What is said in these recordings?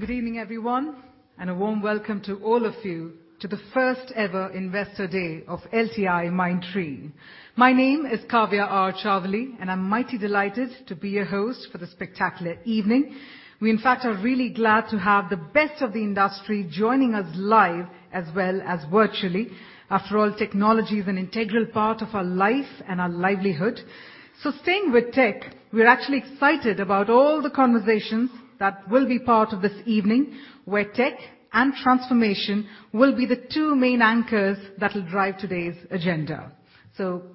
Good evening, everyone, a warm welcome to all of you to the first ever Investor Day of LTIMindtree. My name is Kavya Chavali, I'm mighty delighted to be your host for this spectacular evening. We, in fact, are really glad to have the best of the industry joining us live, as well as virtually. After all, technology is an integral part of our life and our livelihood. Staying with tech, we're actually excited about all the conversations that will be part of this evening, where tech and transformation will be the two main anchors that will drive today's agenda.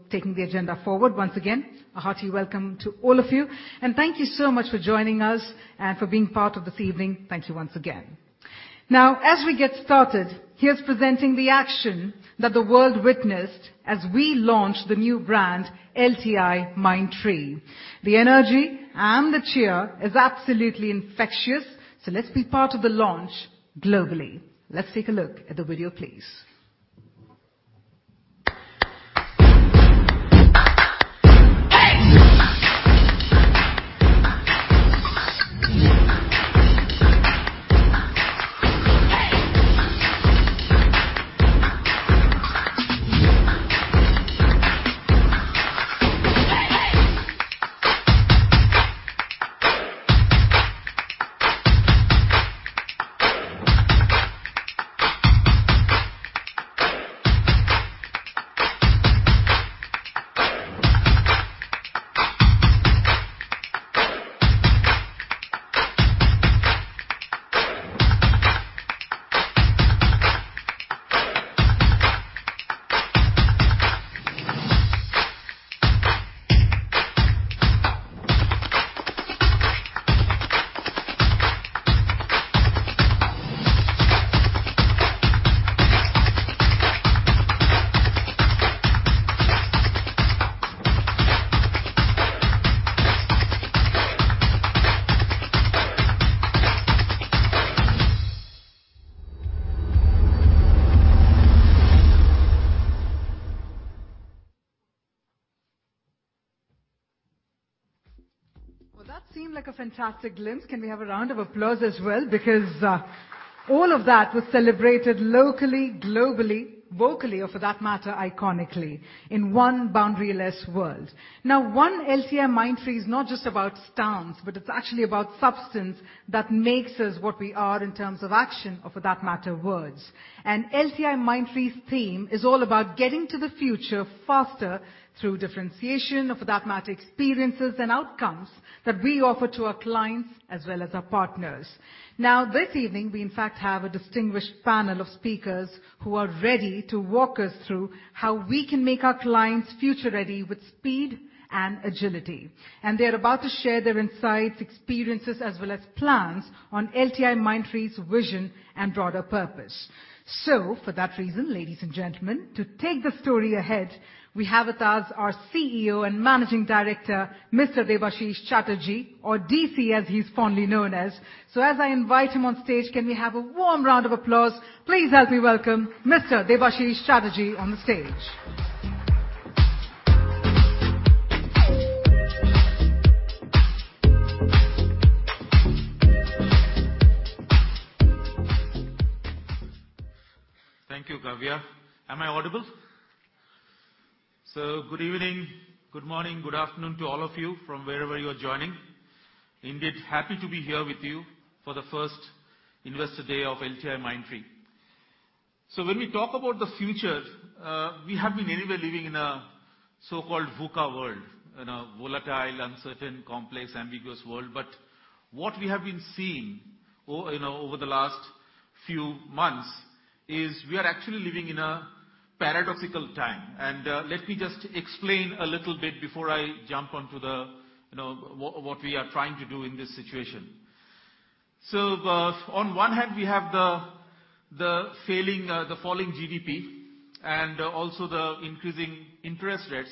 Taking the agenda forward, once again, a hearty welcome to all of you. Thank you so much for joining us and for being part of this evening. Thank you once again. As we get started, here's presenting the action that the world witnessed as we launch the new brand, LTIMindtree. The energy and the cheer is absolutely infectious. Let's be part of the launch globally. Let's take a look at the video, please. That seemed like a fantastic glimpse. Can we have a round of applause as well? All of that was celebrated locally, globally, vocally, or for that matter, iconically in one boundary-less world. One LTIMindtree is not just about stance, but it's actually about substance that makes us what we are in terms of action or for that matter, words. LTIMindtree's theme is all about getting to the future faster through differentiation or for that matter, experiences and outcomes that we offer to our clients as well as our partners. This evening, we in fact, have a distinguished panel of speakers who are ready to walk us through how we can make our clients future-ready with speed and agility. They're about to share their insights, experiences, as well as plans on LTIMindtree's vision and broader purpose. For that reason, ladies and gentlemen, to take the story ahead, we have with us our CEO and Managing Director, Mr. Debashis Chatterjee, or DC, as he's fondly known as. As I invite him on stage, can we have a warm round of applause, please, as we welcome Mr. Debashis Chatterjee on the stage. Thank you, Kavya. Am I audible? Good evening, good morning, good afternoon to all of you from wherever you are joining. Indeed, happy to be here with you for the first Investor Day of LTIMindtree. When we talk about the future, we have been anyway living in a so-called VUCA world. In a volatile, uncertain, complex, ambiguous world. What we have been seeing you know, over the last few months is we are actually living in a paradoxical time. Let me just explain a little bit before I jump onto the, you know, what we are trying to do in this situation. On one hand, we have the failing, the falling GDP and also the increasing interest rates.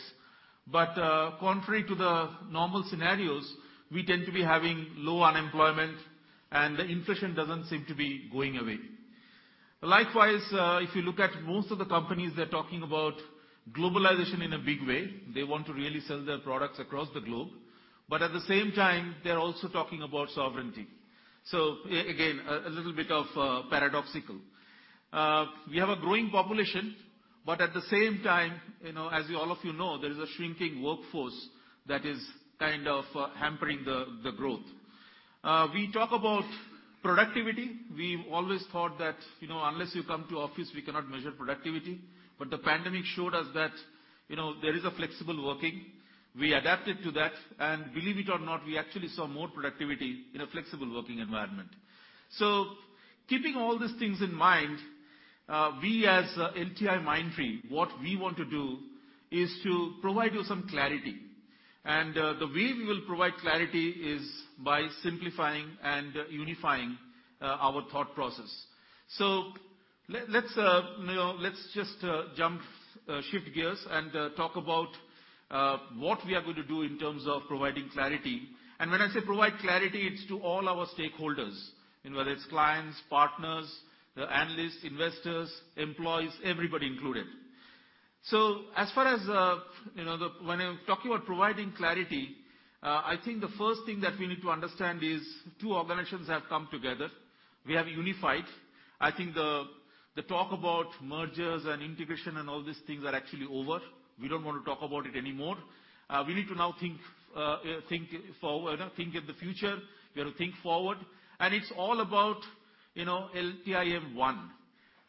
Contrary to the normal scenarios, we tend to be having low unemployment, and the inflation doesn't seem to be going away. Likewise, if you look at most of the companies, they're talking about globalization in a big way. They want to really sell their products across the globe. At the same time, they're also talking about sovereignty. Again, a little bit of paradoxical. We have a growing population, but at the same time, you know, as you all of you know, there is a shrinking workforce that is kind of hampering the growth. We talk about productivity. We've always thought that, you know, unless you come to office, we cannot measure productivity. The pandemic showed us that, you know, there is a flexible working. We adapted to that. Believe it or not, we actually saw more productivity in a flexible working environment. Keeping all these things in mind, we as LTIMindtree, what we want to do is to provide you some clarity. The way we will provide clarity is by simplifying and unifying our thought process. Let's, you know, let's just jump, shift gears and talk about what we are going to do in terms of providing clarity. When I say provide clarity, it's to all our stakeholders, you know, whether it's clients, partners, analysts, investors, employees, everybody included. As far as, you know, when I'm talking about providing clarity, I think the first thing that we need to understand is two organizations have come together. We have unified. I think the talk about mergers and integration and all these things are actually over. We don't want to talk about it anymore. We need to now think forward, think of the future, we have to think forward. It's all about, you know, LTIMindtree One.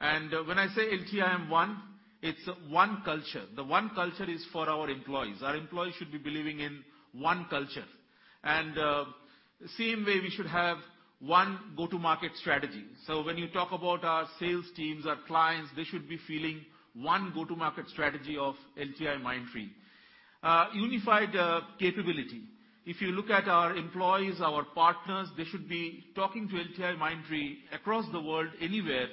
When I say LTIMindtree One, it's one culture. The one culture is for our employees. Our employees should be believing in one culture. Same way we should have one go-to-market strategy. When you talk about our sales teams, our clients, they should be feeling one go-to-market strategy of LTIMindtree. Unified capability. If you look at our employees, our partners, they should be talking to LTIMindtree across the world, anywhere,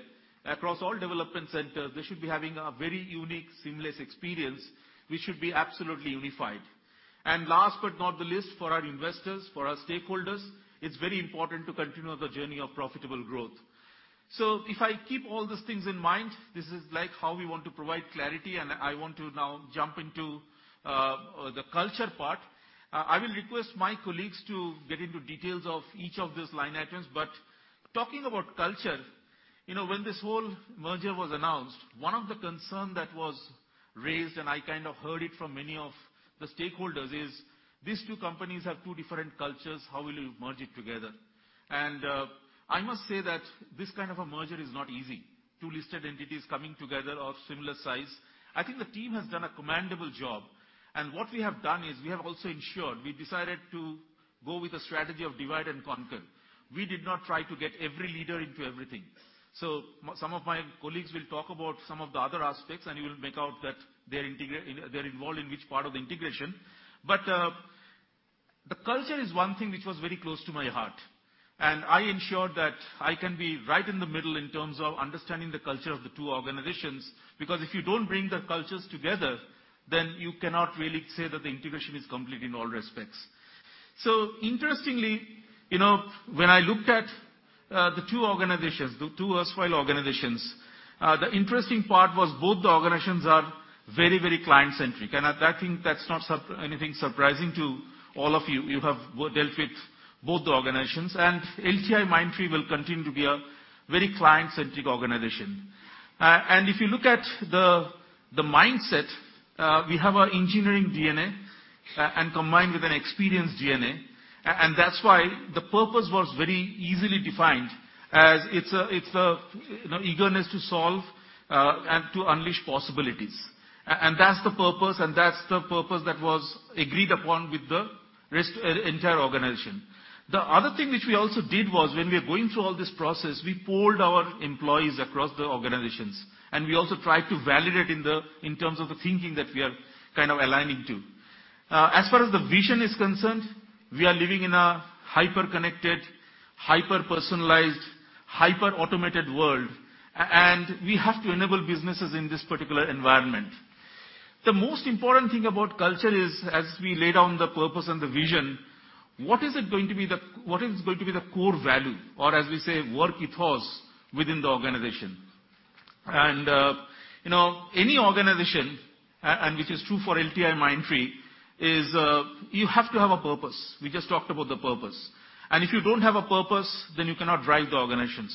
across all development centers. They should be having a very unique, seamless experience. We should be absolutely unified. Last but not the least, for our investors, for our stakeholders, it's very important to continue the journey of profitable growth. If I keep all these things in mind, this is like how we want to provide clarity, and I want to now jump into the culture part. I will request my colleagues to get into details of each of these line items. Talking about culture, you know, when this whole merger was announced, one of the concern that was raised, and I kind of heard it from many of the stakeholders, is these two companies have two different cultures. How will you merge it together? I must say that this kind of a merger is not easy. Two listed entities coming together of similar size. I think the team has done a commendable job, and what we have done is we have also ensured, we decided to go with a strategy of divide and conquer. We did not try to get every leader into everything. Some of my colleagues will talk about some of the other aspects, and you will make out that they're involved in which part of the integration. The culture is one thing which was very close to my heart. I ensured that I can be right in the middle in terms of understanding the culture of the two organizations, because if you don't bring the cultures together, then you cannot really say that the integration is complete in all respects. Interestingly, you know, when I looked at the 2 organizations, the 2 erstwhile organizations, the interesting part was both the organizations are very, very client-centric. I think that's not anything surprising to all of you. You have dealt with both the organizations. LTIMindtree will continue to be a very client-centric organization. If you look at the mindset, we have our engineering DNA, and combined with an experienced DNA. And that's why the purpose was very easily defined as it's a, you know, eagerness to solve and to unleash possibilities. That's the purpose that was agreed upon with the entire organization. The other thing which we also did was when we are going through all this process, we polled our employees across the organizations, and we also tried to validate in the, in terms of the thinking that we are kind of aligning to. As far as the vision is concerned, we are living in a hyper-connected, hyper-personalized, hyper-automated world. We have to enable businesses in this particular environment. The most important thing about culture is, as we lay down the purpose and the vision, what is going to be the core value or, as we say, work ethos within the organization? You know, any organization, which is true for LTIMindtree, is you have to have a purpose. We just talked about the purpose. If you don't have a purpose, then you cannot drive the organization.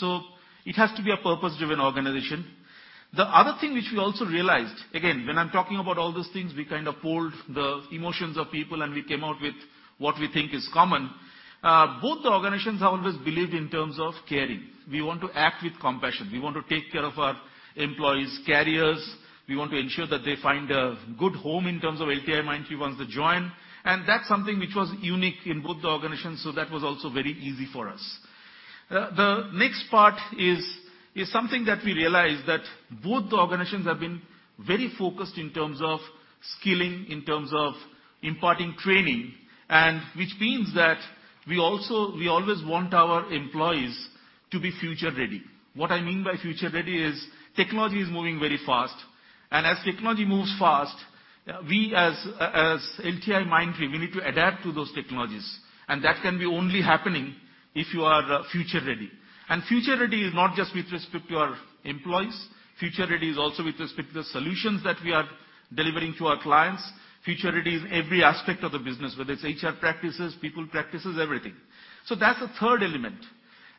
It has to be a purpose-driven organization. The other thing which we also realized, again, when I'm talking about all these things, we kind of polled the emotions of people, and we came out with what we think is common. Both the organizations always believed in terms of caring. We want to act with compassion. We want to take care of our employees' careers. We want to ensure that they find a good home in terms of LTIMindtree once they join, and that's something which was unique in both the organizations. That was also very easy for us. The next part is something that we realized that both the organizations have been very focused in terms of skilling, in terms of imparting training, and which means that we always want our employees to be future ready. What I mean by future ready is technology is moving very fast. As technology moves fast, we as LTIMindtree, we need to adapt to those technologies. That can be only happening if you are future ready. Future ready is not just with respect to our employees. Future ready is also with respect to the solutions that we are delivering to our clients. Future ready is every aspect of the business, whether it's HR practices, people practices, everything. That's the third element.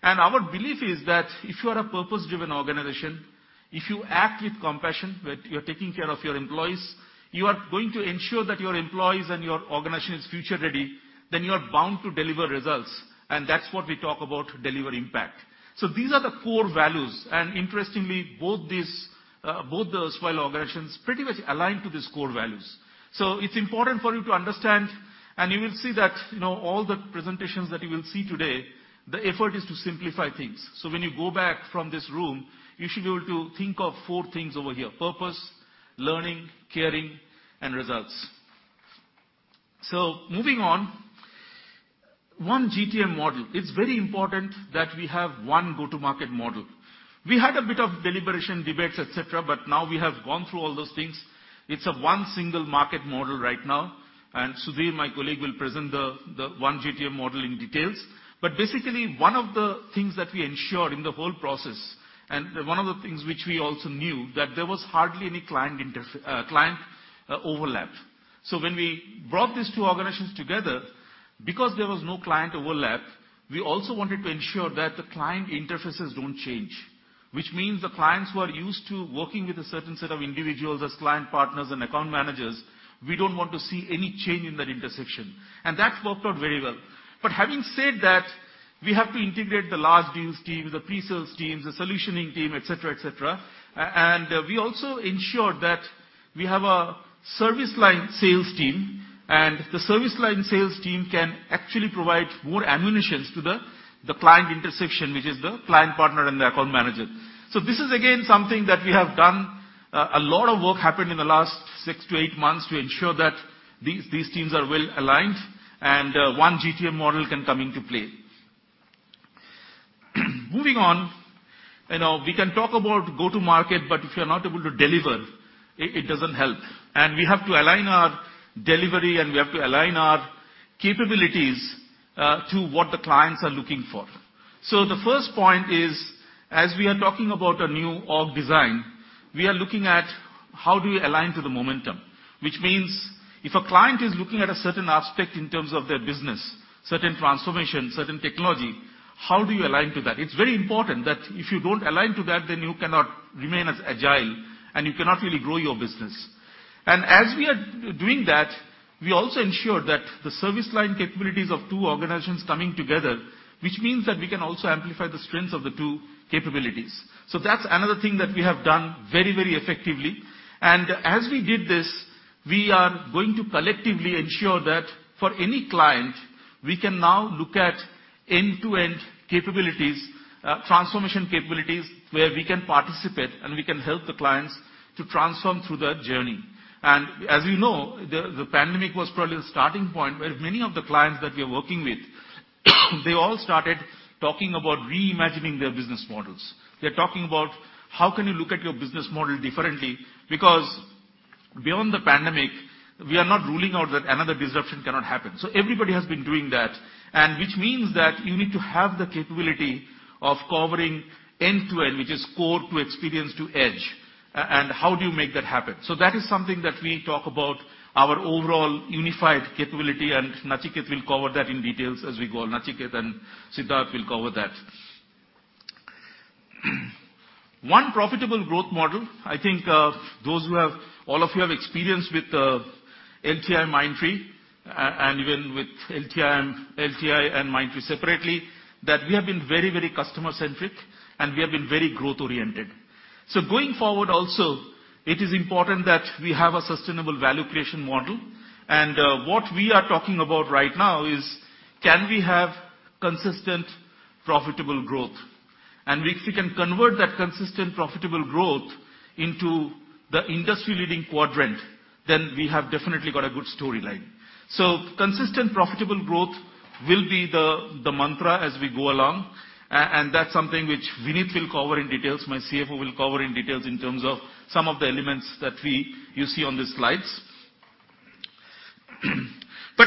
Our belief is that if you are a purpose-driven organization, if you act with compassion, where you're taking care of your employees, you are going to ensure that your employees and your organization is future ready, then you are bound to deliver results. That's what we talk about, deliver impact. These are the core values. Interestingly, both these, both those erstwhile organizations pretty much align to these core values. It's important for you to understand, and you will see that, you know, all the presentations that you will see today, the effort is to simplify things. When you go back from this room, you should be able to think of 4 things over here: purpose, learning, caring, and results. Moving on. 1 GTM model. It's very important that we have 1 go-to-market model. We had a bit of deliberation, debates, et cetera, now we have gone through all those things. It's a 1 single market model right now. Sudhir, my colleague, will present the 1 GTM model in details. Basically, one of the things that we ensure in the whole process, and one of the things which we also knew, that there was hardly any client overlap. When we brought these two organizations together, because there was no client overlap, we also wanted to ensure that the client interfaces don't change. Which means the clients who are used to working with a certain set of individuals as client partners and account managers, we don't want to see any change in that intersection. That's worked out very well. Having said that, we have to integrate the large deals teams, the pre-sales teams, the solutioning team, et cetera, et cetera. We also ensure that we have a service line sales team and the service line sales team can actually provide more ammunitions to the client intersection, which is the client partner and the account manager. This is again, something that we have done. A lot of work happened in the last six to eight months to ensure that these teams are well aligned and one GTM model can come into play. Moving on. You know, we can talk about go to market, but if you're not able to deliver, it doesn't help. We have to align our delivery and we have to align our capabilities to what the clients are looking for. The first point is, as we are talking about a new org design, we are looking at how do we align to the momentum. If a client is looking at a certain aspect in terms of their business, certain transformation, certain technology, how do you align to that? It's very important that if you don't align to that, then you cannot remain as agile and you cannot really grow your business. As we are doing that, we also ensure that the service line capabilities of two organizations coming together, which means that we can also amplify the strengths of the two capabilities. That's another thing that we have done very, very effectively. As we did this, we are going to collectively ensure that for any client, we can now look at end-to-end capabilities, transformation capabilities, where we can participate and we can help the clients to transform through that journey. As you know, the pandemic was probably the starting point, where many of the clients that we are working with, they all started talking about reimagining their business models. They're talking about how can you look at your business model differently? Beyond the pandemic, we are not ruling out that another disruption cannot happen. Everybody has been doing that, and which means that you need to have the capability of covering end-to-end, which is core to Experience to Edge. How do you make that happen? That is something that we talk about our overall unified capability, and Nachiket will cover that in details as we go. Nachiket and Siddharth will cover that. One profitable growth model, I think, those who have... All of you have experience with LTIMindtree, and even with LTI and LTI and Mindtree separately, that we have been very, very customer-centric and we have been very growth-oriented. Going forward also, it is important that we have a sustainable value creation model. What we are talking about right now is can we have consistent profitable growth? If we can convert that consistent profitable growth into the industry-leading quadrant, then we have definitely got a good storyline. Consistent profitable growth will be the mantra as we go along. And that's something which Vinit will cover in details, my CFO will cover in details in terms of some of the elements that you see on the slides.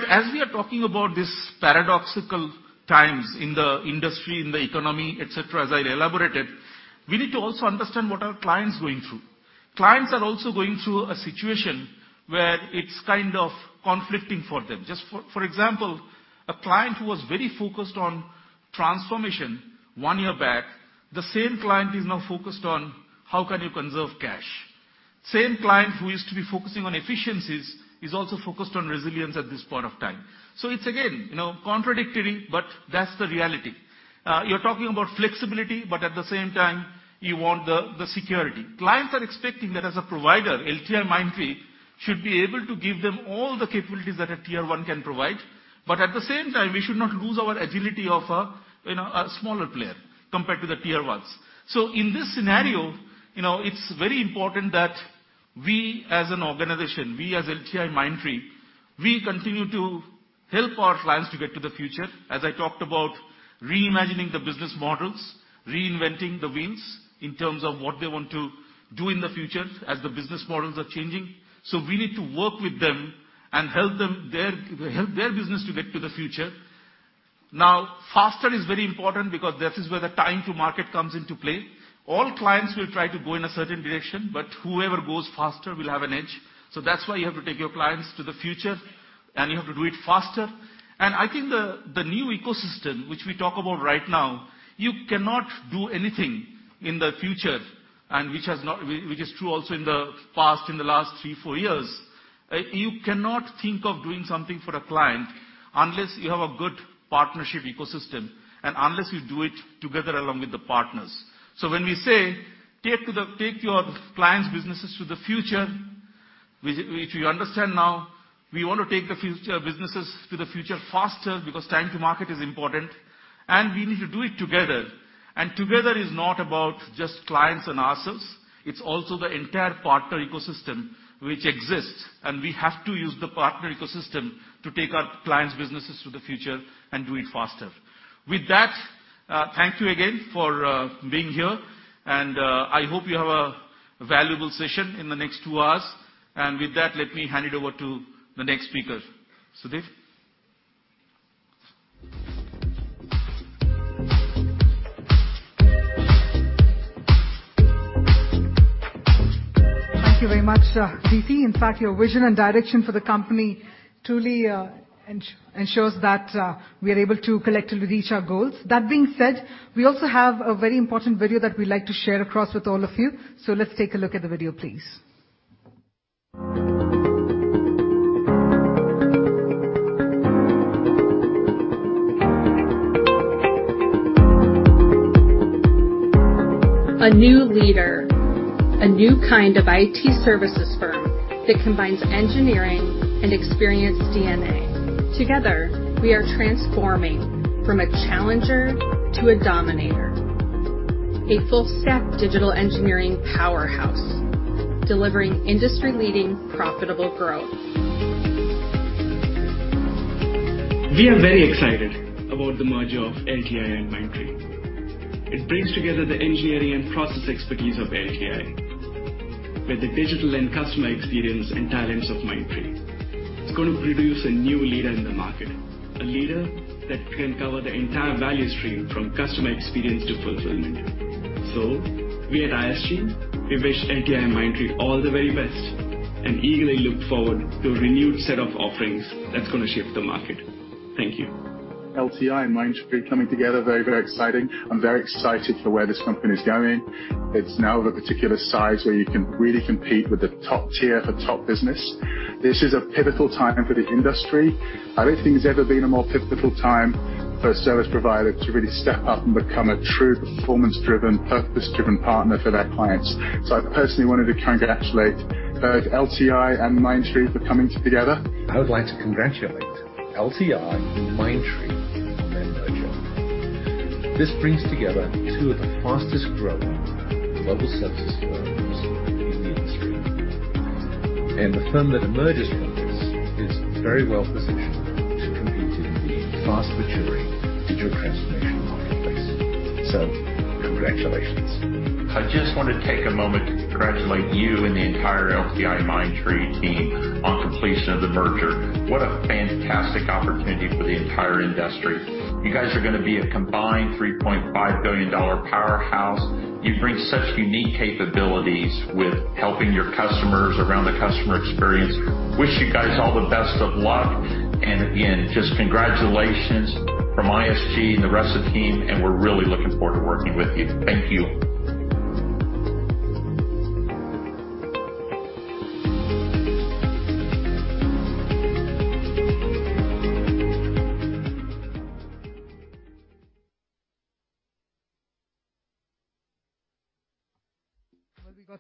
As we are talking about this paradoxical times in the industry, in the economy, et cetera, as I elaborated, we need to also understand what are clients going through. Clients are also going through a situation where it's kind of conflicting for them. Just for example, a client who was very focused on transformation one year back, the same client is now focused on how can you conserve cash. Same client who used to be focusing on efficiencies is also focused on resilience at this point of time. It's again, you know, contradictory, but that's the reality. You're talking about flexibility, but at the same time, you want the security. Clients are expecting that as a provider, LTIMindtree should be able to give them all the capabilities that a tier one can provide. At the same time, we should not lose our agility of a, you know, a smaller player compared to the tier ones. In this scenario, you know, it's very important that we as an organization, we as LTIMindtree, we continue to help our clients to get to the future. As I talked about reimagining the business models, reinventing the wheels in terms of what they want to do in the future as the business models are changing. We need to work with them and help their business to get to the future. Faster is very important because this is where the time to market comes into play. All clients will try to go in a certain direction, but whoever goes faster will have an edge. That's why you have to take your clients to the future and you have to do it faster. I think the new ecosystem which we talk about right now, you cannot do anything in the future and which is true also in the past, in the last three, four years. You cannot think of doing something for a client unless you have a good partnership ecosystem and unless you do it together along with the partners. When we say, "Take your clients' businesses to the future," which you understand now, we want to take the future businesses to the future faster because time to market is important and we need to do it together. Together is not about just clients and ourselves. It's also the entire partner ecosystem which exists. We have to use the partner ecosystem. To take our clients' businesses to the future and do it faster. With that, thank you again for being here, and I hope you have a valuable session in the next two hours. With that, let me hand it over to the next speaker. Sudhr. Thank you very much, DC. In fact, your vision and direction for the company truly ensures that we are able to collectively reach our goals. That being said, we also have a very important video that we'd like to share across with all of you. Let's take a look at the video, please. A new leader, a new kind of IT services firm that combines engineering and experience DNA. Together, we are transforming from a challenger to a dominator. A full-stack digital engineering powerhouse delivering industry-leading profitable growth. We are very excited about the merger of LTI and Mindtree. It brings together the engineering and process expertise of LTI with the digital and customer experience and talents of Mindtree. It's gonna produce a new leader in the market, a leader that can cover the entire value stream from customer experience to fulfillment. We at ISG, we wish LTI and Mindtree all the very best, and eagerly look forward to a renewed set of offerings that's gonna shift the market. Thank you. LTI and Mindtree coming together, very, very exciting. I'm very excited for where this company is going. It's now of a particular size where you can really compete with the top tier for top business. This is a pivotal time for the industry. I don't think there's ever been a more pivotal time for a service provider to really step up and become a true performance-driven, purpose-driven partner for their clients. I personally wanted to congratulate both LTI and Mindtree for coming together. I would like to congratulate LTI and Mindtree on their merger. This brings together two of the fastest-growing global services firms in the industry. The firm that emerges from this is very well-positioned to compete in the fast-maturing digital transformation marketplace. Congratulations. I just want to take a moment to congratulate you and the entire LTIMindtree team on completion of the merger. What a fantastic opportunity for the entire industry. You guys are gonna be a combined $3.5 billion powerhouse. You bring such unique capabilities with helping your customers around the customer experience. Wish you guys all the best of luck. Again, just congratulations from ISG and the rest of the team. We're really looking forward to working with you. Thank you.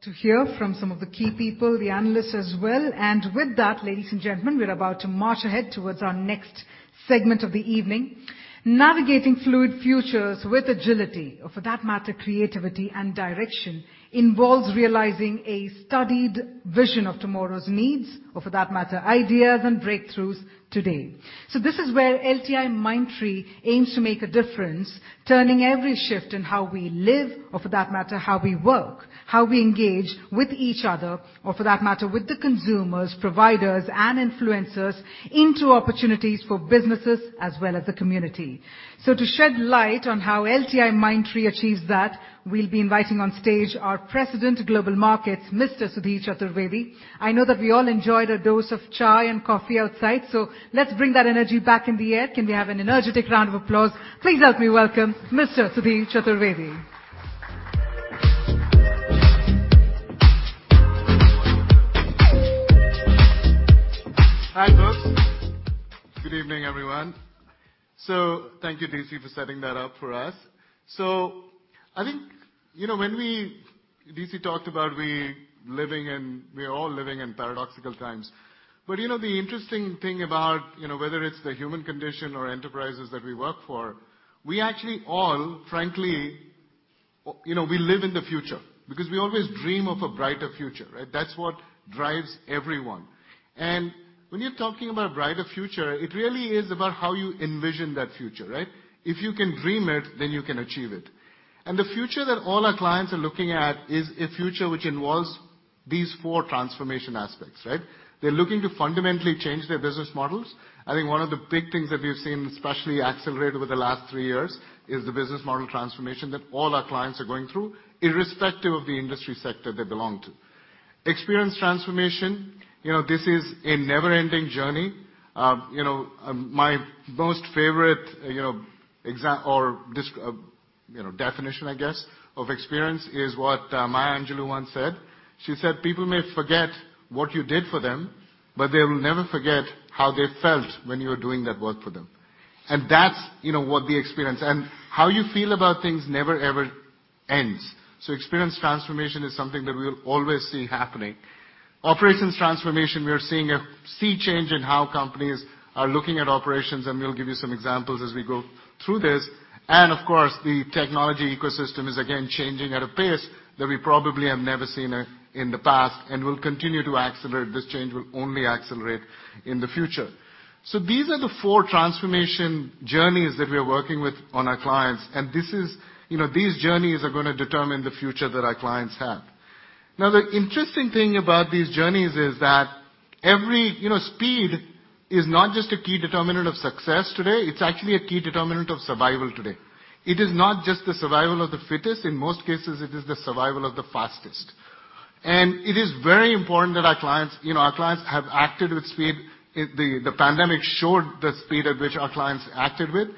Well, we got to hear from some of the key people, the analysts as well. With that, ladies and gentlemen, we're about to march ahead towards our next segment of the evening. Navigating fluid futures with agility, or for that matter, creativity and direction, involves realizing a studied vision of tomorrow's needs, or for that matter, ideas and breakthroughs today. This is where LTIMindtree aims to make a difference, turning every shift in how we live, or for that matter, how we work, how we engage with each other, or for that matter, with the consumers, providers, and influencers, into opportunities for businesses as well as the community. To shed light on how LTIMindtree achieves that, we'll be inviting on stage our President, Global Markets, Mr. Sudhir Chaturvedi. I know that we all enjoyed a dose of chai and coffee outside, so let's bring that energy back in the air. Can we have an energetic round of applause? Please help me welcome Mr. Sudhir Chaturvedi. Hi, folks. Good evening, everyone. Thank you, DC, for setting that up for us. I think, you know, DC talked about We're all living in paradoxical times. You know, the interesting thing about, you know, whether it's the human condition or enterprises that we work for, we actually all frankly, you know, we live in the future because we always dream of a brighter future, right? That's what drives everyone. When you're talking about brighter future, it really is about how you envision that future, right? If you can dream it, then you can achieve it. The future that all our clients are looking at is a future which involves these four transformation aspects, right? They're looking to fundamentally change their business models. I think one of the big things that we've seen especially accelerate over the last three years is the business model transformation that all our clients are going through, irrespective of the industry sector they belong to. Experience transformation, you know, this is a never-ending journey. my most favorite, you know, definition I guess of experience is what Maya Angelou once said. She said, "People may forget what you did for them, but they will never forget how they felt when you were doing that work for them." that's, you know, what the experience. how you feel about things never, ever...Ends. experience transformation is something that we will always see happening. Operations transformation, we are seeing a sea change in how companies are looking at operations, we'll give you some examples as we go through this. Of course, the technology ecosystem is again changing at a pace that we probably have never seen it in the past and will continue to accelerate. This change will only accelerate in the future. These are the four transformation journeys that we are working with on our clients, this is, you know, these journeys are gonna determine the future that our clients have. The interesting thing about these journeys is that, you know, speed is not just a key determinant of success today, it's actually a key determinant of survival today. It is not just the survival of the fittest, in most cases, it is the survival of the fastest. It is very important that our clients, you know, our clients have acted with speed. The pandemic showed the speed at which our clients acted with.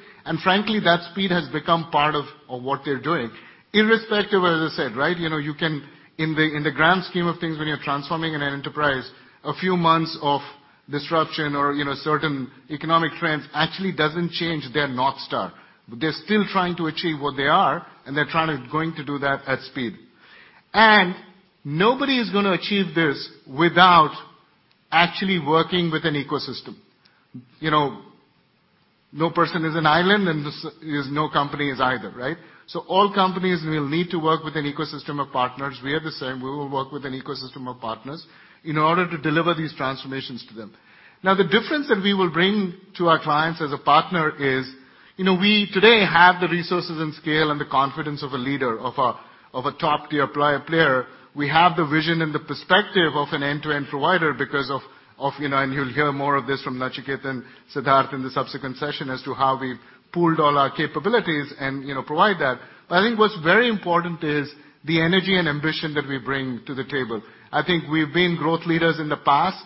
Frankly, that speed has become part of what they're doing. Irrespective, as I said, right, you know, you can in the grand scheme of things, when you're transforming an enterprise, a few months of disruption or, you know, certain economic trends actually doesn't change their North Star. They're still trying to achieve what they are, and they're trying to do that at speed. Nobody is gonna achieve this without actually working with an ecosystem. You know, no person is an island, and no company is either, right? All companies will need to work with an ecosystem of partners. We are the same. We will work with an ecosystem of partners in order to deliver these transformations to them. The difference that we will bring to our clients as a partner is, you know, we today have the resources and scale and the confidence of a leader, of a top-tier player. We have the vision and the perspective of an end-to-end provider because of, you know, and you'll hear more of this from Nachiket and Siddharth in the subsequent session as to how we've pooled all our capabilities and, you know, provide that. I think what's very important is the energy and ambition that we bring to the table. I think we've been growth leaders in the past,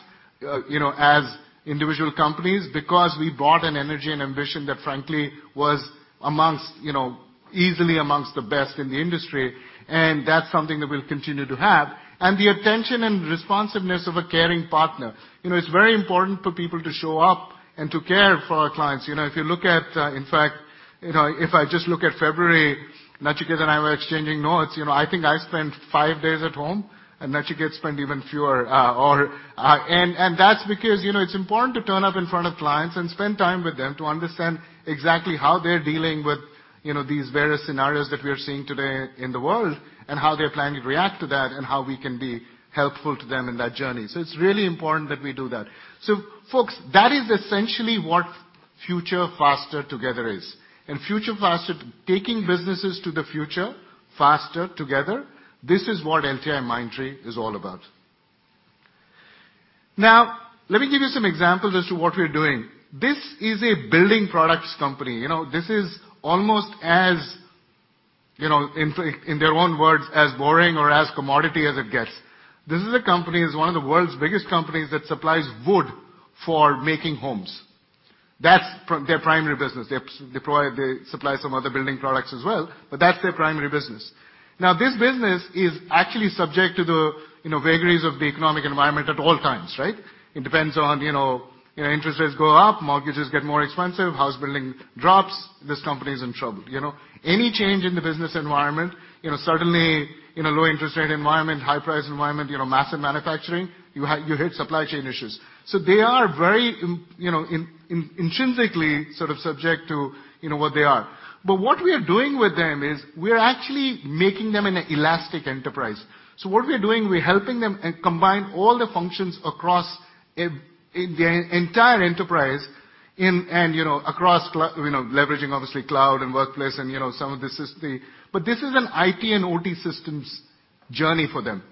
you know, as individual companies because we brought an energy and ambition that frankly was amongst, you know, easily amongst the best in the industry. That's something that we'll continue to have. The attention and responsiveness of a caring partner. You know, it's very important for people to show up and to care for our clients. You know, if you look at, in fact, you know, if I just look at February, Nachiket and I were exchanging notes. You know, I think I spent five days at home and Nachiket spent even fewer, that's because, you know, it's important to turn up in front of clients and spend time with them to understand exactly how they're dealing with, you know, these various scenarios that we're seeing today in the world, and how they're planning to react to that, and how we can be helpful to them in that journey. It's really important that we do that. Folks, that is essentially what future faster together is. Future faster-- taking businesses to the future faster together, this is what LTIMindtree is all about. Let me give you some examples as to what we're doing. This is a building products company. You know, this is almost as, you know, in their own words, as boring or as commodity as it gets. This is a company, it's one of the world's biggest companies that supplies wood for making homes. That's their primary business. They supply some other building products as well, but that's their primary business. This business is actually subject to the, you know, vagaries of the economic environment at all times, right? It depends on, you know, interest rates go up, mortgages get more expensive, house building drops, this company is in trouble, you know. Any change in the business environment, you know, certainly in a low interest rate environment, high price environment, you know, massive manufacturing, you hit supply chain issues. They are very, you know, intrinsically sort of subject to, you know, what they are. What we are doing with them is we're actually making them an elastic enterprise. What we are doing, we're helping them combine all the functions across an entire enterprise in, and, you know, leveraging obviously cloud and workplace and, you know, some of the sy-sy... This is an IT and OT systems journey for them.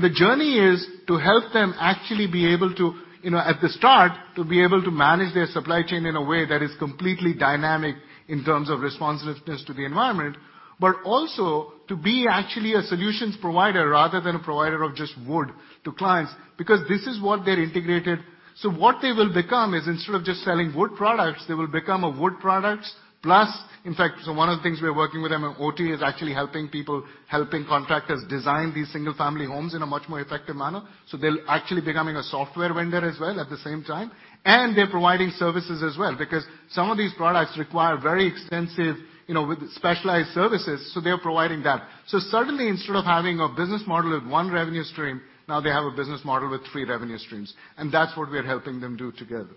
The journey is to help them actually be able to, you know, at the start, to be able to manage their supply chain in a way that is completely dynamic in terms of responsiveness to the environment, but also to be actually a solutions provider rather than a provider of just wood to clients. This is what they're integrated. What they will become is instead of just selling wood products, they will become a wood products plus... In fact, one of the things we're working with them in OT is actually helping people, helping contractors design these single-family homes in a much more effective manner. They're actually becoming a software vendor as well at the same time. They're providing services as well, because some of these products require very extensive, you know, with specialized services, so they are providing that. Suddenly, instead of having a business model with 1 revenue stream, now they have a business model with 3 revenue streams, and that's what we are helping them do together.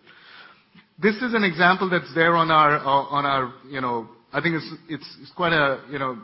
This is an example that's there on our, on our, you know. I think it's quite a, you know,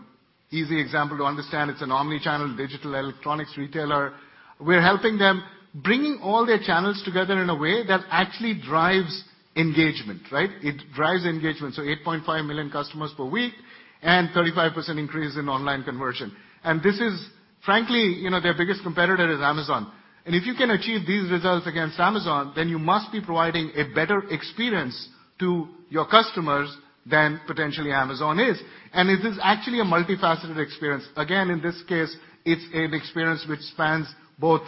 easy example to understand. It's an omni-channel digital electronics retailer. We're helping them bringing all their channels together in a way that actually drives engagement, right? It drives engagement. 8.5 million customers per week and 35% increase in online conversion. This is, frankly, you know, their biggest competitor is Amazon. If you can achieve these results against Amazon, then you must be providing a better experience to your customers than potentially Amazon is. It is actually a multifaceted experience. Again, in this case, it's an experience which spans both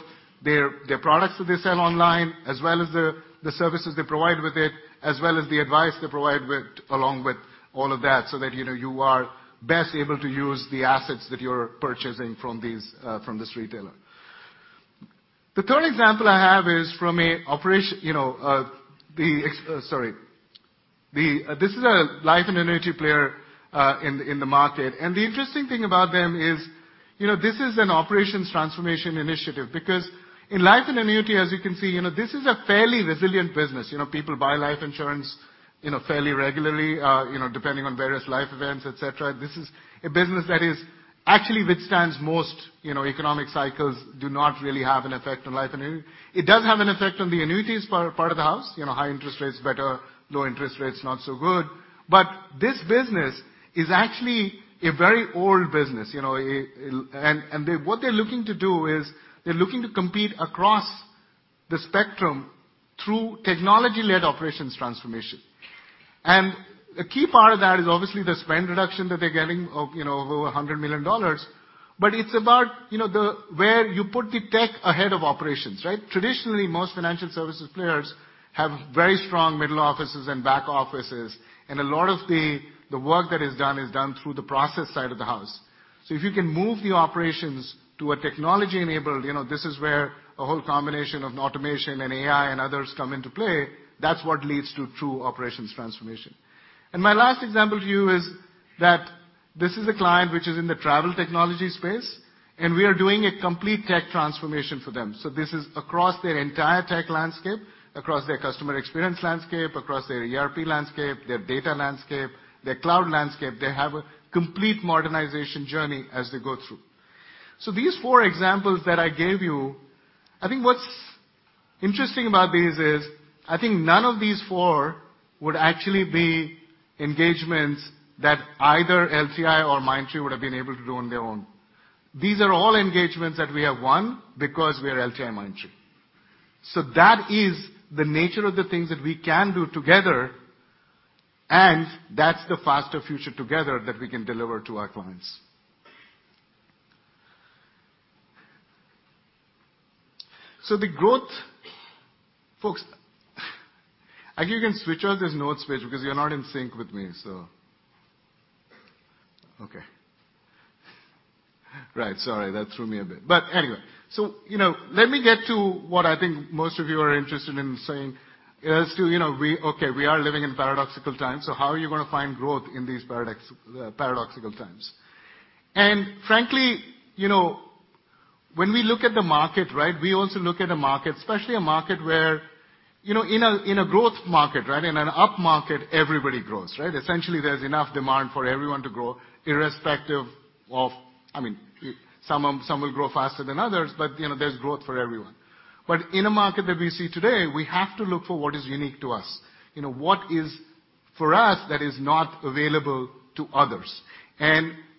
their products that they sell online, as well as the services they provide with it, as well as the advice they provide with, along with all of that, so that, you know, you are best able to use the assets that you're purchasing from these from this retailer. The third example I have is from a, you know, sorry. This is a life and annuity player in the market. The interesting thing about them is, you know, this is an operations transformation initiative because in life and annuity, as you can see, you know, this is a fairly resilient business. You know, people buy life insurance, you know, fairly regularly, you know, depending on various life events, et cetera. This is a business that is actually withstands most, you know, economic cycles do not really have an effect on life annuity. It does have an effect on the annuities part of the house. You know, high interest rates, better. Low interest rates, not so good. This business is actually a very old business, you know. It'll. They, what they're looking to do is they're looking to compete across the spectrum through technology-led operations transformation. A key part of that is obviously the spend reduction that they're getting of, you know, over $100 million. It's about, you know, the, where you put the tech ahead of operations, right? Traditionally, most financial services players have very strong middle offices and back offices, and a lot of the work that is done is done through the process side of the house. If you can move the operations to a technology-enabled, you know, this is where a whole combination of automation and AI and others come into play. That's what leads to true operations transformation. My last example to you is that this is a client which is in the travel technology space, and we are doing a complete tech transformation for them. This is across their entire tech landscape, across their customer experience landscape, across their ERP landscape, their data landscape, their cloud landscape. They have a complete modernization journey as they go through. These four examples that I gave you, I think what's interesting about these is, I think none of these four would actually be engagements that either LTI or Mindtree would've been able to do on their own. These are all engagements that we have won because we are LTIMindtree. That is the nature of the things that we can do together, and that's the faster future together that we can deliver to our clients. The growth. Folks, actually you can switch off this notes page because you're not in sync with me. Okay. Right. Sorry, that threw me a bit. Anyway. You know, let me get to what I think most of you are interested in saying as to, you know, we are living in paradoxical times. How are you gonna find growth in these paradoxical times? Frankly, you know, when we look at the market, right, we also look at a market, especially a market where, you know, in a growth market, right, in an upmarket, everybody grows, right? Essentially, there's enough demand for everyone to grow irrespective of. I mean. some will grow faster than others, but, you know, there's growth for everyone. In a market that we see today, we have to look for what is unique to us. You know, what is for us that is not available to others.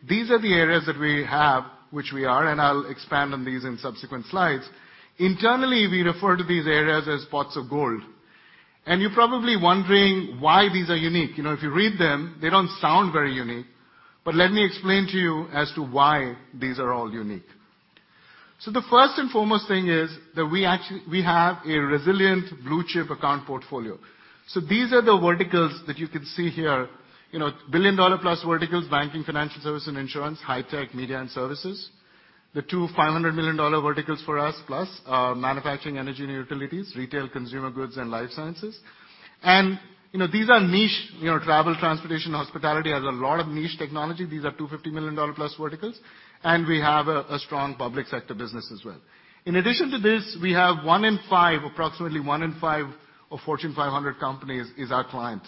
These are the areas that we have, which we are, and I'll expand on these in subsequent slides. Internally, we refer to these areas as pots of gold. You're probably wondering why these are unique. You know, if you read them, they don't sound very unique, but let me explain to you as to why these are all unique. The first and foremost thing is that we have a resilient blue-chip account portfolio. These are the verticals that you can see here. You know, $1 billion-plus verticals: Banking, Financial Service and Insurance, High Tech, Media and Services. The 2 $500 million verticals for us plus, manufacturing, energy and utilities, retail, consumer goods and life sciences. You know, these are niche. You know, travel, transportation, hospitality has a lot of niche technology. These are 2 $50 million+ verticals. We have a strong public sector business as well. In addition to this, we have 1 in 5, approximately 1 in 5 of Fortune 500 companies is our client.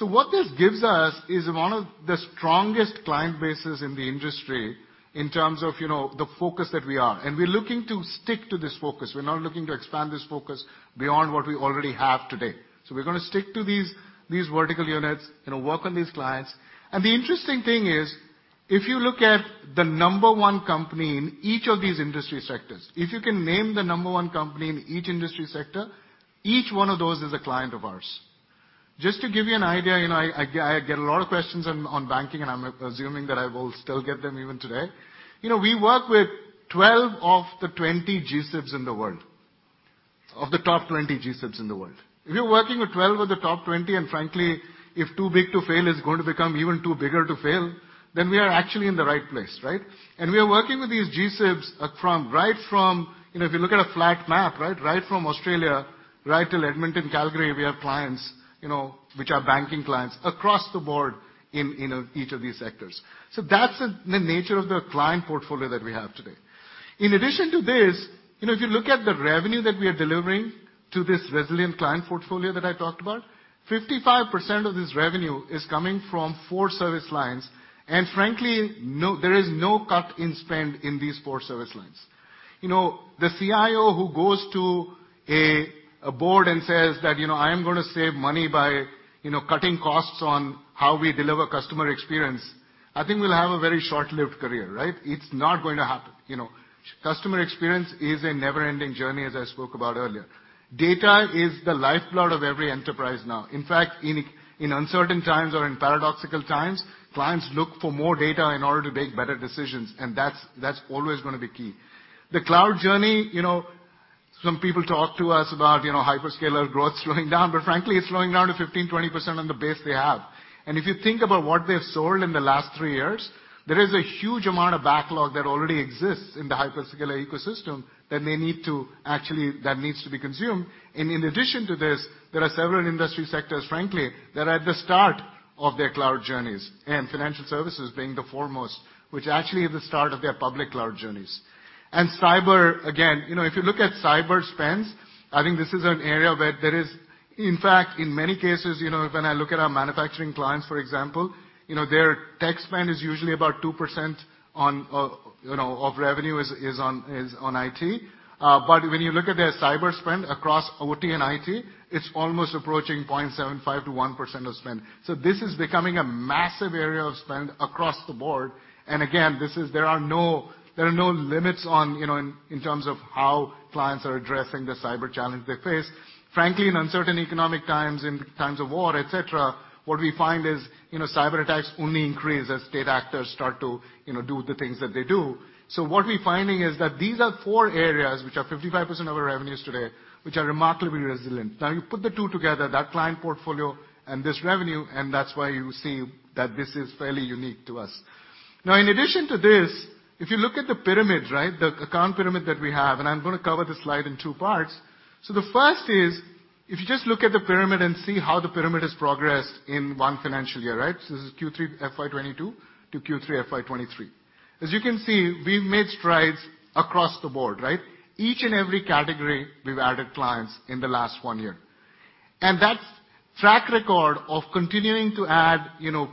What this gives us is one of the strongest client bases in the industry in terms of, you know, the focus that we are. We're looking to stick to this focus. We're not looking to expand this focus beyond what we already have today. We're gonna stick to these vertical units and work on these clients. The interesting thing is, if you look at the number 1 company in each of these industry sectors, if you can name the number 1 company in each industry sector, each one of those is a client of ours. Just to give you an idea, you know, I get a lot of questions on banking, and I'm assuming that I will still get them even today. You know, we work with 12 of the 20 GSIBs in the world, of the top 20 GSIBs in the world. If you're working with 12 of the top 20, and frankly, if too big to fail is going to become even too bigger to fail, then we are actually in the right place, right? We are working with these GSIBs across, right from... You know, if you look at a flat map, right? Right from Australia, right till Edmonton, Calgary, we have clients, you know, which are banking clients across the board in each of these sectors. That's the nature of the client portfolio that we have today. In addition to this, you know, if you look at the revenue that we are delivering to this resilient client portfolio that I talked about, 55% of this revenue is coming from 4 service lines. Frankly, there is no cut in spend in these 4 service lines. You know, the CIO who goes to a board and says that, "You know, I am gonna save money by, you know, cutting costs on how we deliver customer experience," I think will have a very short-lived career, right? It's not going to happen, you know. Customer experience is a never-ending journey, as I spoke about earlier. Data is the lifeblood of every enterprise now. In fact, in uncertain times or in paradoxical times, clients look for more data in order to make better decisions, and that's always gonna be key. The cloud journey, you know, some people talk to us about, you know, hyperscaler growth slowing down, but frankly, it's slowing down to 15%-20% on the base they have. If you think about what they've sold in the last three years, there is a huge amount of backlog that already exists in the hyperscaler ecosystem that may need to actually that needs to be consumed. In addition to this, there are several industry sectors, frankly, that are at the start of their cloud journeys, and financial services being the foremost, which actually is the start of their public cloud journeys. Cyber, again, you know, if you look at cyber spends, I think this is an area where there is. In fact, in many cases, you know, when I look at our manufacturing clients, for example, you know, their tech spend is usually about 2% on, you know, of revenue is on IT. But when you look at their cyber spend across OT and IT, it's almost approaching 0.75%-1% of spend. This is becoming a massive area of spend across the board. Again, this is, there are no limits on, you know, in terms of how clients are addressing the cyber challenge they face. Frankly, in uncertain economic times, in times of war, et cetera, what we find is, you know, cyberattacks only increase as state actors start to, you know, do the things that they do. What we're finding is that these are four areas which are 55% of our revenues today, which are remarkably resilient. You put the two together, that client portfolio and this revenue, and that's why you see that this is fairly unique to us. In addition to this, if you look at the pyramid, right? The account pyramid that we have, I'm gonna cover this slide in two parts. The first is, if you just look at the pyramid and see how the pyramid has progressed in one financial year, right? This is Q3 FY 2022 to Q3 FY 2023. As you can see, we've made strides across the board, right? Each and every category we've added clients in the last one year. That track record of continuing to add, you know,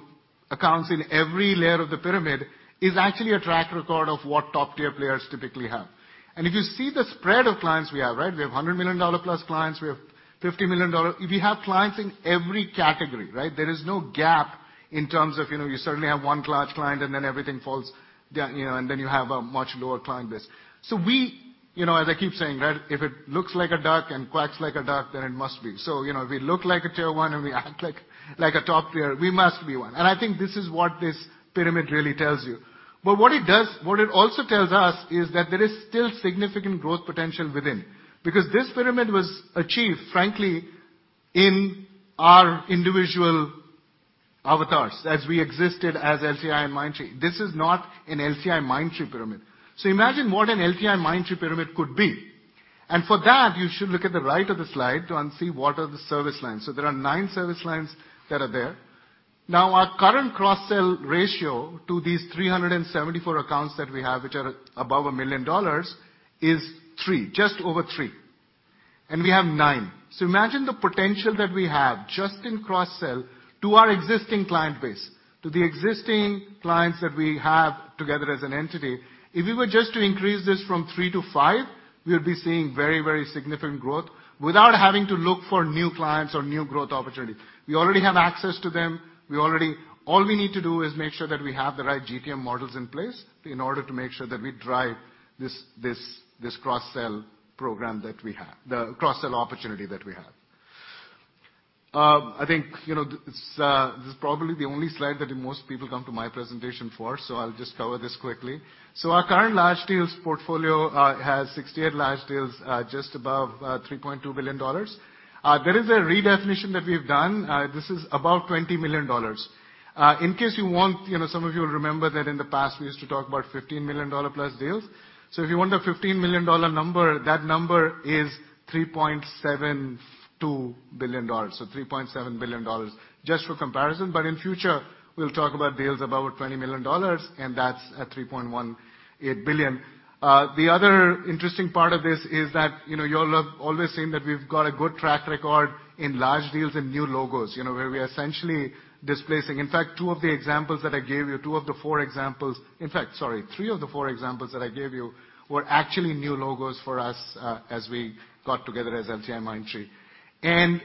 accounts in every layer of the pyramid is actually a track record of what top-tier players typically have. If you see the spread of clients we have, right? We have $100 million plus clients, we have $50 million. We have clients in every category, right? There is no gap in terms of, you know, you certainly have 1 large client, and then everything falls down, you know, and then you have a much lower client base. We, you know, as I keep saying, right, if it looks like a duck and quacks like a duck, then it must be. You know, we look like a tier 1, and we act like a top-tier, we must be 1. I think this is what this pyramid really tells you. What it also tells us is that there is still significant growth potential within. This pyramid was achieved, frankly, in our individual avatars as we existed as LTI and Mindtree. This is not an LTI and Mindtree pyramid. Imagine what an LTI and Mindtree pyramid could be. For that, you should look at the right of the slide and see what are the service lines. There are 9 service lines that are there. Our current cross-sell ratio to these 374 accounts that we have, which are above $1 million, is 3, just over 3. We have 9. Imagine the potential that we have just in cross-sell to our existing client base, to the existing clients that we have together as an entity. If we were just to increase this from 3 to 5, we'll be seeing very, very significant growth without having to look for new clients or new growth opportunity. We already have access to them. We already All we need to do is make sure that we have the right GTM models in place in order to make sure that we drive this cross-sell program that we have, the cross-sell opportunity that we have. I think, you know, it's this is probably the only slide that most people come to my presentation for, I'll just cover this quickly. Our current large deals portfolio has 68 large deals just above $3.2 billion. There is a redefinition that we've done. This is above $20 million. In case you want, you know, some of you will remember that in the past, we used to talk about $15 million plus deals. If you want a $15 million number, that number is $3.72 billion, so $3.7 billion, just for comparison. In future, we'll talk about deals above $20 million, and that's at $3.18 billion. The other interesting part of this is that, you know, you'll have always seen that we've got a good track record in large deals and new logos, you know, where we are essentially displacing. In fact, three of the four examples that I gave you were actually new logos for us as we got together as LTI and Mindtree.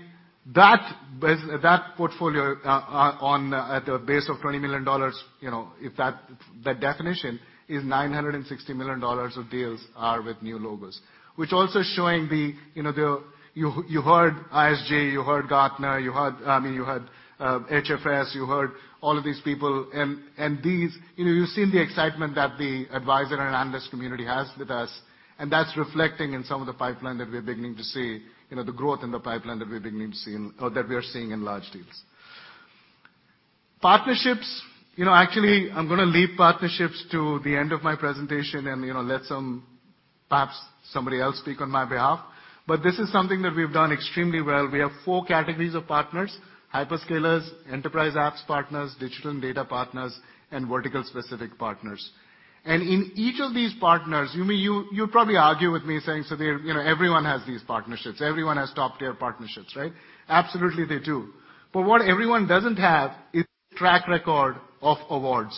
That portfolio at the base of $20 million, you know, if that, the definition is $960 million of deals are with new logos. Also showing. You heard ISG, you heard Gartner, you heard, I mean, you heard HFS, you heard all of these people. You know, you've seen the excitement that the advisor and analyst community has with us, and that's reflecting in some of the pipeline that we're beginning to see, you know, the growth in the pipeline that we're beginning to see or that we are seeing in large deals. Partnerships. You know, actually, I'm gonna leave partnerships to the end of my presentation and, you know, let some, perhaps somebody else speak on my behalf. This is something that we've done extremely well. We have four categories of partners: hyperscalers, enterprise apps partners, digital and data partners, and vertical specific partners. In each of these partners, you mean, you'll probably argue with me saying, "Sudhir, you know, everyone has these partnerships. Everyone has top-tier partnerships, right?" Absolutely, they do. What everyone doesn't have is track record of awards.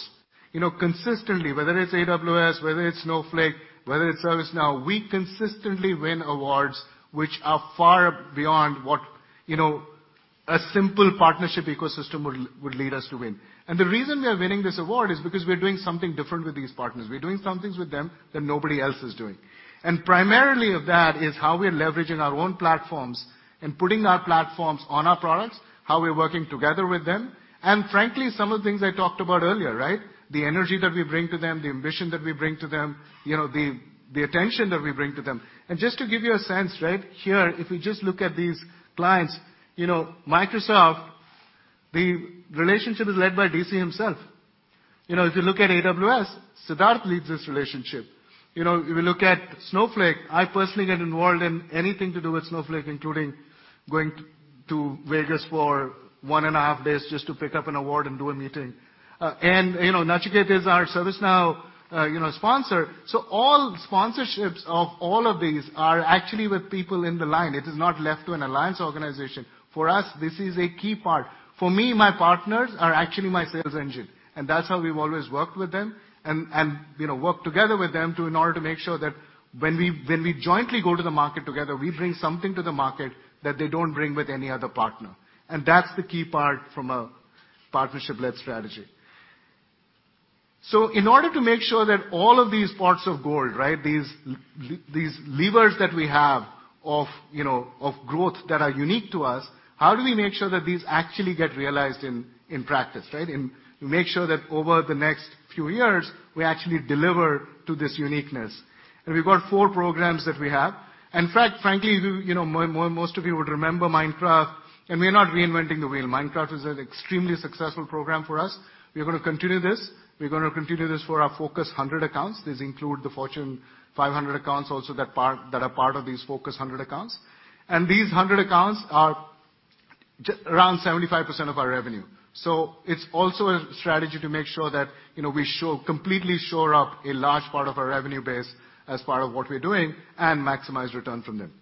You know, consistently, whether it's AWS, whether it's Snowflake, whether it's ServiceNow, we consistently win awards which are far beyond what, you know, a simple partnership ecosystem would lead us to win. The reason we are winning this award is because we're doing something different with these partners. We're doing some things with them that nobody else is doing. Primarily of that is how we're leveraging our own platforms and putting our platforms on our products, how we're working together with them, and frankly, some of the things I talked about earlier, right? The energy that we bring to them, the ambition that we bring to them, you know, the attention that we bring to them. Just to give you a sense, right? Here, if we just look at these clients, you know, Microsoft. The relationship is led by DC himself. You know, if you look at AWS, Siddharth leads this relationship. You know, if you look at Snowflake, I personally get involved in anything to do with Snowflake, including going to Vegas for 1 and a half days just to pick up an award and do a meeting. You know, Nachiket is our ServiceNow, you know, sponsor. All sponsorships of all of these are actually with people in the line. It is not left to an alliance organization. For us, this is a key part. For me, my partners are actually my sales engine. That's how we've always worked with them and, you know, work together with them to, in order to make sure that when we jointly go to the market together, we bring something to the market that they don't bring with any other partner. That's the key part from a partnership-led strategy. In order to make sure that all of these pots of gold, right? These levers that we have of, you know, of growth that are unique to us, how do we make sure that these actually get realized in practice, right? We make sure that over the next few years, we actually deliver to this uniqueness. We've got four programs that we have. In fact, frankly, we, you know, most of you would remember Minecraft, and we're not reinventing the wheel. Minecraft was an extremely successful program for us. We're gonna continue this. We're gonna continue this for our focus 100 accounts. These include the Fortune 500 accounts also that are part of these focus 100 accounts. These 100 accounts are around 75% of our revenue. It's also a strategy to make sure that, you know, we completely shore up a large part of our revenue base as part of what we're doing and maximize return from them.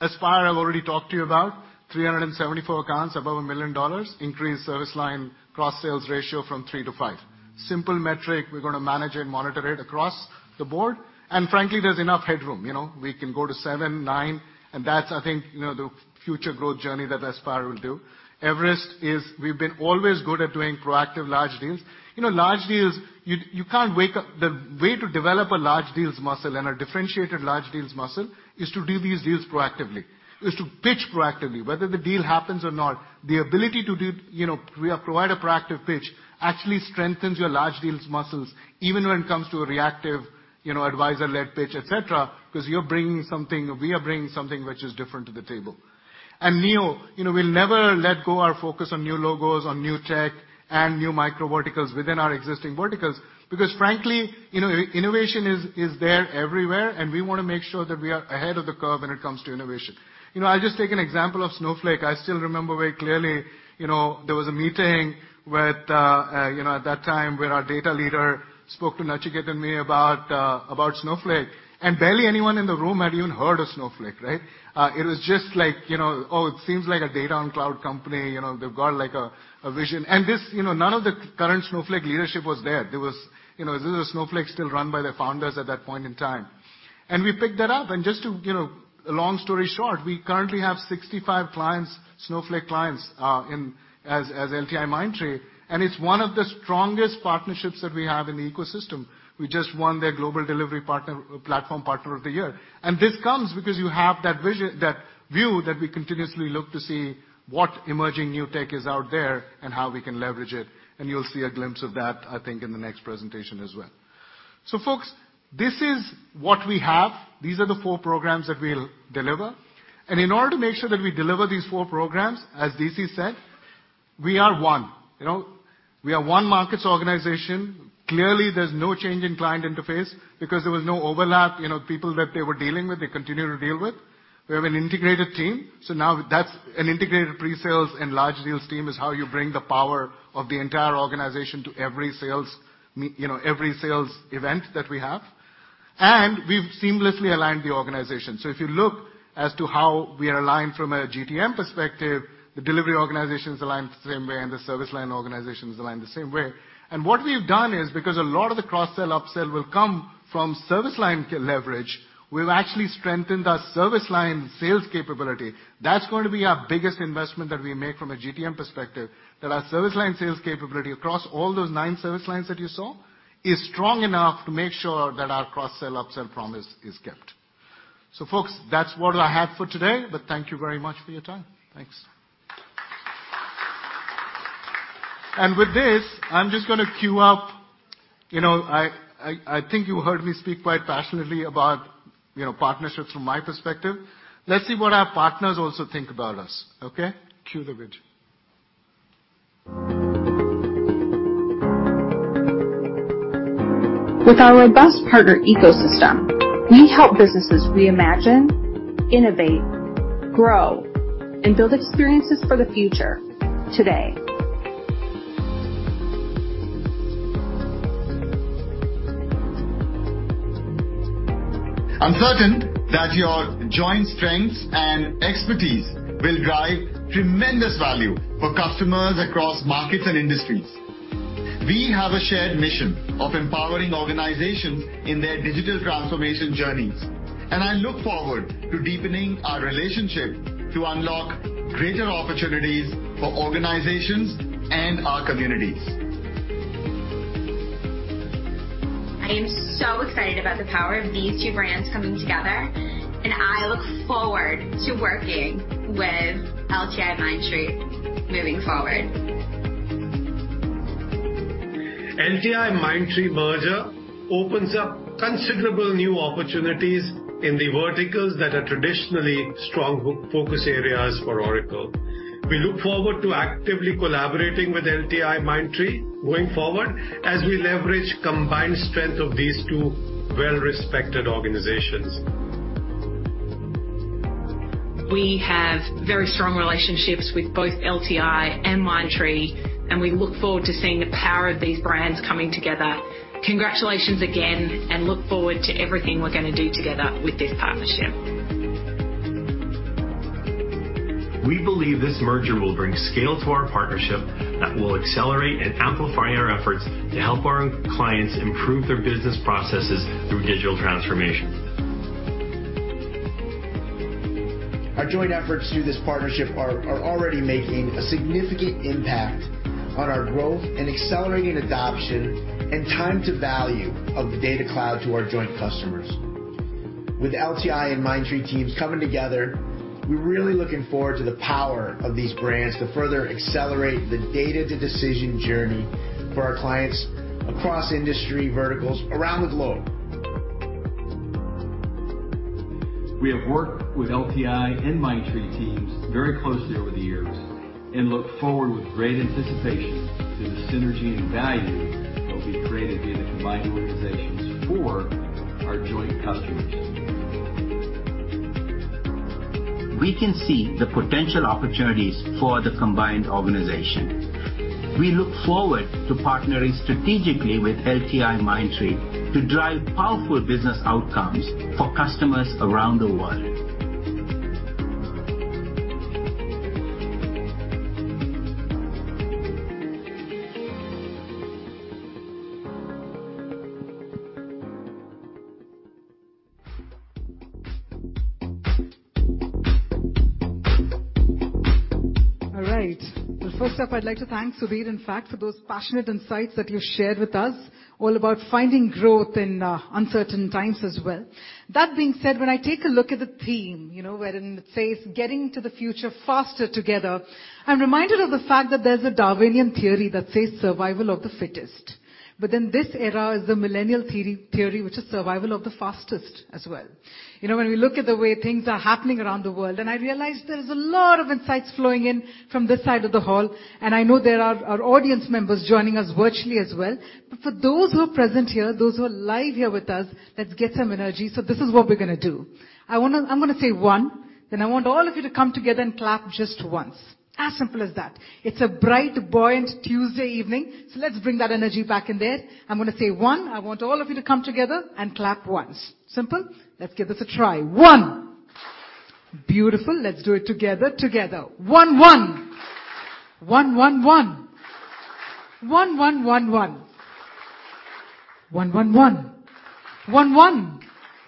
Aspire, I've already talked to you about. 374 accounts above $1 million. Increase service line cross-sales ratio from 3 to 5. Simple metric. We're gonna manage it and monitor it across the board. Frankly, there's enough headroom, you know. We can go to 7, 9, and that's, I think, you know, the future growth journey that Aspire will do. Everest. We've been always good at doing proactive large deals. You know, large deals, you can't wake up. The way to develop a large deals muscle and a differentiated large deals muscle is to do these deals proactively, is to pitch proactively. Whether the deal happens or not, the ability to do, you know, we have provide a proactive pitch actually strengthens your large deals muscles, even when it comes to a reactive, you know, advisor-led pitch, et cetera, 'cause you're bringing something or we are bringing something which is different to the table. Neo, you know, we'll never let go our focus on new logos, on new tech and new micro verticals within our existing verticals because frankly, you know, innovation is there everywhere, and we wanna make sure that we are ahead of the curve when it comes to innovation. You know, I'll just take an example of Snowflake. I still remember very clearly, you know, there was a meeting with, you know, at that time where our data leader spoke to Nachiket and me about about Snowflake. Barely anyone in the room had even heard of Snowflake, right? It was just like, you know, "Oh, it seems like a data and cloud company, you know. They've got like a vision." This, you know, none of the current Snowflake leadership was there. There was, you know, this was Snowflake still run by the founders at that point in time. We picked that up and just to, you know... A long story short, we currently have 65 clients, Snowflake clients, in, as LTIMindtree, and it's one of the strongest partnerships that we have in the ecosystem. We just won their global delivery partner, platform partner of the year. This comes because you have that vision, that view that we continuously look to see what emerging new tech is out there and how we can leverage it, and you'll see a glimpse of that, I think, in the next presentation as well. Folks, this is what we have. These are the 4 programs that we'll deliver. In order to make sure that we deliver these 4 programs, as DC said, we are one. You know? We are one markets organization. Clearly, there's no change in client interface because there was no overlap. You know, the people that they were dealing with, they continue to deal with. We have an integrated team. Now that's an integrated pre-sales and large deals team is how you bring the power of the entire organization to every sales, you know, every sales event that we have. We've seamlessly aligned the organization. If you look as to how we are aligned from a GTM perspective, the delivery organization is aligned the same way and the service line organization is aligned the same way. What we've done is, because a lot of the cross-sell, up-sell will come from service line leverage, we've actually strengthened our service line sales capability. That's going to be our biggest investment that we make from a GTM perspective, that our service line sales capability across all those nine service lines that you saw is strong enough to make sure that our cross-sell, up-sell promise is kept. Folks, that's what I had for today. Thank you very much for your time. Thanks. With this, I'm just gonna queue up. You know, I think you heard me speak quite passionately about, you know, partnerships from my perspective. Let's see what our partners also think about us, okay? Cue the vid. With our robust partner ecosystem, we help businesses reimagine, innovate, grow, and build experiences for the future today. I'm certain that your joint strengths and expertise will drive tremendous value for customers across markets and industries. We have a shared mission of empowering organizations in their digital transformation journeys, and I look forward to deepening our relationship to unlock greater opportunities for organizations and our communities. I am so excited about the power of these two brands coming together, and I look forward to working with LTIMindtree moving forward. LTI, Mindtree merger opens up considerable new opportunities in the verticals that are traditionally strong focus areas for Oracle. We look forward to actively collaborating with LTIMindtree going forward, as we leverage combined strength of these two well-respected organizations. We have very strong relationships with both LTI and Mindtree. We look forward to seeing the power of these brands coming together. Congratulations again. We look forward to everything we're gonna do together with this partnership. We believe this merger will bring scale to our partnership that will accelerate and amplify our efforts to help our own clients improve their business processes through digital transformation. Our joint efforts through this partnership are already making a significant impact on our growth and accelerating adoption and time to value of the Data Cloud to our joint customers. With LTI and Mindtree teams coming together, we're really looking forward to the power of these brands to further accelerate the data to decision journey for our clients across industry verticals around the globe. We have worked with LTI and Mindtree teams very closely over the years and look forward with great anticipation to the synergy and value that will be created in the combined organizations for our joint customers. We can see the potential opportunities for the combined organization. We look forward to partnering strategically with LTIMindtree to drive powerful business outcomes for customers around the world. All right. First up, I'd like to thank Sudhir, in fact, for those passionate insights that you shared with us, all about finding growth in uncertain times as well. That being said, when I take a look at the theme, you know, wherein it says, "Getting to the future faster together," I'm reminded of the fact that there's a Darwinian theory that says, "Survival of the fittest." This era is the millennial theory which is survival of the fastest as well. You know, when we look at the way things are happening around the world, I realize there's a lot of insights flowing in from this side of the hall, I know there are our audience members joining us virtually as well. For those who are present here, those who are live here with us, let's get some energy. This is what we're gonna do. I'm gonna say, "One," I want all of you to come together and clap just once. As simple as that. It's a bright, buoyant Tuesday evening, let's bring that energy back in there. I'm gonna say, "One," I want all of you to come together and clap once. Simple? Let's give this a try. One. Beautiful. Let's do it together. Together. One, one. One, one. One, one, one. One, one. One, one.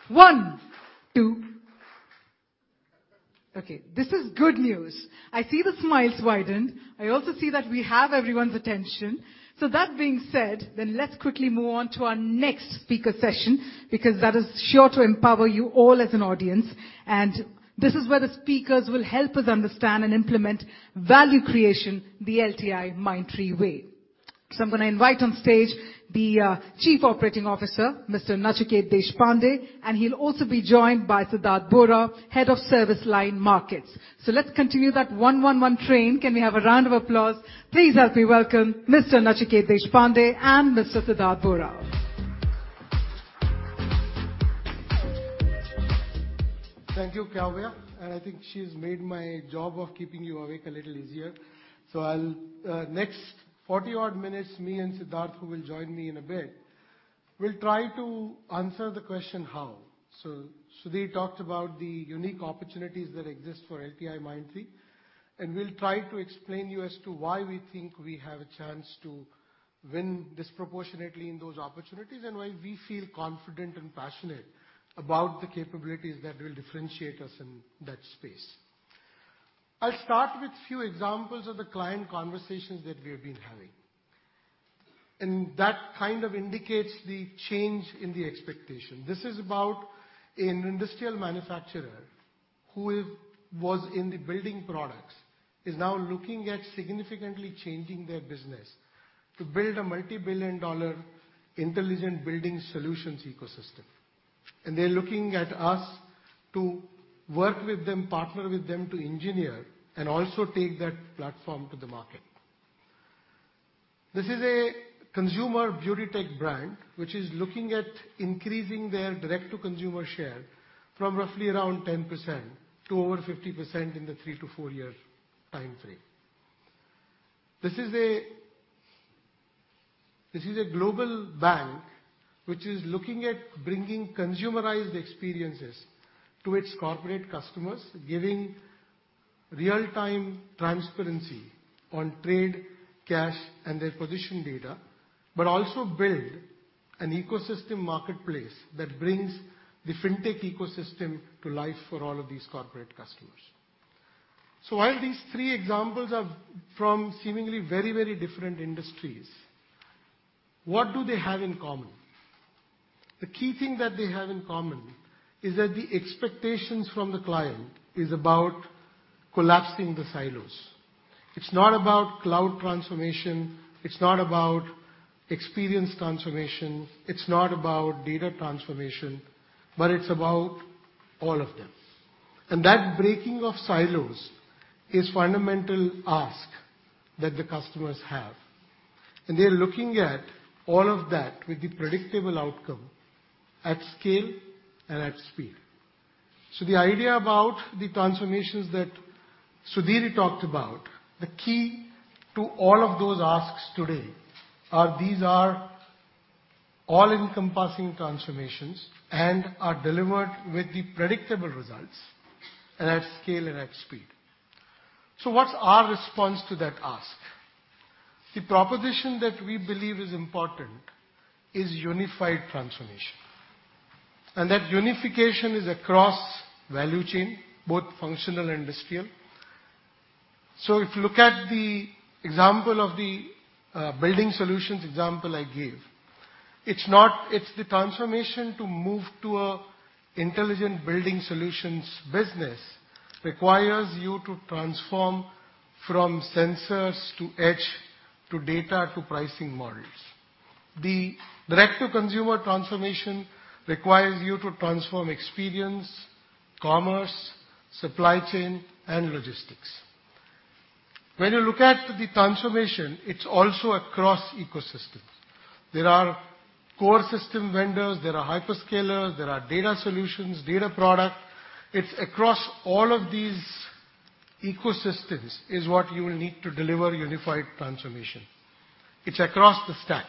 One. Two. Okay, this is good news. I see the smiles widened. I also see that we have everyone's attention. That being said, let's quickly move on to our next speaker session, because that is sure to empower you all as an audience, this is where the speakers will help us understand and implement value creation the LTIMindtree way. I'm gonna invite on stage the Chief Operating Officer, Mr. Nachiket Deshpande, and he'll also be joined by Siddhartha Borah, Head of Service Line Markets. Let's continue that one, one train. Can we have a round of applause? Please help me welcome Mr. Nachiket Deshpande and Mr. Siddhartha Borah. Thank you, Kavya. I think she's made my job of keeping you awake a little easier. I'll next 40-odd minutes, me and Siddhartha, who will join me in a bit, will try to answer the question, "How?" Sudhir talked about the unique opportunities that exist for LTI, Mindtree, and we'll try to explain you as to why we think we have a chance to win disproportionately in those opportunities, and why we feel confident and passionate about the capabilities that will differentiate us in that space. I'll start with few examples of the client conversations that we've been having. That kind of indicates the change in the expectation. This is about an industrial manufacturer who was in the building products, is now looking at significantly changing their business to build a $ multi-billion intelligent building solutions ecosystem. They're looking at us to work with them, partner with them to engineer and also take that platform to the market. This is a consumer beauty tech brand which is looking at increasing their direct-to-consumer share from roughly around 10% to over 50% in the three-four-year time frame. This is a global bank which is looking at bringing consumerized experiences to its corporate customers, giving real-time transparency on trade, cash, and their position data, but also build an ecosystem marketplace that brings the fintech ecosystem to life for all of these corporate customers. While these 3 examples are from seemingly very, very different industries, what do they have in common? The key thing that they have in common is that the expectations from the client is about collapsing the silos. It's not about cloud transformation, it's not about experience transformation, it's not about data transformation, but it's about all of them. That breaking of silos is fundamental ask that the customers have. They're looking at all of that with the predictable outcome at scale and at speed. The idea about the transformations that Sudhir talked about, the key to all of those asks today are these are all-encompassing transformations and are delivered with the predictable results and at scale and at speed. What's our response to that ask? The proposition that we believe is important is unified transformation. That unification is across value chain, both functional and industrial. If you look at the example of the building solutions example I gave, it's the transformation to move to a intelligent building solutions business requires you to transform from sensors to edge, to data, to pricing models. The direct-to-consumer transformation requires you to transform experience, commerce, supply chain, and logistics. When you look at the transformation, it's also across ecosystems. There are core system vendors, there are hyperscalers, there are data solutions, data product. It's across all of these ecosystems, is what you will need to deliver unified transformation. It's across the stack.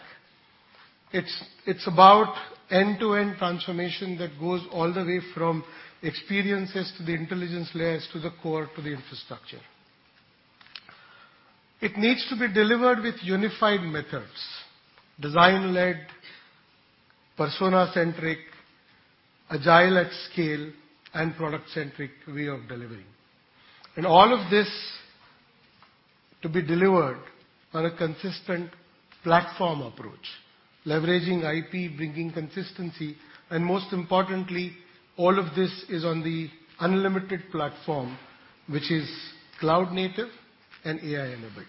It's about end-to-end transformation that goes all the way from experiences to the intelligence layers to the core to the infrastructure. It needs to be delivered with unified methods. Design-led, persona-centric, agile at scale, and product-centric way of delivering. All of this to be delivered on a consistent platform approach, leveraging IP, bringing consistency, and most importantly, all of this is on the unlimited platform, which is cloud-native and AI-enabled.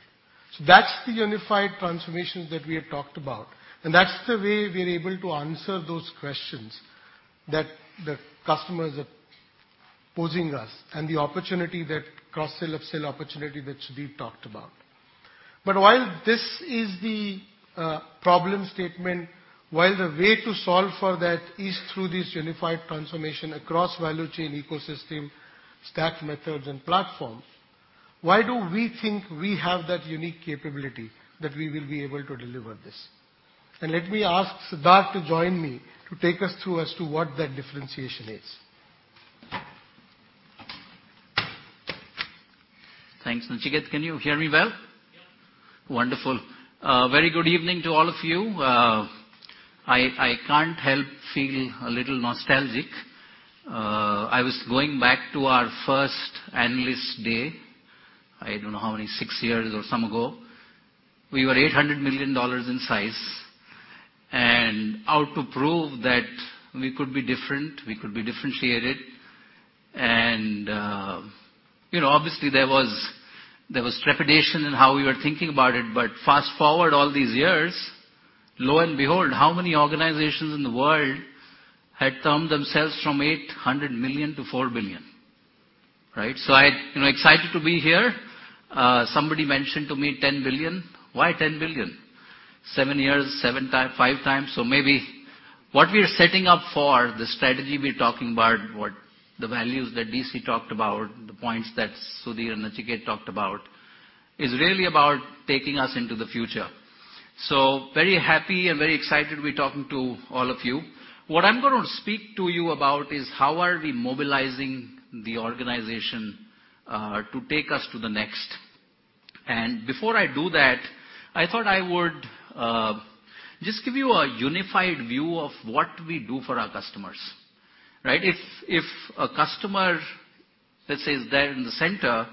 That's the unified transformations that we had talked about, and that's the way we're able to answer those questions that the customers are posing us, and the opportunity that cross-sell/up-sell opportunity that Sudhir talked about. While this is the problem statement, while the way to solve for that is through this unified transformation across value chain ecosystem, stack methods and platforms, why do we think we have that unique capability that we will be able to deliver this? Let me ask Siddharth to join me to take us through as to what that differentiation is. Thanks, Nachiket. Can you hear me well? Yeah. Wonderful. Very good evening to all of you. I can't help feel a little nostalgic. I was going back to our first analyst day, I don't know how many, six years or some ago. We were $800 million in size. Out to prove that we could be different, we could be differentiated and, you know, obviously there was trepidation in how we were thinking about it. Fast-forward all these years, lo and behold, how many organizations in the world had turned themselves from $800 million to $4 billion, right? You know, excited to be here. Somebody mentioned to me $10 billion. Why $10 billion? seven years, 5 times. Maybe what we are setting up for, the strategy we're talking about, what the values that DC talked about, the points that Sudhir and Nachiket talked about, is really about taking us into the future. Very happy and very excited to be talking to all of you. What I'm gonna speak to you about is how are we mobilizing the organization to take us to the next. Before I do that, I thought I would just give you a unified view of what we do for our customers, right? If, if a customer, let's say, is there in the center,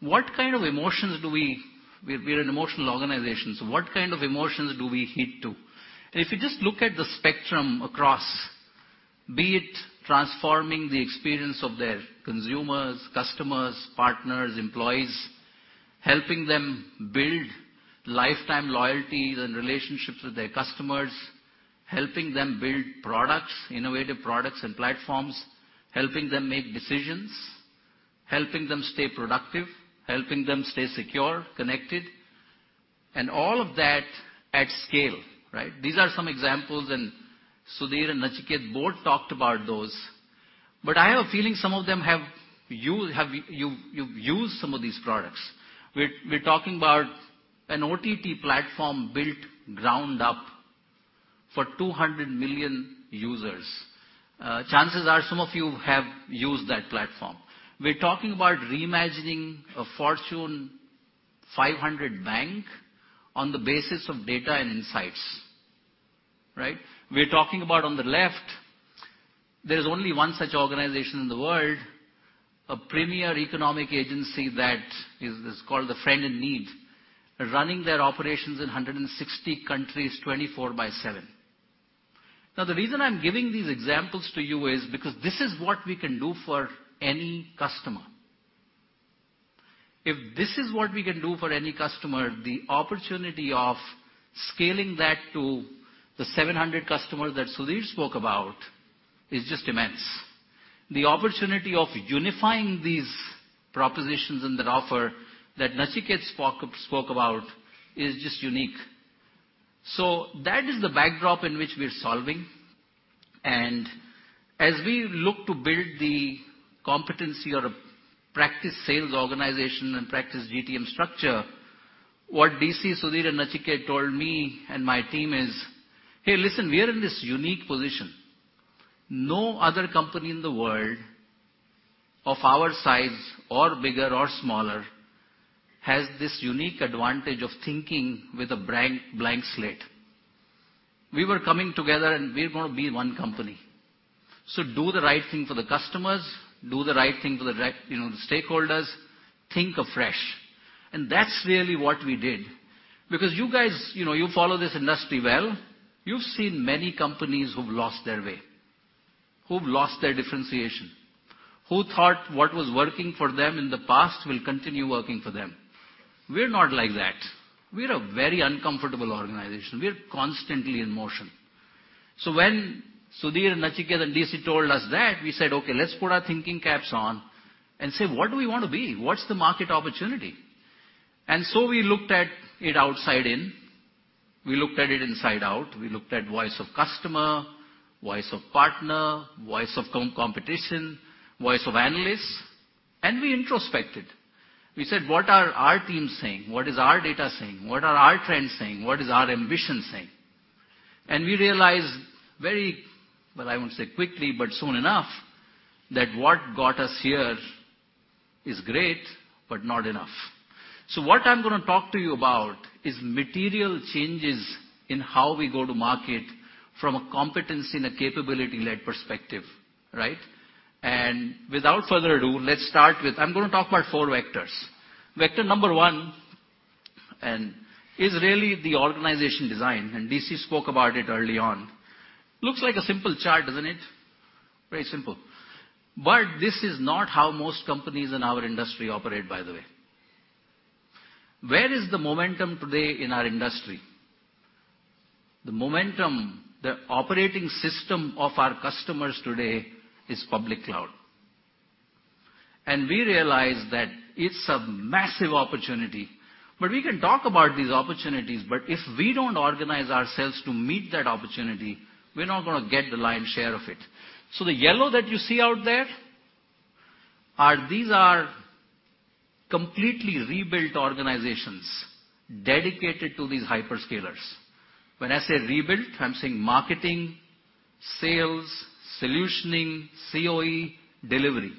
what kind of emotions We're an emotional organization, so what kind of emotions do we heed to? If you just look at the spectrum across, be it transforming the experience of their consumers, customers, partners, employees, helping them build lifetime loyalties and relationships with their customers. Helping them build products, innovative products and platforms. Helping them make decisions. Helping them stay productive. Helping them stay secure, connected. All of that at scale, right? These are some examples, and Sudhir and Nachiket both talked about those. But I have a feeling some of them you've used some of these products. We're talking about an OTT platform built ground up for 200 million users. Chances are some of you have used that platform. We're talking about reimagining a Fortune 500 bank on the basis of data and insights, right? We're talking about There is only one such organization in the world, a premier economic agency that is called the friend in need, running their operations in 160 countries 24/7. The reason I'm giving these examples to you is because this is what we can do for any customer. If this is what we can do for any customer, the opportunity of scaling that to the 700 customers that Sudhir spoke about is just immense. The opportunity of unifying these propositions in their offer that Nachiket spoke about is just unique. That is the backdrop in which we're solving. As we look to build the competency or practice sales organization and practice GTM structure, what DC, Sudhir and Nachiket told me and my team is, "Hey, listen, we are in this unique position. No other company in the world of our size or bigger or smaller has this unique advantage of thinking with a blank slate. We were coming together, we're gonna be one company. Do the right thing for the customers, do the right thing for the right, you know, the stakeholders. Think afresh." That's really what we did. You guys, you know, you follow this industry well, you've seen many companies who've lost their way, who've lost their differentiation, who thought what was working for them in the past will continue working for them. We're not like that. We're a very uncomfortable organization. We're constantly in motion. When Sudhir, Nachiket, and DC told us that, we said, "Okay, let's put our thinking caps on and say, what do we wanna be? What's the market opportunity?" We looked at it outside in, we looked at it inside out. We looked at voice of customer, voice of partner, voice of competition, voice of analysts, and we introspected. We said, "What are our teams saying? What is our data saying? What are our trends saying? What is our ambition saying?" We realized very, well, I won't say quickly, but soon enough, that what got us here is great, but not enough. What I'm gonna talk to you about is material changes in how we go to market from a competency and a capability-led perspective, right? Without further ado, let's start with. I'm gonna talk about four vectors. Vector number one, and is really the organization design, and DC spoke about it early on. Looks like a simple chart, doesn't it? Very simple. This is not how most companies in our industry operate, by the way. Where is the momentum today in our industry? The momentum, the operating system of our customers today is public cloud. We realize that it's a massive opportunity. We can talk about these opportunities, but if we don't organize ourselves to meet that opportunity, we're not gonna get the lion's share of it. The yellow that you see out there are these are completely rebuilt organizations dedicated to these hyperscalers. When I say rebuilt, I'm saying marketing, sales, solutioning, COE, delivery.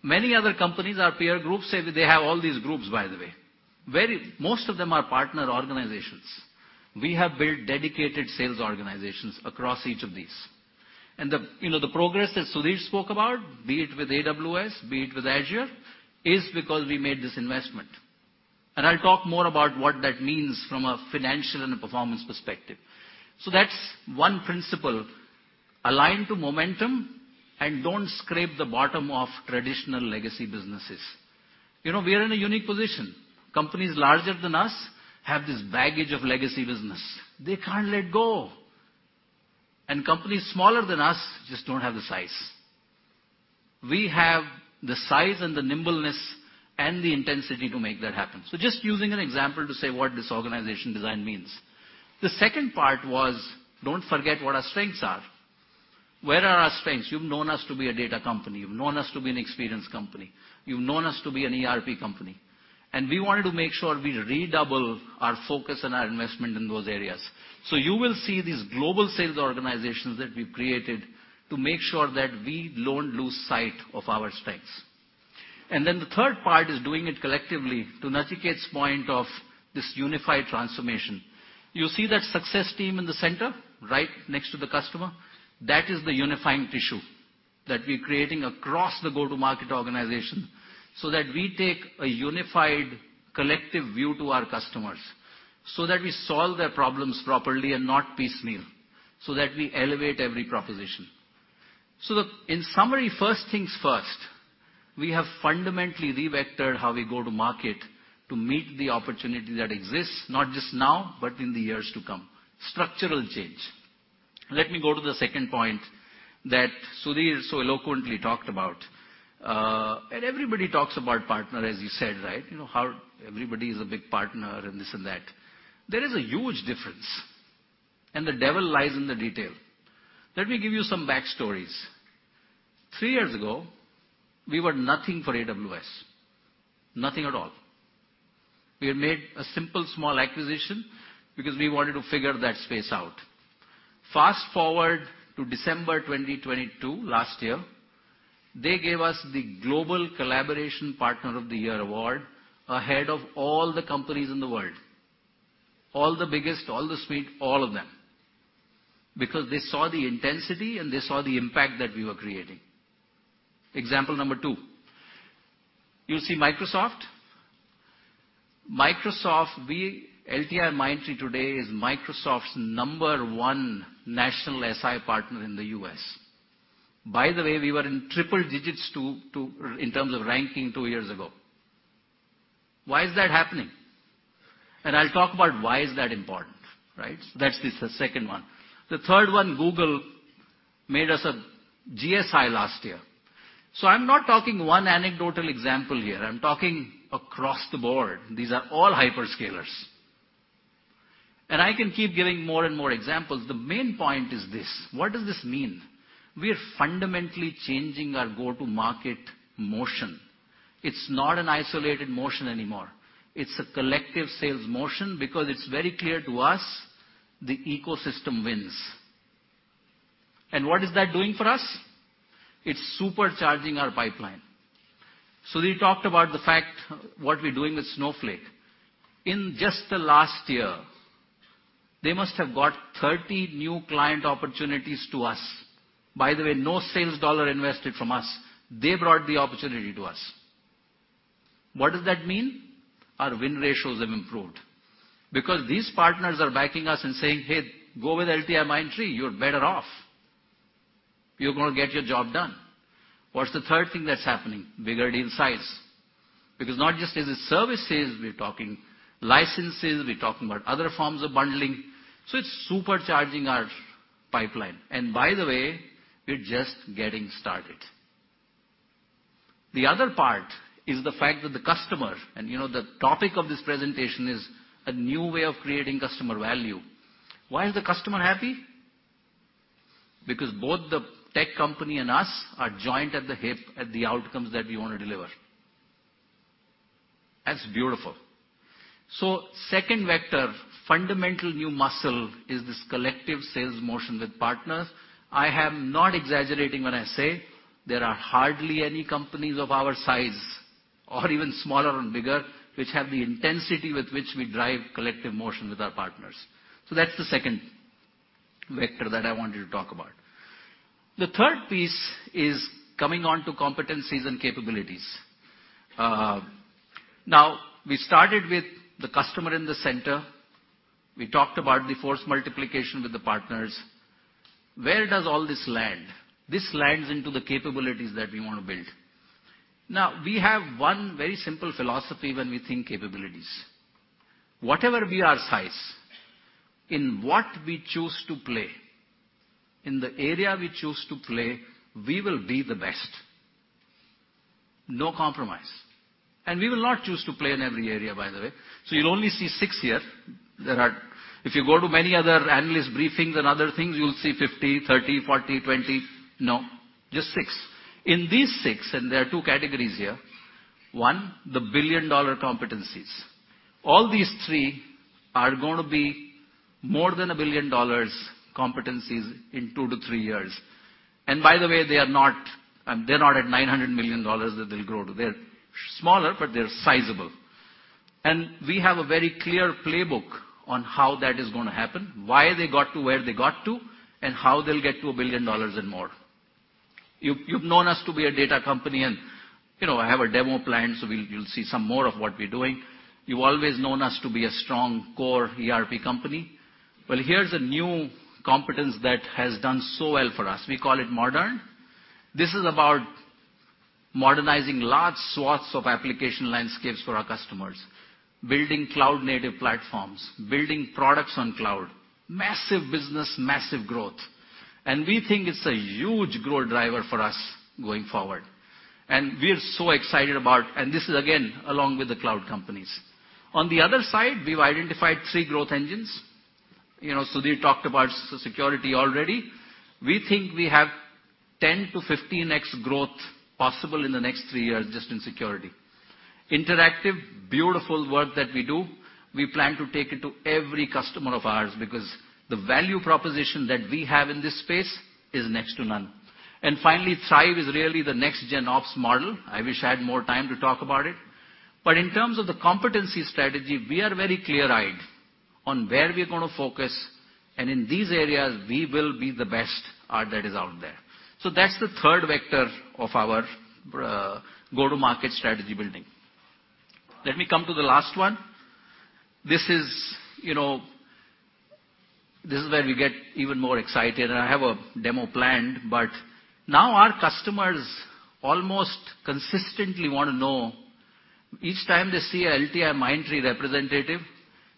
Many other companies, our peer groups say that they have all these groups, by the way. Most of them are partner organizations. We have built dedicated sales organizations across each of these. The, you know, the progress that Sudhir spoke about, be it with AWS, be it with Azure, is because we made this investment. I'll talk more about what that means from a financial and a performance perspective. That's one principle, align to momentum and don't scrape the bottom of traditional legacy businesses. You know, we are in a unique position. Companies larger than us have this baggage of legacy business. They can't let go. Companies smaller than us just don't have the size. We have the size and the nimbleness and the intensity to make that happen. Just using an example to say what this organization design means. The second part was, don't forget what our strengths are. Where are our strengths? You've known us to be a data company. You've known us to be an experience company. You've known us to be an ERP company. We wanted to make sure we redouble our focus and our investment in those areas. You will see these global sales organizations that we've created to make sure that we don't lose sight of our strengths. The 3rd part is doing it collectively to Nachiket's point of this unified transformation. You see that success team in the center right next to the customer? That is the unifying tissue that we're creating across the go-to-market organization, so that we take a unified collective view to our customers, so that we solve their problems properly and not piecemeal, so that we elevate every proposition. In summary, 1st things 1st, we have fundamentally revectored how we go to market to meet the opportunity that exists not just now, but in the years to come. Structural change. Let me go to the second point that Sudhir so eloquently talked about. Everybody talks about partner, as you said, right? You know, how everybody is a big partner and this and that. There is a huge difference, the devil lies in the detail. Let me give you some backstories. Three years ago, we were nothing for AWS. Nothing at all. We had made a simple, small acquisition because we wanted to figure that space out. Fast-forward to December 2022, last year, they gave us the Global Collaboration Partner of the Year award ahead of all the companies in the world. All the biggest, all the suite, all of them. They saw the intensity, they saw the impact that we were creating. Example number two, you see Microsoft. Microsoft, LTIMindtree today is Microsoft's number one national SI partner in the U.S. By the way, we were in triple digits too, in terms of ranking two years ago. Why is that happening? I'll talk about why is that important, right? That's the second one. The third one, Google made us a GSI last year. I'm not talking one anecdotal example here. I'm talking across the board. These are all hyperscalers. I can keep giving more and more examples. The main point is this: What does this mean? We are fundamentally changing our go-to market motion. It's not an isolated motion anymore. It's a collective sales motion because it's very clear to us the ecosystem wins. What is that doing for us? It's supercharging our pipeline. Sudhir talked about the fact, what we're doing with Snowflake. In just the last year, they must have got 30 new client opportunities to us. No sales dollar invested from us. They brought the opportunity to us. What does that mean? Our win ratios have improved because these partners are backing us and saying, "Hey, go with LTIMindtree. You're better off. You're gonna get your job done." What's the third thing that's happening? Bigger deal size. Not just is it services we're talking licenses, we're talking about other forms of bundling. It's supercharging our pipeline. We're just getting started. The other part is the fact that the customer. You know, the topic of this presentation is A New Way of Creating Customer Value. Why is the customer happy? Both the tech company and us are joined at the hip at the outcomes that we wanna deliver. That's beautiful. Second vector, fundamental new muscle is this collective sales motion with partners. I am not exaggerating when I say there are hardly any companies of our size or even smaller and bigger, which have the intensity with which we drive collective motion with our partners. That's the second vector that I wanted to talk about. The third piece is coming onto competencies and capabilities. Now, we started with the customer in the center. We talked about the force multiplication with the partners. Where does all this land? This lands into the capabilities that we wanna build. Now, we have one very simple philosophy when we think capabilities. Whatever we are size, in what we choose to play, in the area we choose to play, we will be the best. No compromise. We will not choose to play in every area, by the way. You'll only see six here. There are... If you go to many other analyst briefings and other things, you'll see 50, 30, 40, 20. No, just six. In these six, there are two categories here. One, the billion-dollar competencies. All these three are gonna be more than a billion dollars competencies in two to three years. By the way, they are not, they're not at $900 million that they'll grow to. They're smaller, but they're sizable. We have a very clear playbook on how that is gonna happen, why they got to where they got to, and how they'll get to a billion dollars and more. You've known us to be a data company, you know, I have a demo planned, so we'll, you'll see some more of what we're doing. You've always known us to be a strong core ERP company. Well, here's a new competence that has done so well for us. We call it Modern. This is about modernizing large swaths of application landscapes for our customers. Building cloud-native platforms, building products on cloud. Massive business, massive growth. We think it's a huge growth driver for us going forward. We're so excited about... This is again, along with the cloud companies. On the other side, we've identified three growth engines. You know, Sudhir talked about security already. We think we have 10-15x growth possible in the next three years just in security. Interactive, beautiful work that we do, we plan to take it to every customer of ours because the value proposition that we have in this space is next to none. Finally, Thrive is really the next GenOps model. I wish I had more time to talk about it. In terms of the competency strategy, we are very clear-eyed on where we're gonna focus, and in these areas, we will be the best at that is out there. That's the third vector of our go-to-market strategy building. Let me come to the last one. This is, you know, this is where we get even more excited, and I have a demo planned. Now our customers almost consistently wanna know each time they see a LTIMindtree representative,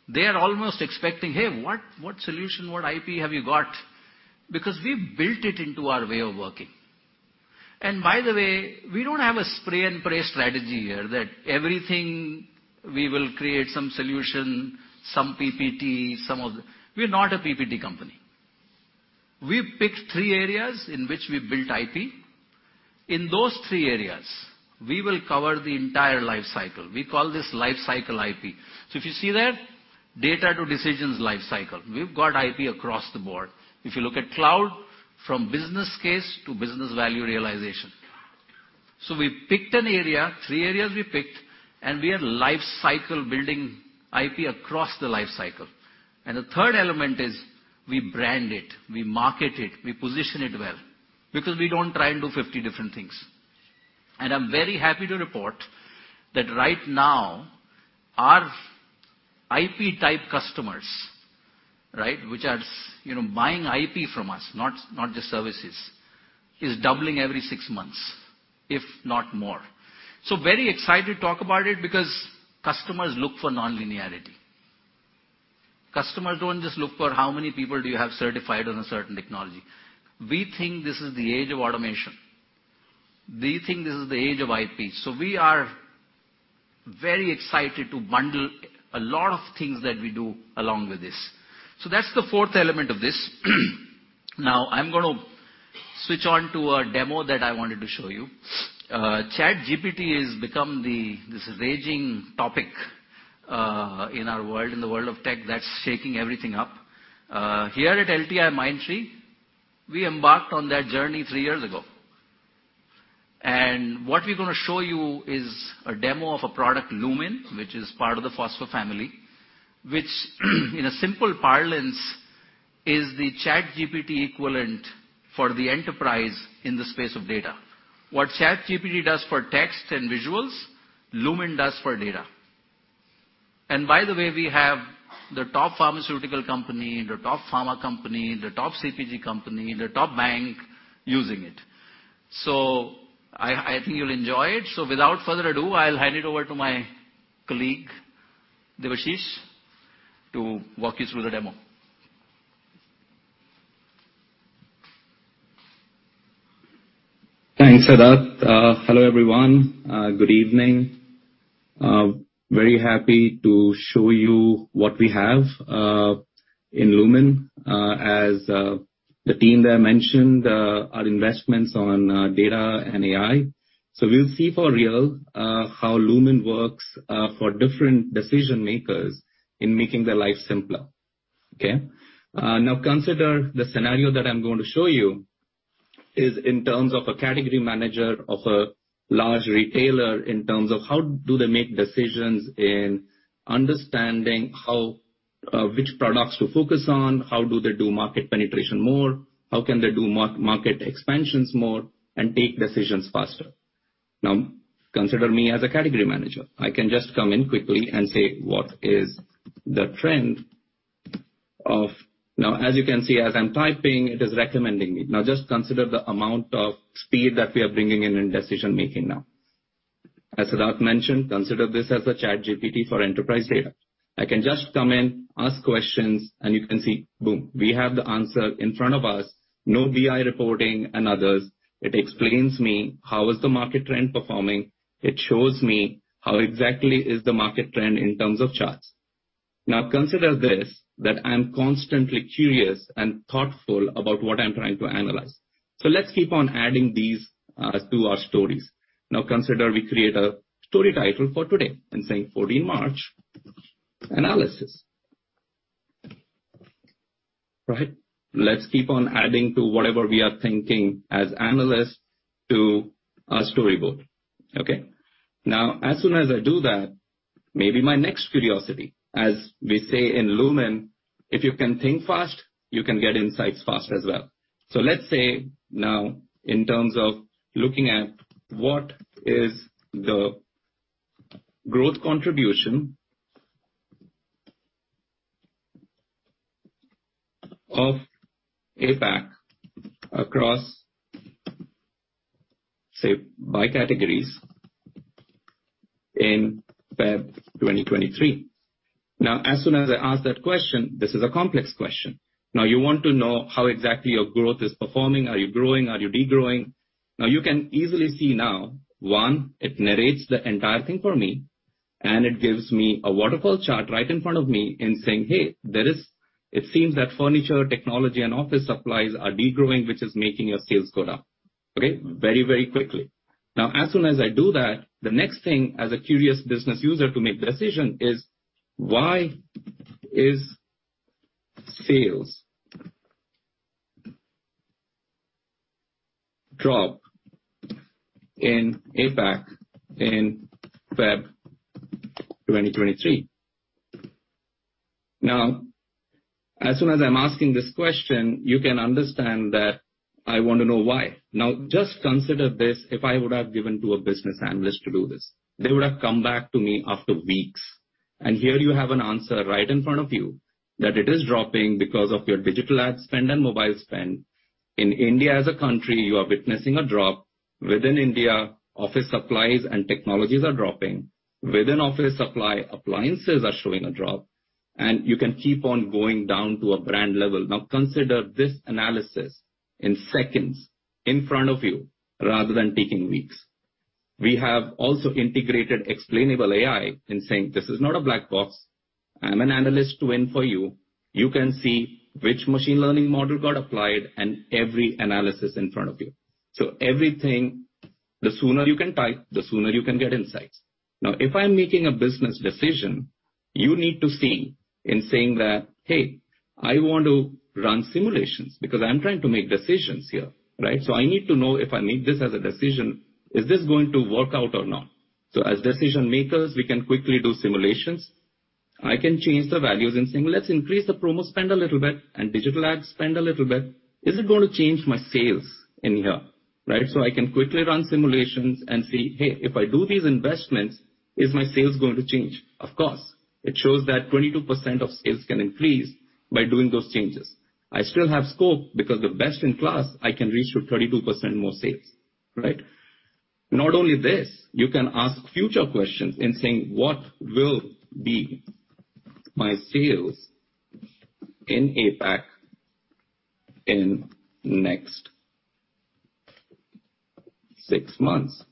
they are almost expecting, "Hey, what solution, what IP have you got?" Because we've built it into our way of working. By the way, we don't have a spray and pray strategy here that everything we will create some solution, some PPT. We're not a PPT company. We've picked three areas in which we built IP. In those three areas, we will cover the entire life cycle. We call this life cycle IP. If you see there, Data-to-Decisions life cycle. We've got IP across the board. If you look at cloud, from business case to business value realization. We picked an area, three areas we picked, and we are life cycle building IP across the life cycle. The third element is we brand it, we market it, we position it well, because we don't try and do 50 different things. I'm very happy to report that right now, our IP-type customers, right, which are, you know, buying IP from us, not just services, is doubling every 6 months, if not more. Very excited to talk about it because customers look for nonlinearity. Customers don't just look for how many people do you have certified on a certain technology. We think this is the age of automation. We think this is the age of IP. We are very excited to bundle a lot of things that we do along with this. That's the fourth element of this. Now I'm gonna switch on to a demo that I wanted to show you. ChatGPT has become the, this raging topic, in our world, in the world of tech, that's shaking everything up. Here at LTIMindtree, we embarked on that journey three years ago. What we're gonna show you is a demo of a product, Lumen, which is part of the Fosfor family, which in a simple parlance, is the ChatGPT equivalent for the enterprise in the space of data. What ChatGPT does for text and visuals, Lumen does for data. By the way, we have the top pharmaceutical company, the top pharma company, the top CPG company, the top bank using it. I think you'll enjoy it. Without further ado, I'll hand it over to my colleague, Debashish, to walk you through the demo. Thanks, Siddharth. Hello, everyone. Good evening. Very happy to show you what we have in Lumen. As the team there mentioned, our investments on data and AI. We'll see for real how Lumen works for different decision-makers in making their life simpler. Okay? Now consider the scenario that I'm going to show you is in terms of a category manager of a large retailer, in terms of how do they make decisions in understanding how which products to focus on, how do they do market penetration more, how can they do market expansions more and take decisions faster. Now consider me as a category manager. I can just come in quickly and say, what is the trend of. Now, as you can see, as I'm typing, it is recommending me. Just consider the amount of speed that we are bringing in decision-making now. As Siddharth mentioned, consider this as the ChatGPT for enterprise data. I can just come in, ask questions, and you can see, boom, we have the answer in front of us. No BI reporting and others. It explains me, how is the market trend performing. It shows me how exactly is the market trend in terms of charts. Consider this, that I'm constantly curious and thoughtful about what I'm trying to analyze. Let's keep on adding these to our stories. Consider we create a story title for today, and say 14th March analysis. Right. Let's keep on adding to whatever we are thinking as analysts to our storyboard. Okay. As soon as I do that, maybe my next curiosity, as we say in Lumin, if you can think fast, you can get insights fast as well. Let's say now, in terms of looking at what is the growth contribution of APAC across, say, by categories in Feb 2023. As soon as I ask that question, this is a complex question. You want to know how exactly your growth is performing. Are you growing? Are you de-growing? You can easily see now, one, it narrates the entire thing for me, and it gives me a waterfall chart right in front of me in saying, "Hey, it seems that furniture, technology, and office supplies are de-growing, which is making your sales go down." Okay? Very, very quickly. As soon as I do that, the next thing as a curious business user to make decision is, why is sales drop in APAC in Feb 2023? As soon as I'm asking this question, you can understand that I want to know why. Just consider this, if I would have given to a business analyst to do this, they would have come back to me after weeks. Here you have an answer right in front of you that it is dropping because of your digital ad spend and mobile spend. In India as a country, you are witnessing a drop. Within India, office supplies and technologies are dropping. Within office supply, appliances are showing a drop. You can keep on going down to a brand level. Consider this analysis in seconds in front of you rather than taking weeks. We have also integrated explainable AI in saying, this is not a black box. I'm an analyst to win for you. You can see which machine learning model got applied and every analysis in front of you. Everything, the sooner you can type, the sooner you can get insights. If I'm making a business decision, you need to see in saying that, "Hey, I want to run simulations because I'm trying to make decisions here, right? I need to know if I make this as a decision, is this going to work out or not?" As decision-makers, we can quickly do simulations. I can change the values and say, "Well, let's increase the promo spend a little bit and digital ad spend a little bit. Is it gonna change my sales in here, right?" I can quickly run simulations and see, hey, if I do these investments, is my sales going to change? Of course. It shows that 22% of sales can increase by doing those changes. I still have scope because the best in class I can reach to 32% more sales, right? Not only this, you can ask future questions in saying, "What will be my sales in APAC in next six months?"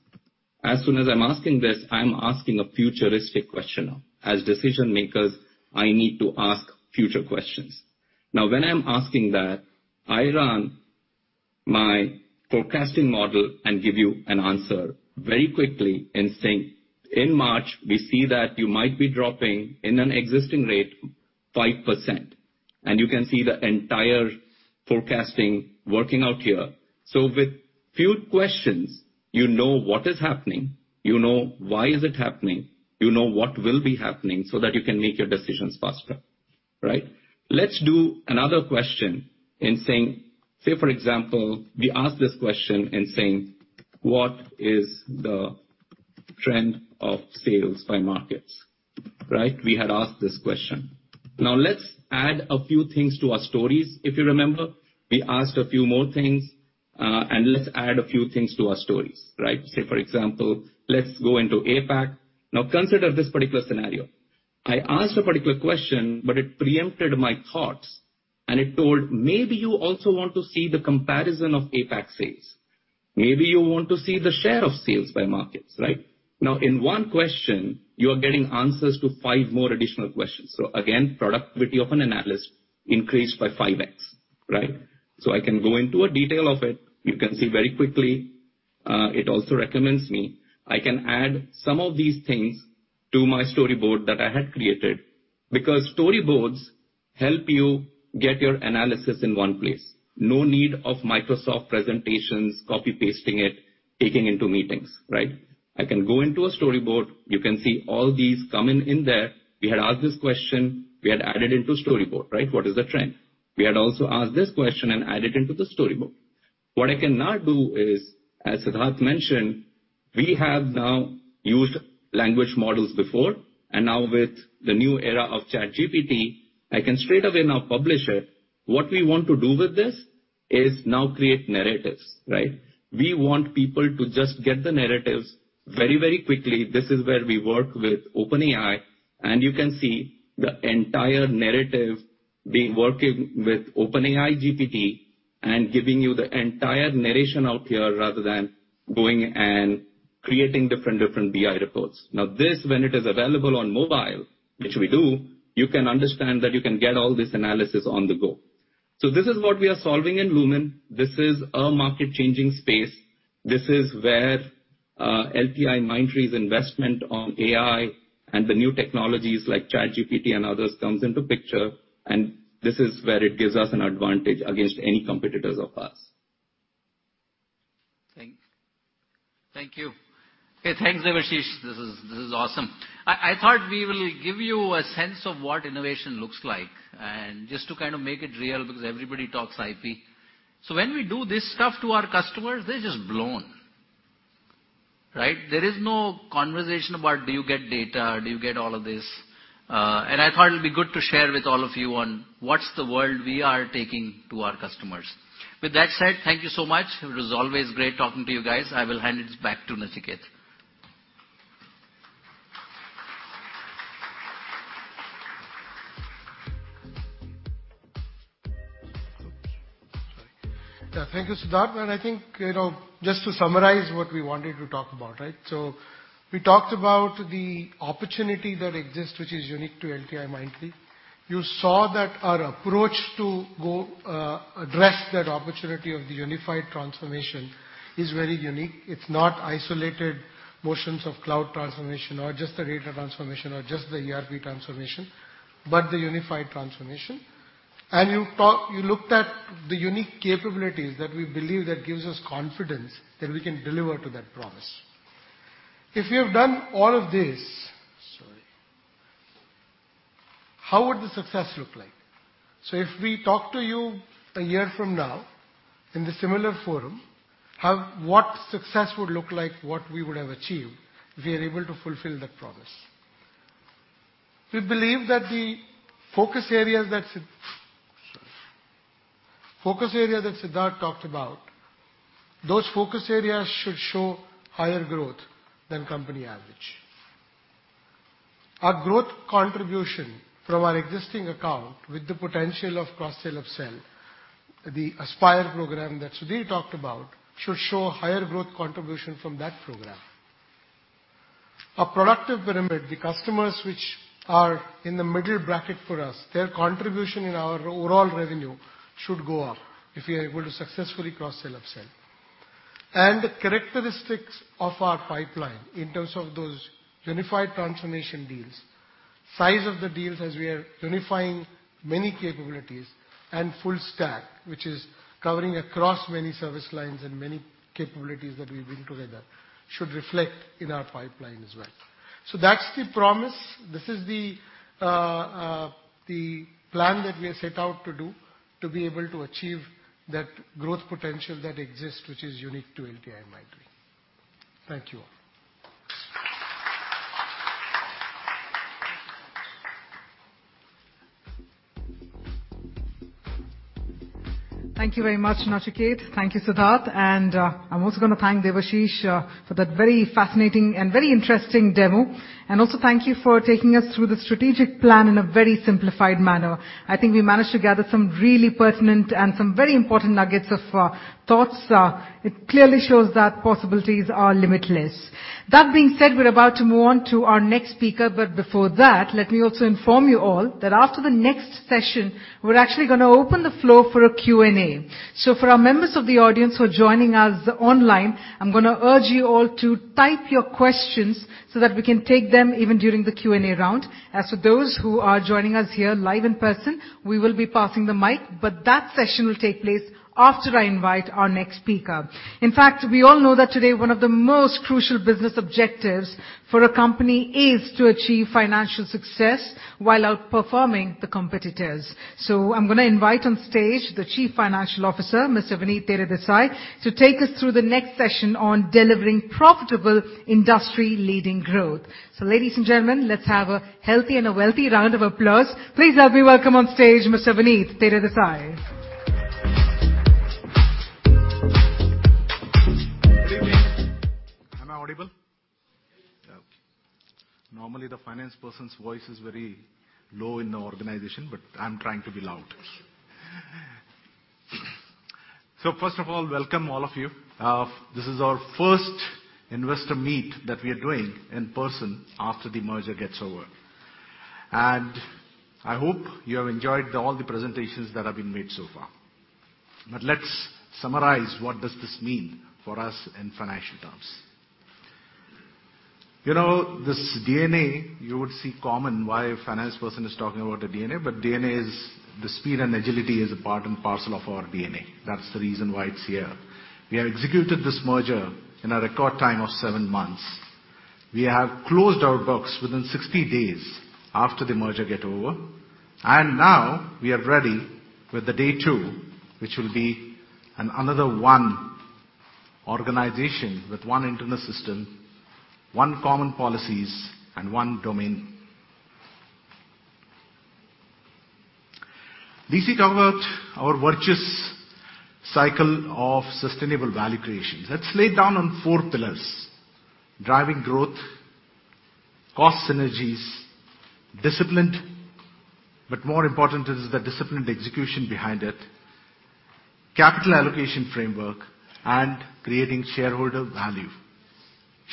As soon as I'm asking this, I'm asking a futuristic question. As decision-makers, I need to ask future questions. When I'm asking that, I run my forecasting model and give you an answer very quickly in saying, "In March, we see that you might be dropping in an existing rate, 5%." You can see the entire forecasting working out here. With few questions, you know what is happening, you know why is it happening, you know what will be happening so that you can make your decisions faster, right? Let's do another question. Say, for example, we ask this question in saying, "What is the trend of sales by markets?" Right? We had asked this question. Let's add a few things to our stories. If you remember, we asked a few more things, and let's add a few things to our stories, right? Say, for example, let's go into APAC. Consider this particular scenario. I asked a particular question, but it preempted my thoughts, and it told maybe you also want to see the comparison of APAC sales. Maybe you want to see the share of sales by markets, right? In one question, you are getting answers to five more additional questions. Again, productivity of an analyst increased by 5x, right? I can go into a detail of it. You can see very quickly, it also recommends me. I can add some of these things to my storyboard that I had created because storyboards help you get your analysis in one place. No need of Microsoft presentations, copy-pasting it, taking into meetings, right? I can go into a storyboard. You can see all these coming in there. We had asked this question, we had added into storyboard, right? What is the trend? We had also asked this question and added into the storyboard. What I cannot do is, as Siddharth mentioned, we have now used language models before, and now with the new era of ChatGPT, I can straight away now publish it. What we want to do with this is now create narratives, right? We want people to just get the narratives very, very quickly. This is where we work with OpenAI, and you can see the entire narrative being working with OpenAI GPT and giving you the entire narration out here rather than going and creating different BI reports. This, when it is available on mobile, which we do, you can understand that you can get all this analysis on the go. This is what we are solving in Lumin. This is a market-changing space. This is where LTIMindtree's investment on AI and the new technologies like ChatGPT and others comes into picture. This is where it gives us an advantage against any competitors of ours. Thank you. Okay, thanks, Debashish. This is awesome. I thought we will give you a sense of what innovation looks like and just to kind of make it real because everybody talks IP. When we do this stuff to our customers, they're just blown. Right? There is no conversation about do you get data? Do you get all of this? I thought it'd be good to share with all of you on what's the world we are taking to our customers. With that said, thank you so much. It was always great talking to you guys. I will hand it back to Nachiket. Yeah. Thank you, Siddharth. I think, you know, just to summarize what we wanted to talk about, right? We talked about the opportunity that exists, which is unique to LTIMindtree. You saw that our approach to go address that opportunity of the unified transformation is very unique. It's not isolated motions of cloud transformation or just the data transformation or just the ERP transformation, but the unified transformation. You looked at the unique capabilities that we believe that gives us confidence that we can deliver to that promise. If you've done all of this, sorry, how would the success look like? If we talk to you a year from now in the similar forum, what success would look like, what we would have achieved if we are able to fulfill that promise? We believe that the focus areas that sorry. Focus area that Siddharth talked about, those focus areas should show higher growth than company average. Our growth contribution from our existing account with the potential of cross-sell, up-sell, the Aspire program that Sudhir talked about, should show higher growth contribution from that program. Our productive pyramid, the customers which are in the middle bracket for us, their contribution in our overall revenue should go up if we are able to successfully cross-sell, up-sell. The characteristics of our pipeline in terms of those unified transformation deals, size of the deals as we are unifying many capabilities, and full stack, which is covering across many service lines and many capabilities that we bring together, should reflect in our pipeline as well. That's the promise. This is the plan that we have set out to do to be able to achieve that growth potential that exists, which is unique to LTIMindtree. Thank you all. Thank you very much, Nachiket. Thank you, Siddharth. I'm also gonna thank Debashish for that very fascinating and very interesting demo. Also thank you for taking us through the strategic plan in a very simplified manner. I think we managed to gather some really pertinent and some very important nuggets of thoughts. It clearly shows that possibilities are limitless. That being said, we're about to move on to our next speaker. Before that, let me also inform you all that after the next session, we're actually gonna open the floor for a Q&A. For our members of the audience who are joining us online, I'm gonna urge you all to type your questions so that we can take them even during the Q&A round. As for those who are joining us here live in person, we will be passing the mic, that session will take place after I invite our next speaker. In fact, we all know that today one of the most crucial business objectives for a company is to achieve financial success while outperforming the competitors. I'm gonna invite on stage the Chief Financial Officer, Mr. Vinit Teredesai, to take us through the next session on delivering profitable industry-leading growth. Ladies and gentlemen, let's have a healthy and a wealthy round of applause. Please help me welcome on stage Mr. Vinit Teredesai. Good evening. Am I audible? Normally, the finance person's voice is very low in the organization, but I'm trying to be loud. First of all, welcome all of you. This is our first investor meet that we are doing in person after the merger gets over. I hope you have enjoyed all the presentations that have been made so far. Let's summarize what does this mean for us in financial terms. You know this DNA, you would see common why a finance person is talking about a DNA, the speed and agility is a part and parcel of our DNA. That's the reason why it's here. We have executed this merger in a record time of 7 months. We have closed our books within 60 days after the merger get over. Now we are ready with the day two, which will be an another one organization with one internal system, one common policies and one domain. D.C. covered our virtuous cycle of sustainable value creation. That's laid down on four pillars: driving growth, cost synergies, disciplined, but more important is the disciplined execution behind it, capital allocation framework, and creating shareholder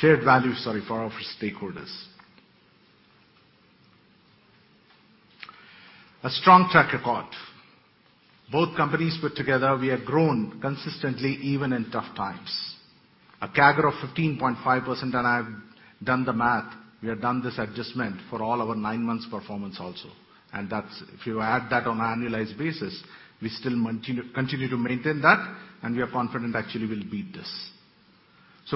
value. Shared value, sorry, for our stakeholders. A strong track record. Both companies put together, we have grown consistently even in tough times. A CAGR of 15.5%, and I've done the math. We have done this adjustment for all our nine months performance also. That's, if you add that on an annualized basis, we still continue to maintain that, and we are confident actually we'll beat this.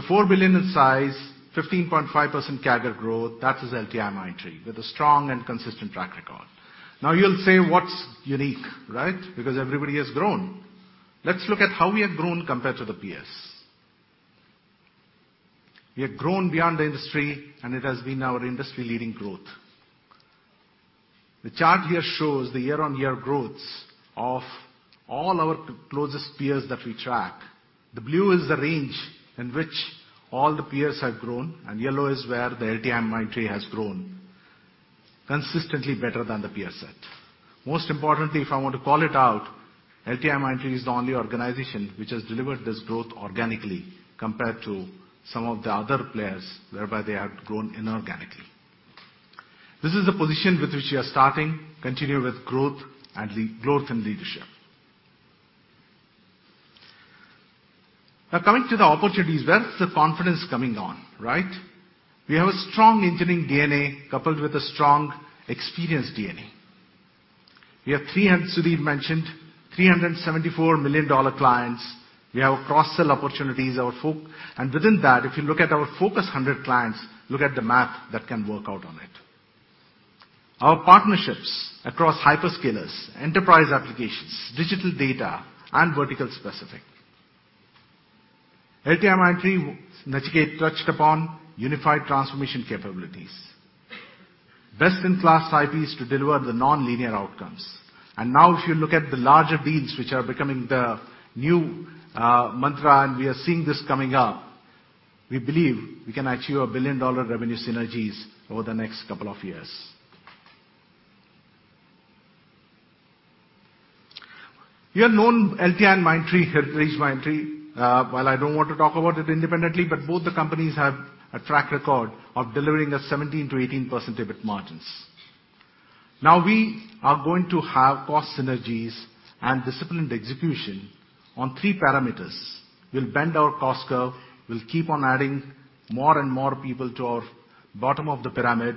Four billion in size, 15.5% CAGR growth, that is LTIMindtree with a strong and consistent track record. You'll say, "What's unique?" Right? Everybody has grown. Let's look at how we have grown compared to the peers. We have grown beyond the industry, it has been our industry leading growth. The chart here shows the year-over-year growths of all our closest peers that we track. The blue is the range in which all the peers have grown, yellow is where the LTIMindtree has grown consistently better than the peer set. Most importantly, if I want to call it out, LTIMindtree is the only organization which has delivered this growth organically compared to some of the other players, whereby they have grown inorganically. This is the position with which we are starting, continue with growth and leadership. Coming to the opportunities, where is the confidence coming on? Right? We have a strong engineering DNA coupled with a strong experience DNA. Sudhir mentioned, $374 million clients. We have cross-sell opportunities, within that, if you look at our focus 100 clients, look at the math that can work out on it. Our partnerships across hyperscalers, enterprise applications, digital data, and vertical specific. LTIMindtree, Nachiket touched upon unified transformation capabilities. Best-in-class IPs to deliver the nonlinear outcomes. Now if you look at the larger deals which are becoming the new mantra, and we are seeing this coming up, we believe we can achieve a $1 billion revenue synergies over the next couple of years. You have known LTI and Mindtree, while I don't want to talk about it independently, both the companies have a track record of delivering a 17%-18% EBIT margins. We are going to have cost synergies and disciplined execution on 3 parameters. We'll bend our cost curve. We'll keep on adding more and more people to our bottom of the pyramid.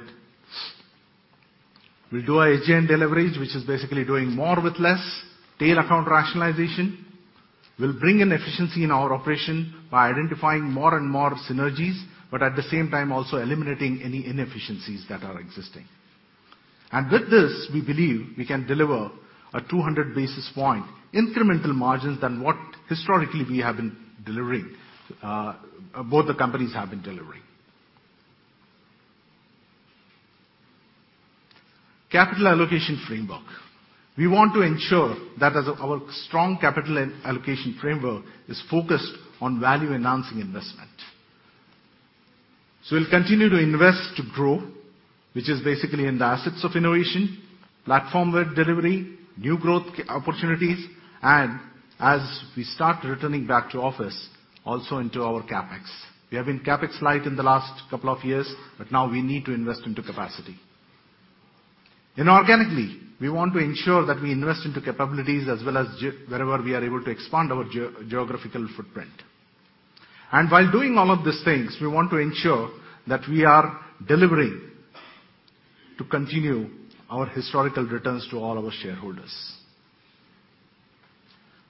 We'll do our H&L leverage, which is basically doing more with less. Tail account rationalization. We'll bring in efficiency in our operation by identifying more and more synergies, at the same time, also eliminating any inefficiencies that are existing. With this, we believe we can deliver a 200 basis point incremental margins than what historically we have been delivering, both the companies have been delivering. Capital allocation framework. We want to ensure that as our strong capital allocation framework is focused on value-enhancing investment. We'll continue to invest to grow, which is basically in the assets of innovation, platform with delivery, new growth opportunities, and as we start returning back to office, also into our CapEx. We have been CapEx-light in the last two years, but now we need to invest into capacity. Inorganically, we want to ensure that we invest into capabilities as well as wherever we are able to expand our geographical footprint. While doing all of these things, we want to ensure that we are delivering to continue our historical returns to all our shareholders.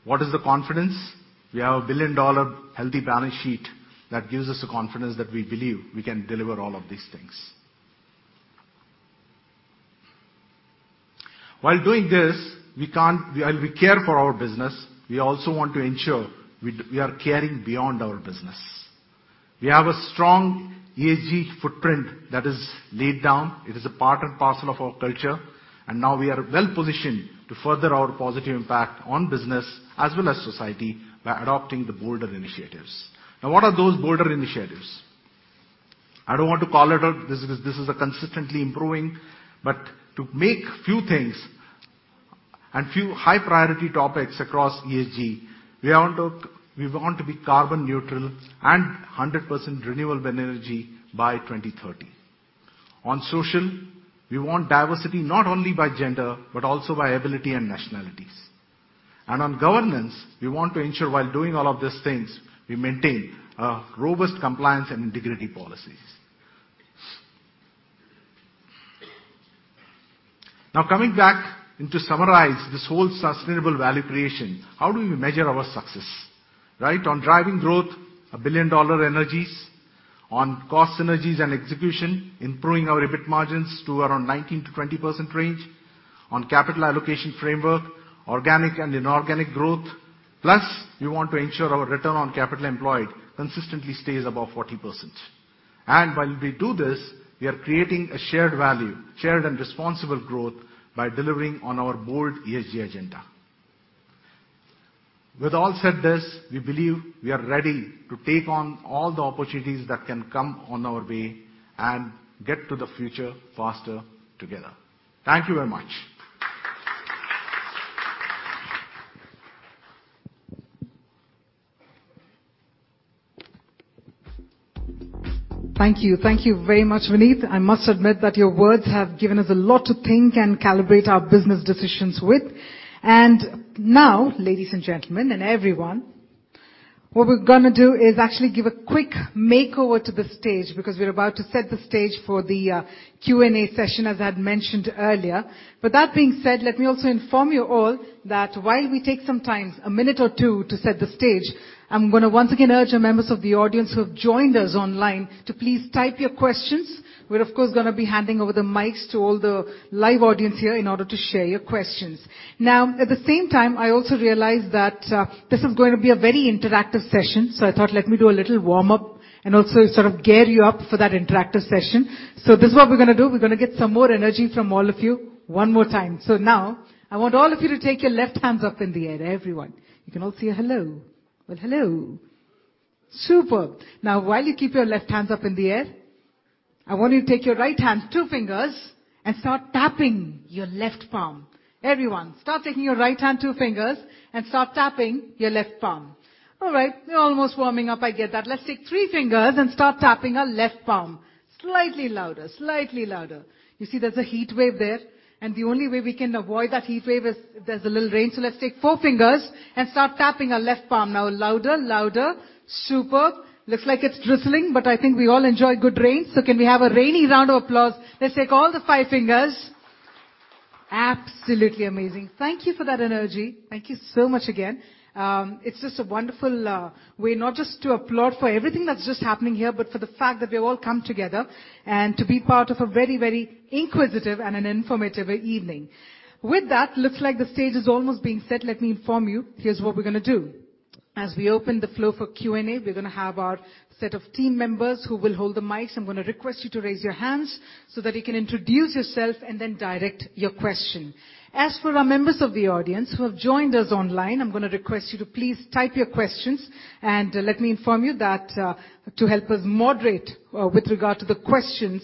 What is the confidence? We have a billion-dollar healthy balance sheet that gives us the confidence that we believe we can deliver all of these things. While doing this, we can't... While we care for our business, we also want to ensure we are caring beyond our business. We have a strong ESG footprint that is laid down. It is a part and parcel of our culture. Now we are well-positioned to further our positive impact on business as well as society by adopting the bolder initiatives. What are those bolder initiatives? I don't want to call it out. This is a consistently improving, to make few things and few high-priority topics across ESG, we want to be carbon neutral and 100% renewable energy by 2030. On social, we want diversity not only by gender, but also by ability and nationalities. On governance, we want to ensure while doing all of these things, we maintain robust compliance and integrity policies. Coming back and to summarize this whole sustainable value creation, how do we measure our success? Right? On driving growth, a billion-dollar energies. On cost synergies and execution, improving our EBIT margins to around 19%-20% range. On capital allocation framework, organic and inorganic growth. We want to ensure our return on capital employed consistently stays above 40%. While we do this, we are creating a shared value, shared and responsible growth by delivering on our bold ESG agenda. With all said this, we believe we are ready to take on all the opportunities that can come on our way and get to the future faster together. Thank you very much. Thank you. Thank you very much, Vineet. I must admit that your words have given us a lot to think and calibrate our business decisions with. Now, ladies and gentlemen, and everyone, what we're gonna do is actually give a quick makeover to the stage because we're about to set the stage for the Q&A session, as I had mentioned earlier. That being said, let me also inform you all that while we take some time, a minute or two to set the stage, I'm gonna once again urge our members of the audience who have joined us online to please type your questions. We're of course gonna be handing over the mics to all the live audience here in order to share your questions. Now, at the same time, I also realize that this is going to be a very interactive session. I thought, let me do a little warm-up and also sort of gear you up for that interactive session. This is what we're gonna do. We're gonna get some more energy from all of you one more time. Now I want all of you to take your left hands up in the air. Everyone! You can all say hello. Hello! Superb! While you keep your left hands up in the air, I want you to take your right hand, two fingers, and start tapping your left palm. Everyone, start taking your right hand, two fingers, and start tapping your left palm. All right, we're almost warming up, I get that. Let's take three fingers and start tapping our left palm. Slightly louder! Slightly louder! You see there's a heatwave there, and the only way we can avoid that heatwave is there's a little rain. Let's take four fingers and start tapping our left palm now. Louder, louder. Superb. Looks like it's drizzling, but I think we all enjoy good rain. Can we have a rainy round of applause? Let's take all the five fingers. Absolutely amazing. Thank you for that energy. Thank you so much again. It's just a wonderful way not just to applaud for everything that's just happening here, but for the fact that we've all come together and to be part of a very, very inquisitive and an informative evening. With that, looks like the stage is almost being set. Let me inform you, here's what we're gonna do. As we open the floor for Q&A, we're gonna have our set of team members who will hold the mics. I'm gonna request you to raise your hands so that you can introduce yourself and then direct your question. As for our members of the audience who have joined us online, I'm gonna request you to please type your questions. Let me inform you that, to help us moderate, with regard to the questions,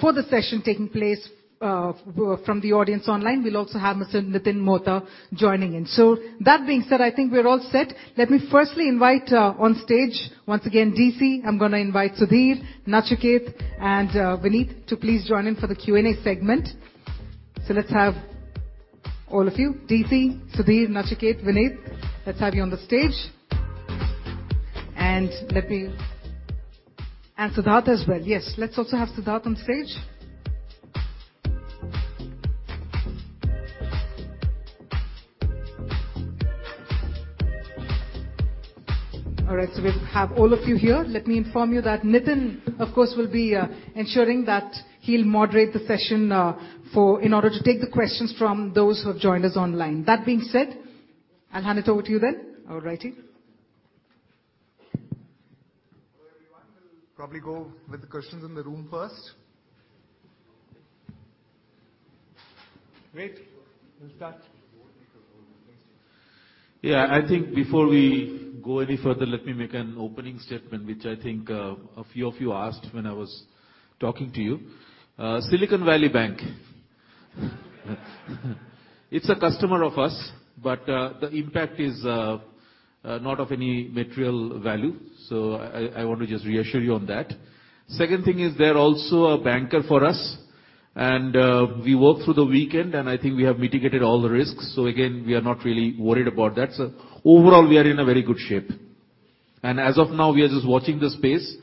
for the session taking place from the audience online, we'll also have Mr. Nitin Mohta joining in. That being said, I think we're all set. Let me firstly invite on stage once again, DC, I'm gonna invite Sudhir, Nachiket, and Vineet to please join in for the Q&A segment. Let's have all of you, DC, Sudhir, Nachiket, Vineet, let's have you on the stage. Siddharth as well. Yes, let's also have Siddharth on stage. All right, we have all of you here. Let me inform you that Nitin, of course, will be ensuring that he'll moderate the session for, in order to take the questions from those who have joined us online. That being said, I'll hand it over to you then. All righty. Hello, everyone. We'll probably go with the questions in the room first. Great. We'll start. I think before we go any further, let me make an opening statement, which I think a few of you asked when I was talking to you. Silicon Valley Bank. It's a customer of us, but the impact is not of any material value. I want to just reassure you on that. Second thing is, they're also a banker for us. We worked through the weekend, and I think we have mitigated all the risks. Again, we are not really worried about that. Overall, we are in a very good shape. As of now, we are just watching the space.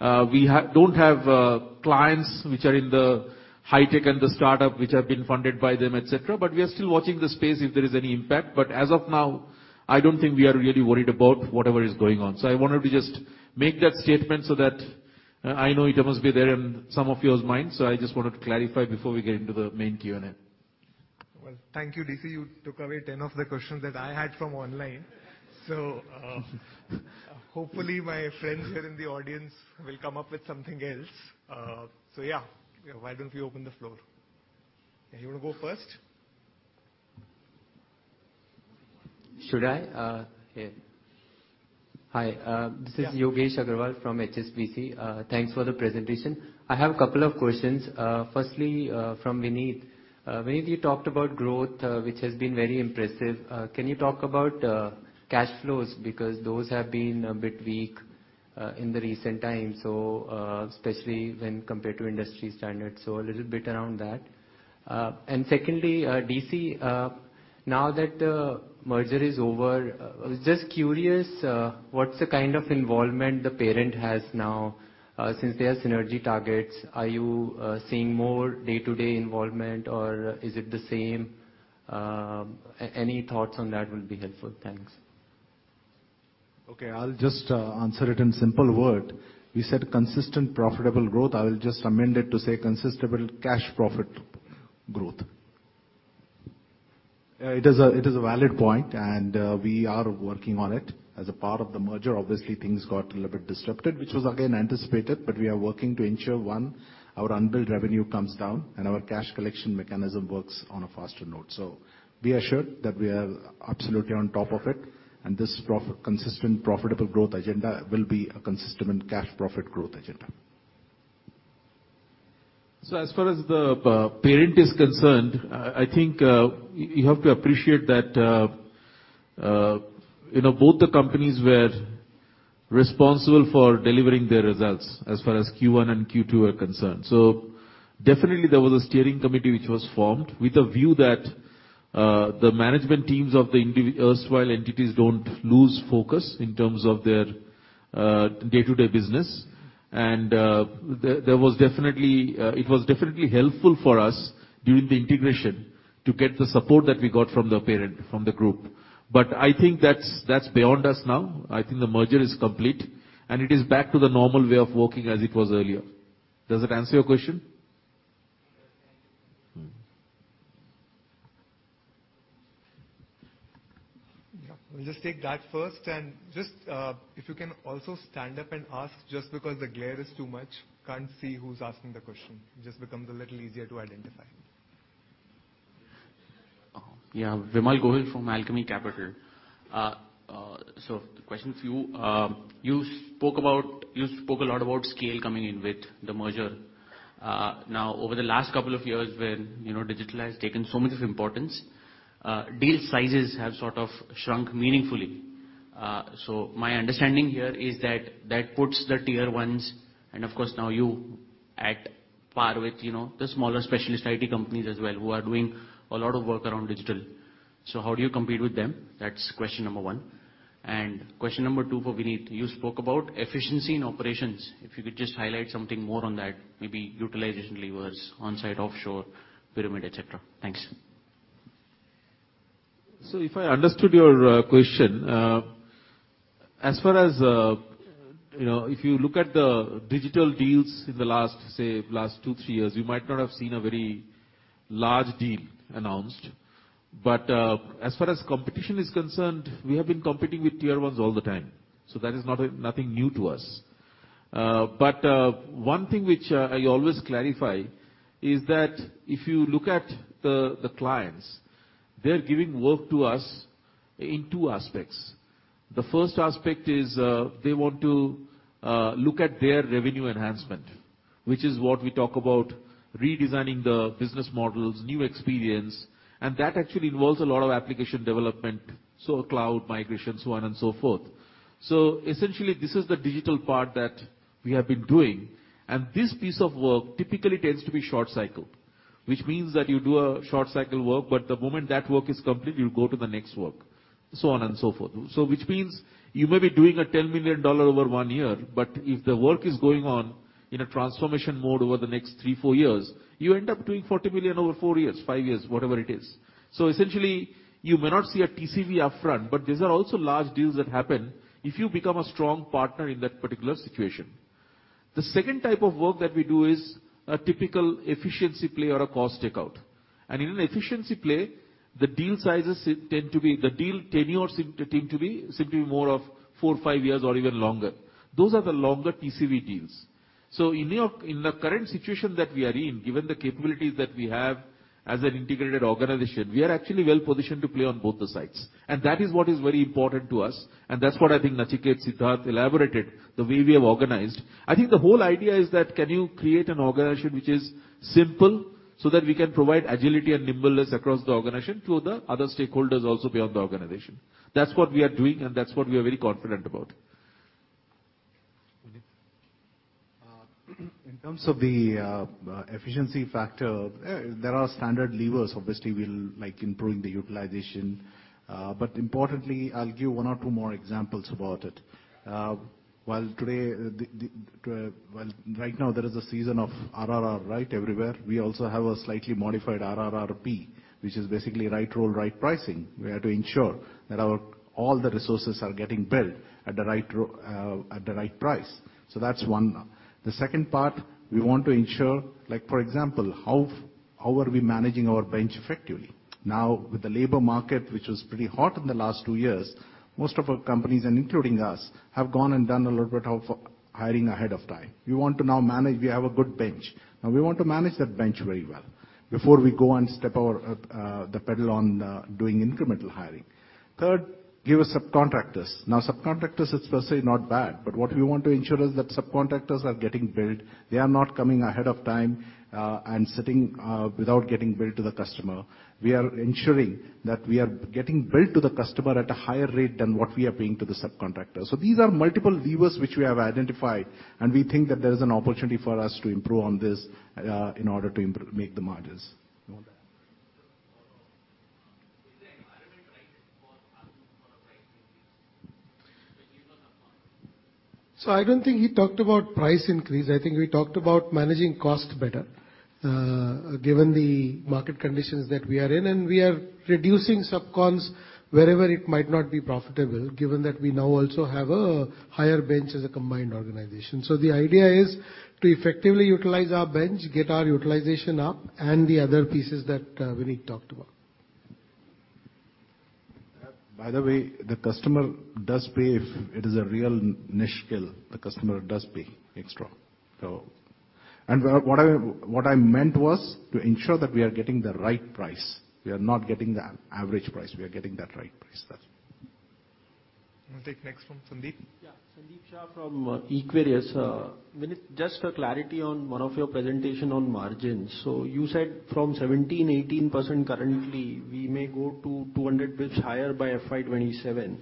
We don't have clients which are in the high-tech and the startup which have been funded by them, et cetera, but we are still watching the space if there is any impact. As of now, I don't think we are really worried about whatever is going on. I wanted to just make that statement so that I know it must be there in some of your minds, I just wanted to clarify before we get into the main Q&A. Well, thank you, DC. You took away 10 of the questions that I had from online. Hopefully my friends here in the audience will come up with something else. Yeah, why don't we open the floor? You wanna go first? Should I? here. Hi, Yeah. Yogesh Aggarwal from HSBC. Thanks for the presentation. I have a couple of questions. Firstly, from Vineet. Vineet, you talked about growth, which has been very impressive. Can you talk about cash flows? Because those have been a bit weak in the recent times, especially when compared to industry standards. A little bit around that. Secondly, DC, now that the merger is over, I was just curious, what's the kind of involvement the parent has now, since they have synergy targets. Are you seeing more day-to-day involvement, or is it the same? Any thoughts on that will be helpful. Thanks. Okay, I'll just answer it in simple word. You said consistent profitable growth. I will just amend it to say consistent cash profit growth. Yeah, it is a valid point, and we are working on it. As a part of the merger, obviously things got a little bit disrupted, which was again anticipated, but we are working to ensure, one, our unbilled revenue comes down and our cash collection mechanism works on a faster note. Be assured that we are absolutely on top of it, and this consistent profitable growth agenda will be a consistent cash profit growth agenda. As far as the parent is concerned, I think you have to appreciate that, you know, both the companies were responsible for delivering their results as far as Q1 and Q2 are concerned. Definitely there was a steering committee which was formed with a view that the management teams of the erstwhile entities don't lose focus in terms of their day-to-day business. There was definitely. It was definitely helpful for us during the integration to get the support that we got from the parent, from the group. I think that's beyond us now. I think the merger is complete, and it is back to the normal way of working as it was earlier. Does that answer your question? Yes, thank you. We'll just take that first and just, if you can also stand up and ask, just because the glare is too much, can't see who's asking the question. It just becomes a little easier to identify. Yeah. Vimal Gohil from Alchemy Capital. You spoke a lot about scale coming in with the merger. Over the last couple of years when, you know, digital has taken so much of importance, deal sizes have sort of shrunk meaningfully. My understanding here is that that puts the tier ones and of course, now you at par with, you know, the smaller specialist IT companies as well who are doing a lot of work around digital. How do you compete with them? That's question number one. Question number two for Vineet. You spoke about efficiency in operations. If you could just highlight something more on that, maybe utilization levers, onsite, offshore, pyramid, et cetera. Thanks. If I understood your question, as far as, you know, if you look at the digital deals in the last, say, last 2, 3 years, you might not have seen a very large deal announced. As far as competition is concerned, we have been competing with tier ones all the time, so that is not a, nothing new to us. One thing which I always clarify is that if you look at the clients, they're giving work to us in 2 aspects. The first aspect is, they want to look at their revenue enhancement, which is what we talk about redesigning the business models, new experience, and that actually involves a lot of application development, so cloud migration, so on and so forth. Essentially, this is the digital part that we have been doing. This piece of work typically tends to be short cycle, which means that you do a short cycle work, but the moment that work is complete, you go to the next work, so on and so forth. Which means you may be doing a $10 million over one year, but if the work is going on in a transformation mode over the next three, four years, you end up doing $40 million over four years, five years, whatever it is. Essentially, you may not see a TCV upfront, but these are also large deals that happen if you become a strong partner in that particular situation. The second type of work that we do is a typical efficiency play or a cost takeout. In an efficiency play, the deal tenure seem to tend to be simply more of four or five years or even longer. Those are the longer TCV deals. In the current situation that we are in, given the capabilities that we have as an integrated organization, we are actually well-positioned to play on both the sides. That is what is very important to us, and that's what I think Nachiket, Siddharth elaborated, the way we have organized. I think the whole idea is that can you create an organization which is simple so that we can provide agility and nimbleness across the organization to the other stakeholders also beyond the organization. That's what we are doing, and that's what we are very confident about. Vinny? In terms of the efficiency factor, there are standard levers. Obviously, we'll, like, improve the utilization. Importantly, I'll give one or two more examples about it. While today, well, right now there is a season of RRR, right, everywhere. We also have a slightly modified RRRB, which is basically right role, right pricing. We have to ensure that all the resources are getting billed at the right price. That's one. The second part, we want to ensure, like for example, how are we managing our bench effectively? With the labor market, which was pretty hot in the last two years, most of our companies, and including us, have gone and done a little bit of hiring ahead of time. We want to now manage. We have a good bench. We want to manage that bench very well before we go and step our the pedal on doing incremental hiring. Third, give subcontractors. Subcontractors, it's per se not bad, but what we want to ensure is that subcontractors are getting billed. They are not coming ahead of time, and sitting without getting billed to the customer. We are ensuring that we are getting billed to the customer at a higher rate than what we are paying to the subcontractor. These are multiple levers which we have identified, and we think that there is an opportunity for us to improve on this, in order to make the margins. You want to add? Is the environment right for us for a price increase to give us a margin? I don't think he talked about price increase. I think we talked about managing cost better, given the market conditions that we are in, and we are reducing subcontractors wherever it might not be profitable, given that we now also have a higher bench as a combined organization. The idea is to effectively utilize our bench, get our utilization up, and the other pieces that Vineet talked about. By the way, the customer does pay if it is a real niche skill. The customer does pay extra. What I meant was to ensure that we are getting the right price. We are not getting the average price. We are getting that right price. That's it. I'll take next from Sandeep. Yeah, Sandeep Shah from Equirus. Vineet, just for clarity on one of your presentation on margins. You said from 17%-18% currently, we may go to 200 basis points higher by FY27.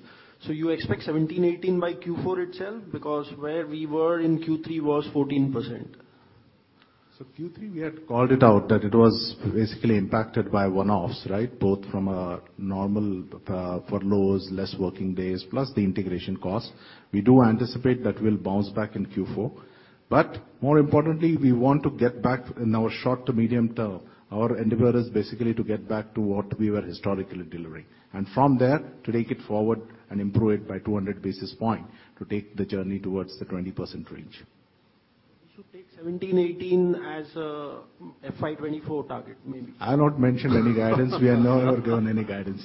You expect 17%-18% by Q4 itself, because where we were in Q3 was 14%? Q3, we had called it out that it was basically impacted by one-offs, right? Both from a normal furloughs, less working days, plus the integration cost. We do anticipate that we'll bounce back in Q4. More importantly, we want to get back in our short to medium term, our endeavor is basically to get back to what we were historically delivering. From there, to take it forward and improve it by 200 basis points to take the journey towards the 20% range. We should take 17-18 as a FY 2024 target maybe. I not mentioned any guidance. We have never given any guidance.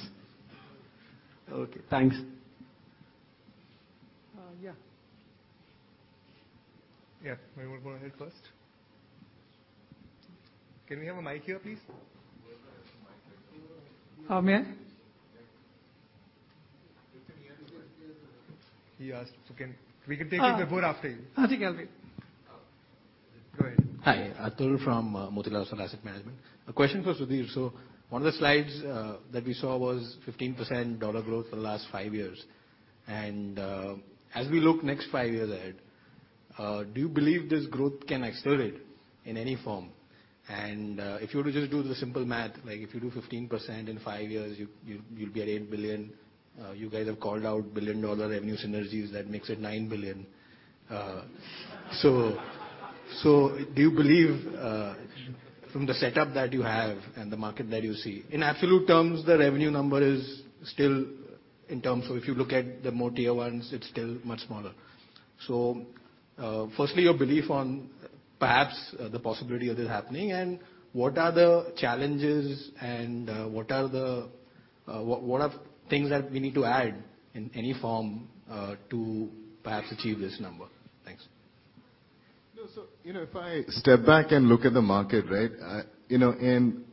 Okay, thanks. Yeah. Yeah. You wanna go ahead first? Can we have a mic here, please? Who has a mic? Oh, may I? Yes. He asked. We can take it before or after him. I think I'll wait. Go ahead. Hi. Atul from Motilal Oswal Asset Management. A question for Sudhir. One of the slides that we saw was 15% $ growth for the last five years. As we look next five years ahead, do you believe this growth can accelerate in any form? If you were to just do the simple math, like if you do 15% in five years, you'll be at $8 billion. You guys have called out billion-dollar revenue synergies, that makes it $9 billion. So do you believe from the setup that you have and the market that you see, in absolute terms, the revenue number is still in terms of if you look at the tier-ones, it's still much smaller. Firstly, your belief on perhaps the possibility of this happening, and what are the challenges and what are things that we need to add in any form to perhaps achieve this number? Thanks. No. You know, if I step back and look at the market, right, you know, and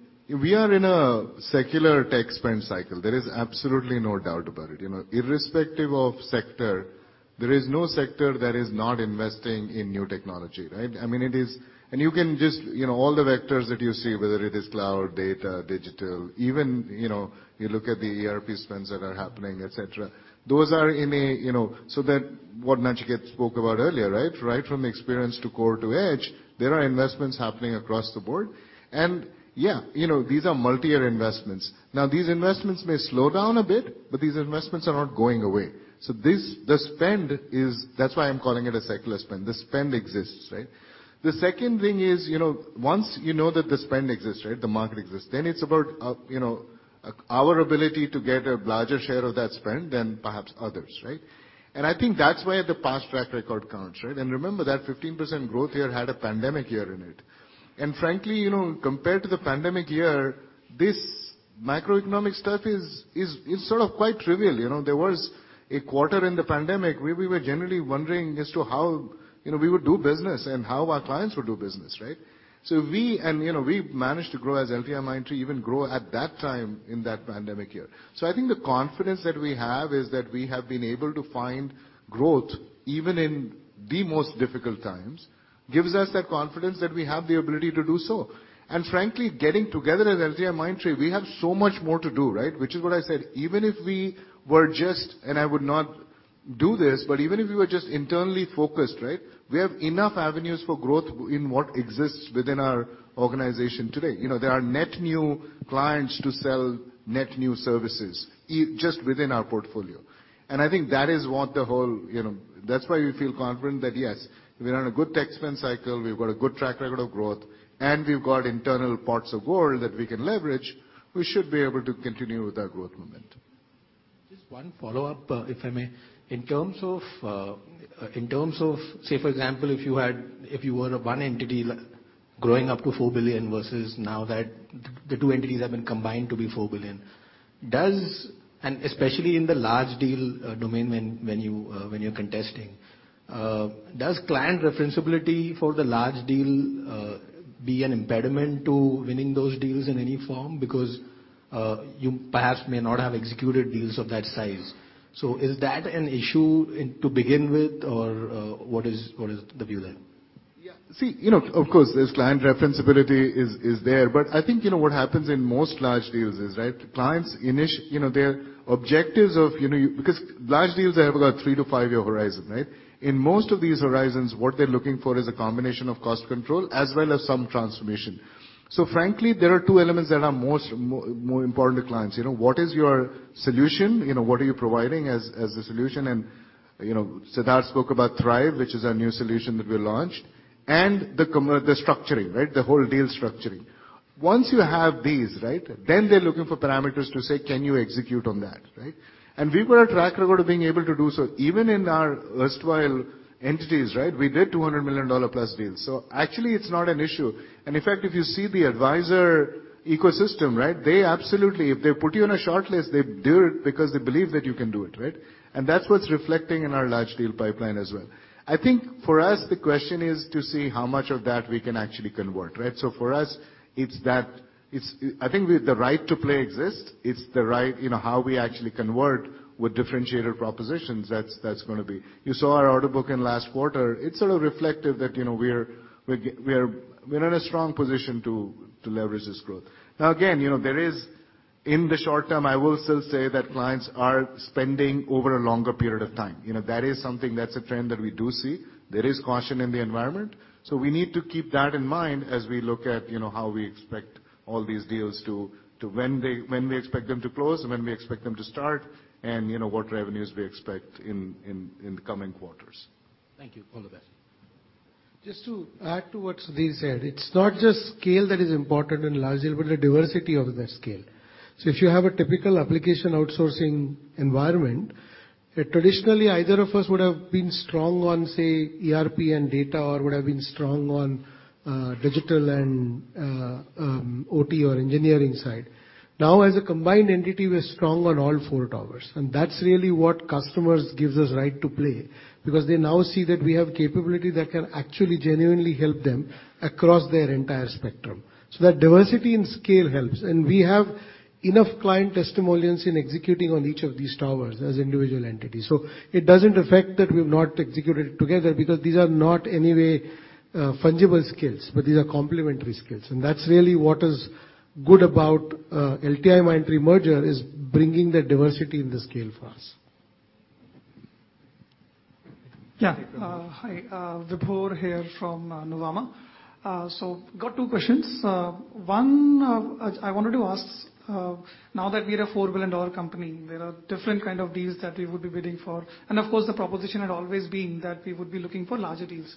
we are in a secular tech spend cycle. There is absolutely no doubt about it. You know, irrespective of sector, there is no sector that is not investing in new technology, right? I mean, you can just, you know, all the vectors that you see, whether it is cloud, data, digital, even, you know, you look at the ERP spends that are happening, et cetera. Those are in a, you know, what Nachiket spoke about earlier, right? Right from experience to core to edge, there are investments happening across the board. You know, these are multi-year investments. These investments may slow down a bit, these investments are not going away. The spend is. That's why I'm calling it a secular spend. The spend exists, right? The second thing is, you know, once you know that the spend exists, right, the market exists, it's about, you know, our ability to get a larger share of that spend than perhaps others, right? I think that's where the past track record counts, right? Remember that 15% growth year had a pandemic year in it. Frankly, you know, compared to the pandemic year, this macroeconomic stuff is sort of quite trivial, you know. There was a quarter in the pandemic where we were generally wondering as to how, you know, we would do business and how our clients would do business, right? You know, we managed to grow as LTIMindtree even grow at that time in that pandemic year. I think the confidence that we have is that we have been able to find growth, even in the most difficult times, gives us that confidence that we have the ability to do so. Frankly, getting together as LTIMindtree, we have so much more to do, right, which is what I said. Even if we were just, and I would not do this, but even if we were just internally focused, right, we have enough avenues for growth in what exists within our organization today. You know, there are net new clients to sell net new services just within our portfolio. I think that is what the whole, you know, that's why we feel confident that, yes, we are in a good tech spend cycle, we've got a good track record of growth, and we've got internal pots of gold that we can leverage, we should be able to continue with our growth momentum. Just one follow-up, if I may. In terms of, in terms of, say, for example, if you had, if you were one entity growing up to $4 billion versus now that the two entities have been combined to be $4 billion. Especially in the large deal, domain when you are, when you're contesting, does client referenceability for the large deal, be an impediment to winning those deals in any form? Because, you perhaps may not have executed deals of that size. Is that an issue in, to begin with, or, what is the view there? See, you know, of course, this client referenceability is there. I think, you know, what happens in most large deals is, right, clients, you know, their objectives of, you know... Large deals, they have about three-five-year horizon, right? In most of these horizons, what they're looking for is a combination of cost control as well as some transformation. Frankly, there are two elements that are most more important to clients. You know, what is your solution, you know, what are you providing as a solution? You know, Siddharth spoke about Thrive, which is our new solution that we launched, and the structuring, right? The whole deal structuring. Once you have these, right, they're looking for parameters to say, "Can you execute on that?" Right? We've got a track record of being able to do so. Even in our erstwhile entities, right, we did $200 million plus deals. Actually, it's not an issue. In fact, if you see the advisor ecosystem, right, they absolutely, if they put you on a shortlist, they do it because they believe that you can do it, right? That's what's reflecting in our large deal pipeline as well. I think for us, the question is to see how much of that we can actually convert, right? For us, it's that, it's, I think we have the right to play exist. It's the right, you know, how we actually convert with differentiator propositions that's gonna be. You saw our order book in last quarter. It sort of reflected that, you know, we're in a strong position to leverage this growth. Again, you know, there is, in the short term, I will still say that clients are spending over a longer period of time. That is something that's a trend that we do see. There is caution in the environment. We need to keep that in mind as we look at, you know, how we expect all these deals to when we expect them to close and when we expect them to start, and, you know, what revenues we expect in the coming quarters. Thank you. All the best. Just to add to what Sudhir said. It's not just scale that is important in large deal, but the diversity of that scale. If you have a typical application outsourcing environment, traditionally, either of us would have been strong on, say, ERP and data, or would have been strong on digital and OT or engineering side. Now, as a combined entity, we're strong on all four towers, and that's really what customers gives us right to play. They now see that we have capability that can actually genuinely help them across their entire spectrum. That diversity and scale helps. And we have enough client testimonials in executing on each of these towers as individual entities. It doesn't affect that we've not executed together because these are not, anyway, fungible skills, but these are complementary skills. That's really what is good about LTIMindtree merger, is bringing that diversity in the scale for us. Yeah. Hi, Vibhor here from Nuvama. Got two questions. One, I wanted to ask, now that we're a $4 billion company, there are different kind of deals that we would be bidding for. Of course, the proposition had always been that we would be looking for larger deals.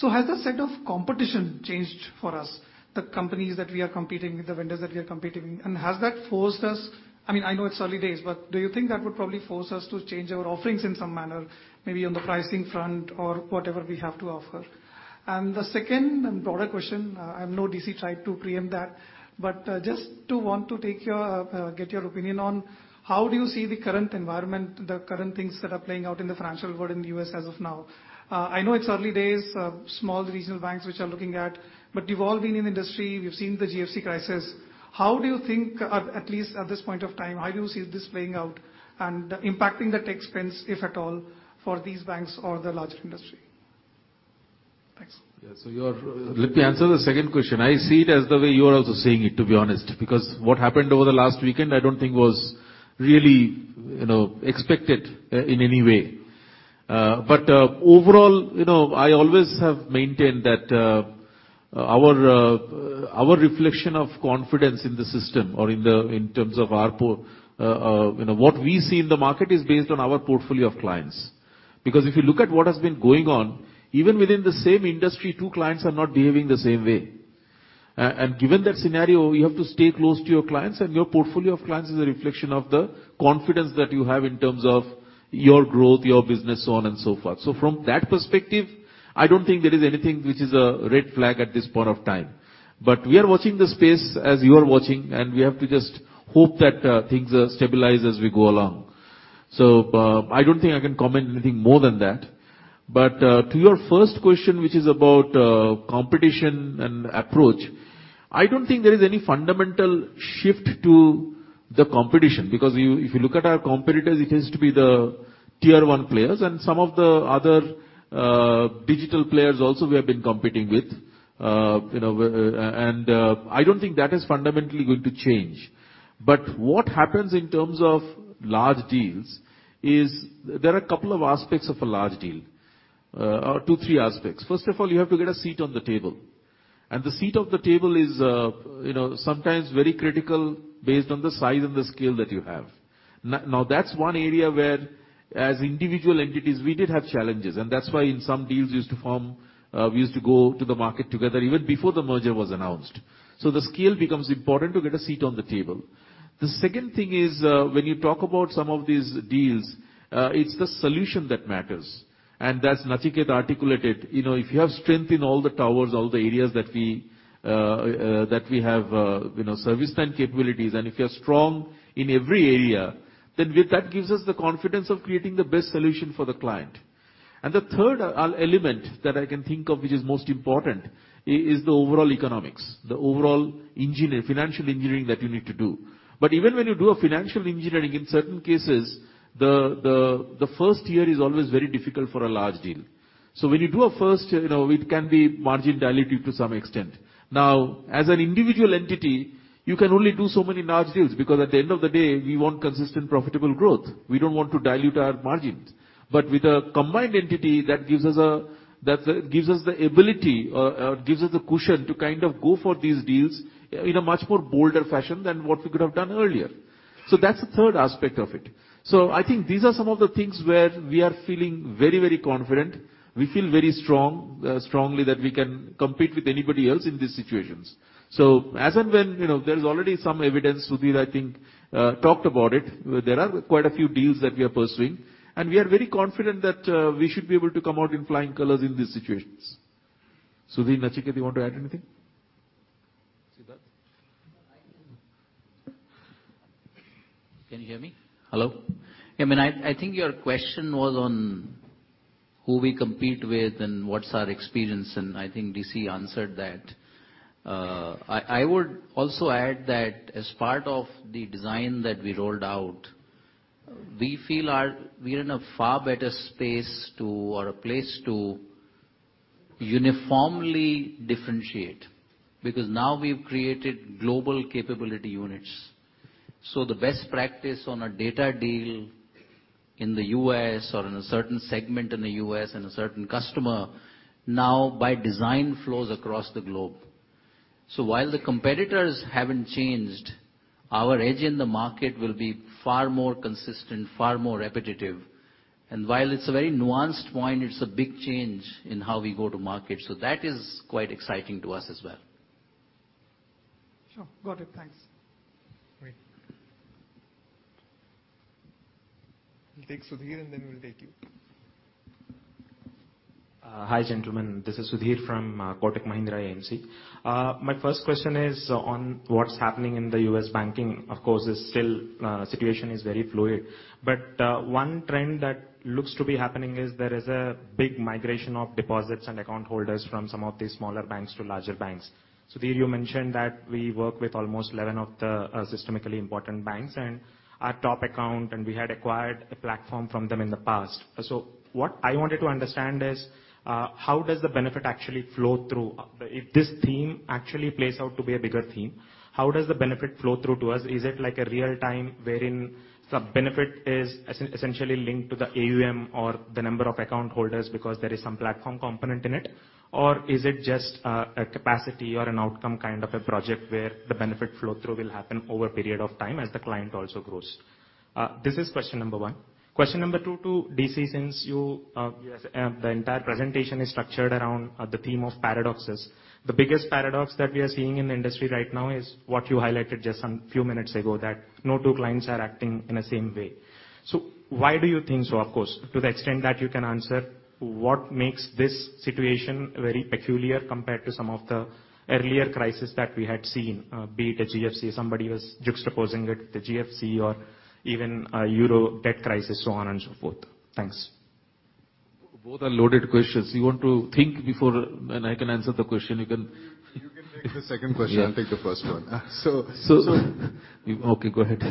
Has the set of competition changed for us, the companies that we are competing with, the vendors that we are competing? Has that forced us, I mean, I know it's early days, but do you think that would probably force us to change our offerings in some manner, maybe on the pricing front or whatever we have to offer? The second and broader question, I know DC tried to preempt that, but just to get your opinion on how do you see the current environment, the current things that are playing out in the financial world in the U.S. as of now? I know it's early days, small regional banks which are looking at, but you've all been in industry, we've seen the GFC crisis. How do you think, at least at this point of time, how do you see this playing out and impacting the tech spends, if at all, for these banks or the larger industry? Yeah. Let me answer the second question. I see it as the way you are also seeing it, to be honest. What happened over the last weekend, I don't think was really, you know, expected in any way. Overall, you know, I always have maintained that our reflection of confidence in the system or in terms of our portfolio of clients. If you look at what has been going on, even within the same industry, two clients are not behaving the same way. Given that scenario, you have to stay close to your clients, and your portfolio of clients is a reflection of the confidence that you have in terms of your growth, your business, so on and so forth. From that perspective, I don't think there is anything which is a red flag at this point of time. We are watching the space as you are watching, and we have to just hope that things stabilize as we go along. I don't think I can comment anything more than that. To your first question, which is about competition and approach, I don't think there is any fundamental shift to the competition. If you look at our competitors, it has to be the tier one players and some of the other digital players also we have been competing with. You know, I don't think that is fundamentally going to change. What happens in terms of large deals is there are a couple of aspects of a large deal, or two, three aspects. First of all, you have to get a seat on the table. The seat of the table is, you know, sometimes very critical based on the size and the scale that you have. Now, that's one area where, as individual entities, we did have challenges. That's why in some deals we used to form, we used to go to the market together even before the merger was announced. The scale becomes important to get a seat on the table. The second thing is, when you talk about some of these deals, it's the solution that matters. As Nachiket articulated, you know, if you have strength in all the towers, all the areas that we, that we have, you know, service and capabilities, and if you're strong in every area, then with that gives us the confidence of creating the best solution for the client. The third element that I can think of, which is most important, is the overall economics, the overall financial engineering that you need to do. Even when you do a financial engineering, in certain cases, the first year is always very difficult for a large deal. When you do a first year, you know, it can be margin dilutive to some extent. As an individual entity, you can only do so many large deals because at the end of the day, we want consistent profitable growth. We don't want to dilute our margins. With a combined entity, that gives us that gives us the ability or gives us the cushion to kind of go for these deals in a much more bolder fashion than what we could have done earlier. That's the third aspect of it. I think these are some of the things where we are feeling very, very confident. We feel very strongly that we can compete with anybody else in these situations. As and when, you know, there's already some evidence, Sudhir, I think, talked about it. There are quite a few deals that we are pursuing, and we are very confident that we should be able to come out in flying colors in these situations. Sudhir, Nachiket, you want to add anything? Siddharth? No, I can. Can you hear me? Hello? I mean, I think your question was on who we compete with and what's our experience, and I think DC answered that. I would also add that as part of the design that we rolled out, we feel we're in a far better place to uniformly differentiate, because now we've created global capability units. The best practice on a data deal in the U.S. or in a certain segment in the U.S. and a certain customer now by design flows across the globe. While the competitors haven't changed, our edge in the market will be far more consistent, far more repetitive. While it's a very nuanced point, it's a big change in how we go to market. That is quite exciting to us as well. Sure. Got it. Thanks. Great. We'll take Sudhir, and then we'll take you. Hi, gentlemen. This is Sudhir from Kotak Mahindra AMC. My first question is on what's happening in the U.S. banking. Of course, it's still, situation is very fluid. One trend that looks to be happening is there is a big migration of deposits and account holders from some of these smaller banks to larger banks. Sudhir, you mentioned that we work with almost 11 of the systemically important banks and our top account, and we had acquired a platform from them in the past. What I wanted to understand is, how does the benefit actually flow through? If this theme actually plays out to be a bigger theme, how does the benefit flow through to us? Is it like a real time wherein the benefit is essentially linked to the AUM or the number of account holders because there is some platform component in it? Or is it just a capacity or an outcome kind of a project where the benefit flow through will happen over a period of time as the client also grows? This is question number one. Question number two to DC, since you, yes, the entire presentation is structured around the theme of paradoxes. The biggest paradox that we are seeing in the industry right now is what you highlighted just some few minutes ago, that no two clients are acting in the same way. Why do you think so? Of course, to the extent that you can answer, what makes this situation very peculiar compared to some of the earlier crisis that we had seen, be it the GFC, somebody was juxtaposing it, the GFC or even a Euro debt crisis, so on and so forth. Thanks. Both are loaded questions. You want to think before. I can answer the question. You can take the second question. Yeah. I'll take the first one. Okay, go ahead.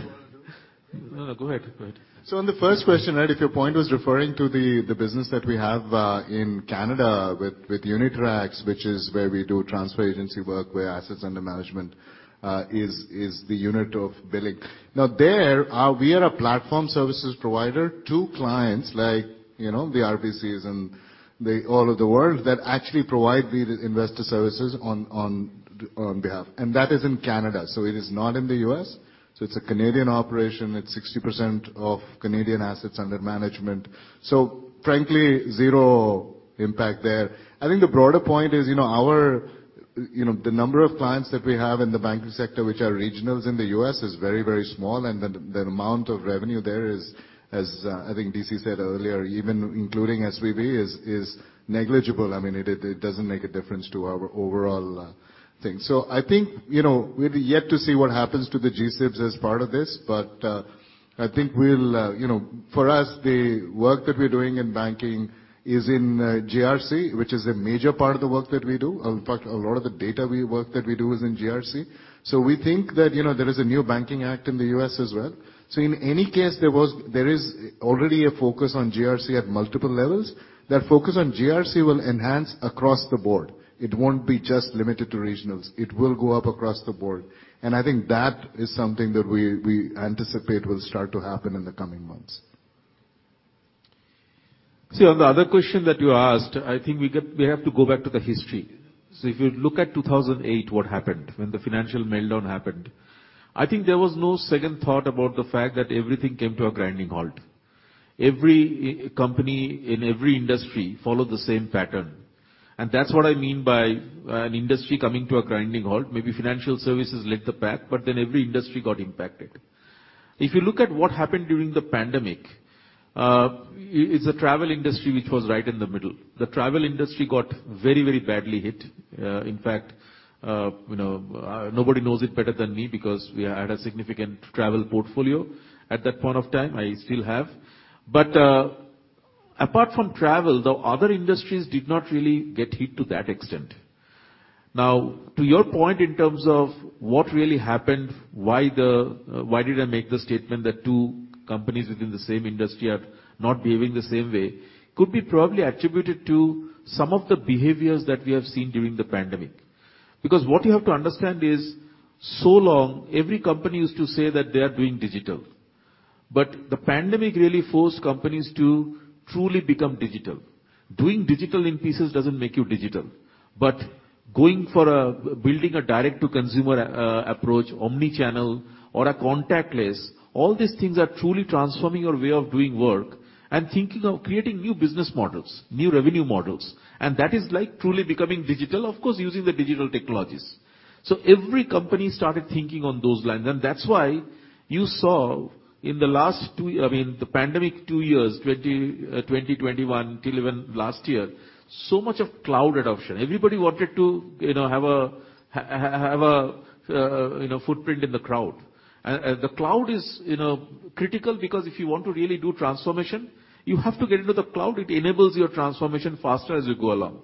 No, go ahead. Go ahead. On the first question, right? If your point was referring to the business that we have in Canada with Unitrax, which is where we do transfer agency work, where assets under management is the unit of billing. There, we are a platform services provider to clients like, you know, the RBCs and the all of the world that actually provide the investor services on behalf. That is in Canada, so it is not in the U.S. It's a Canadian operation. It's 60% of Canadian assets under management. Frankly, zero impact there. I think the broader point is, you know, our... You know, the number of clients that we have in the banking sector, which are regionals in the US, is very, very small, and the amount of revenue there is, as I think DC said earlier, even including SVB is negligible. I mean, it doesn't make a difference to our overall thing. I think, you know, we're yet to see what happens to the GSIBs as part of this, but I think we'll. You know, for us, the work that we're doing in banking is in GRC, which is a major part of the work that we do. In fact, a lot of the data we work that we do is in GRC. We think that, you know, there is a new banking act in the US as well. In any case, there is already a focus on GRC at multiple levels. That focus on GRC will enhance across the board. It won't be just limited to regionals. It will go up across the board. I think that is something that we anticipate will start to happen in the coming months. On the other question that you asked, I think we have to go back to the history. If you look at 2008, what happened when the financial meltdown happened, I think there was no second thought about the fact that everything came to a grinding halt. Every e-company in every industry followed the same pattern, that's what I mean by an industry coming to a grinding halt. Maybe financial services led the pack, every industry got impacted. If you look at what happened during the pandemic, it's the travel industry which was right in the middle. The travel industry got very badly hit. In fact, you know, nobody knows it better than me because we had a significant travel portfolio at that point of time. I still have. Apart from travel, the other industries did not really get hit to that extent. To your point in terms of what really happened, why did I make the statement that two companies within the same industry are not behaving the same way could be probably attributed to some of the behaviors that we have seen during the pandemic. What you have to understand is so long every company used to say that they are doing digital, the pandemic really forced companies to truly become digital. Doing digital in pieces doesn't make you digital. Going for building a direct to consumer approach, omni-channel or a contactless, all these things are truly transforming your way of doing work and thinking of creating new business models, new revenue models, that is like truly becoming digital, of course, using the digital technologies. Every company started thinking on those lines, and that's why you saw in the last two... I mean, the pandemic two years, 2020, 2021 till even last year, so much of cloud adoption. Everybody wanted to, you know, have a, you know, footprint in the cloud. The cloud is, you know, critical because if you want to really do transformation, you have to get into the cloud. It enables your transformation faster as you go along.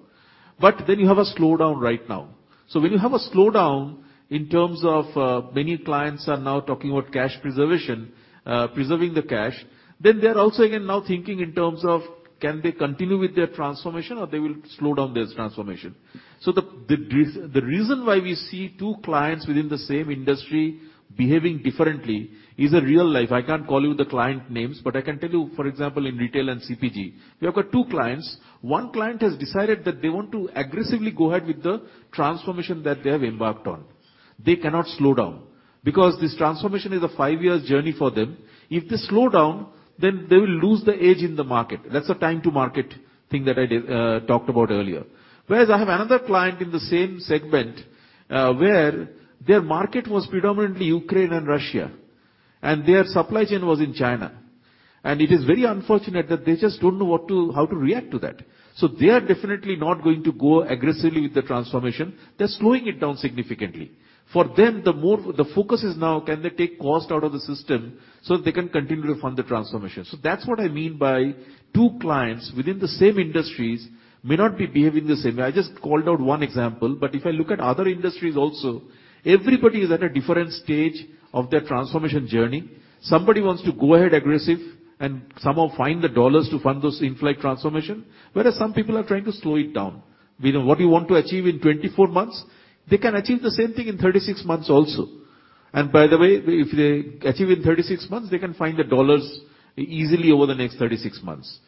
You have a slowdown right now. When you have a slowdown in terms of many clients are now talking about cash preservation, preserving the cash, then they're also again now thinking in terms of can they continue with their transformation or they will slow down this transformation. The reason why we see two clients within the same industry behaving differently is a real life. I can't call you the client names. I can tell you, for example, in retail and CPG, we have got two clients. One client has decided that they want to aggressively go ahead with the transformation that they have embarked on. They cannot slow down because this transformation is a five-years journey for them. If they slow down, then they will lose the edge in the market. That's a time to market thing that I did talked about earlier. Whereas I have another client in the same segment, where their market was predominantly Ukraine and Russia, and their supply chain was in China. It is very unfortunate that they just don't know how to react to that. They are definitely not going to go aggressively with the transformation. They're slowing it down significantly. For them, the focus is now can they take cost out of the system so they can continue to fund the transformation. That's what I mean by two clients within the same industries may not be behaving the same way. I just called out one example, if I look at other industries also, everybody is at a different stage of their transformation journey. Somebody wants to go ahead aggressive and somehow find the dollars to fund those in-flight transformation, whereas some people are trying to slow it down. You know, what you want to achieve in 24 months, they can achieve the same thing in 36 months also. By the way, if they achieve in 36 months, they can find the dollars easily over the next 36 months.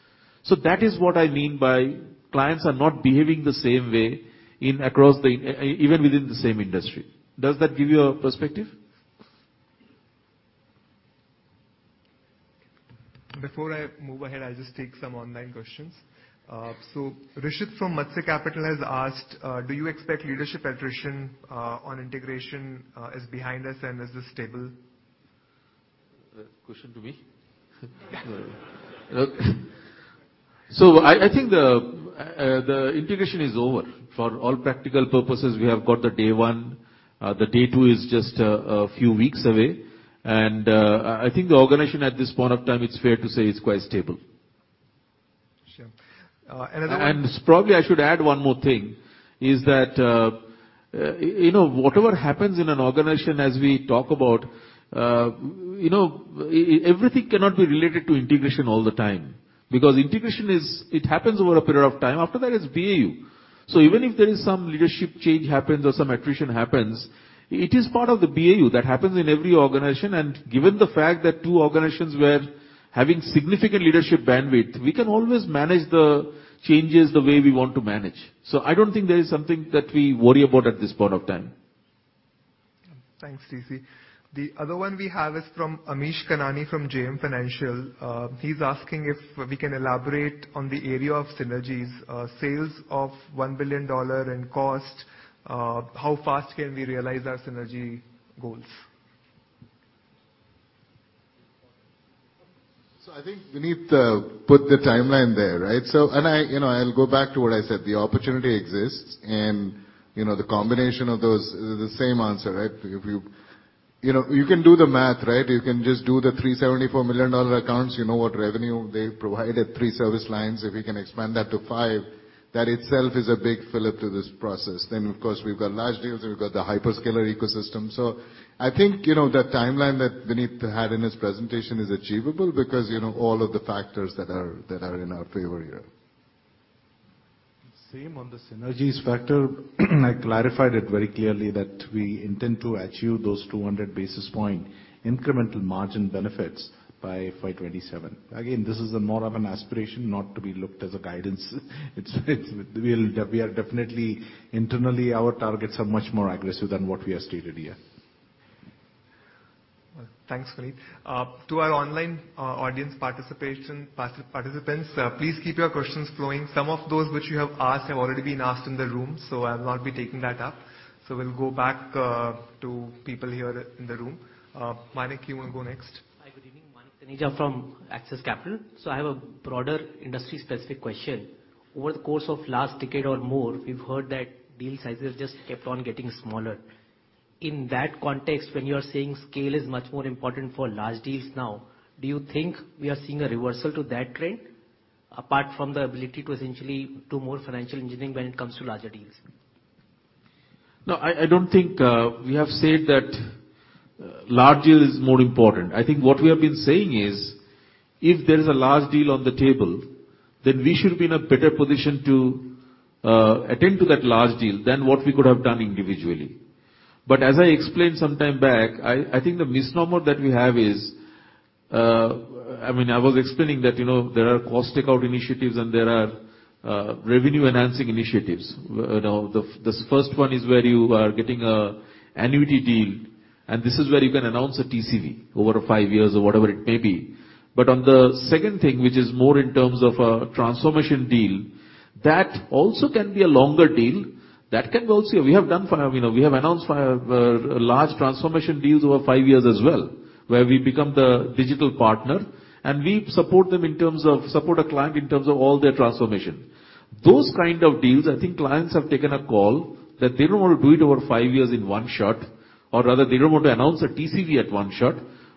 That is what I mean by clients are not behaving the same way even within the same industry. Does that give you a perspective? Before I move ahead, I'll just take some online questions. Rishit from Matsya Capital has asked, "Do you expect leadership attrition on integration is behind us and is this stable? Question to me? I think the integration is over. For all practical purposes, we have got the day one. The day two is just a few weeks away. I think the organization at this point of time, it's fair to say, is quite stable. Sure. Probably I should add one more thing, is that, you know, whatever happens in an organization as we talk about, you know, everything cannot be related to integration all the time, because integration is... it happens over a period of time. After that, it's BAU. Even if there is some leadership change happens or some attrition happens, it is part of the BAU. That happens in every organization. Given the fact that two organizations were having significant leadership bandwidth, we can always manage the changes the way we want to manage. I don't think there is something that we worry about at this point of time. Thanks, DC. The other one we have is from Anish Kanani from JM Financial. He's asking if we can elaborate on the area of synergies. Sales of $1 billion in cost, how fast can we realize our synergy goals? I think we need to put the timeline there, right? I, you know, I'll go back to what I said. The opportunity exists, and, you know, the combination of those, the same answer, right? You know, you can do the math, right? You can just do the $374 million accounts. You know what revenue they provide at 3 service lines. If you can expand that to 5, that itself is a big fillip to this process. Of course, we've got large deals, we've got the hyperscaler ecosystem. I think, you know, the timeline that Vineet had in his presentation is achievable because, you know, all of the factors that are in our favor here. Same on the synergies factor. I clarified it very clearly that we intend to achieve those 200 basis points incremental margin benefits by FY 2027. This is more of an aspiration not to be looked as a guidance. Internally, our targets are much more aggressive than what we have stated here. Well, thanks, Vineet. to our online audience participation, participants, please keep your questions flowing. Some of those which you have asked have already been asked in the room. I'll not be taking that up. we'll go back to people here in the room. Manik, you wanna go next. Hi, good evening. Manik Taneja from Axis Capital. I have a broader industry-specific question. Over the course of last decade or more, we've heard that deal sizes just kept on getting smaller. In that context, when you are saying scale is much more important for large deals now, do you think we are seeing a reversal to that trend, apart from the ability to essentially do more financial engineering when it comes to larger deals? I don't think we have said that large deal is more important. I think what we have been saying is, if there's a large deal on the table, then we should be in a better position to attend to that large deal than what we could have done individually. As I explained some time back, I think the misnomer that we have is, I mean, I was explaining that, you know, there are cost takeout initiatives and there are revenue-enhancing initiatives. You know, the first one is where you are getting a annuity deal, and this is where you can announce a TCV over five years or whatever it may be. On the second thing, which is more in terms of a transformation deal, that also can be a longer deal. That can go, see, we have done 5, you know, we have announced 5 large transformation deals over 5 years as well, where we become the digital partner and we support them in terms of support a client in terms of all their transformation. Those kind of deals, I think clients have taken a call that they don't want to do it over five years in one shot, or rather, they don't want to announce a TCV at one shot,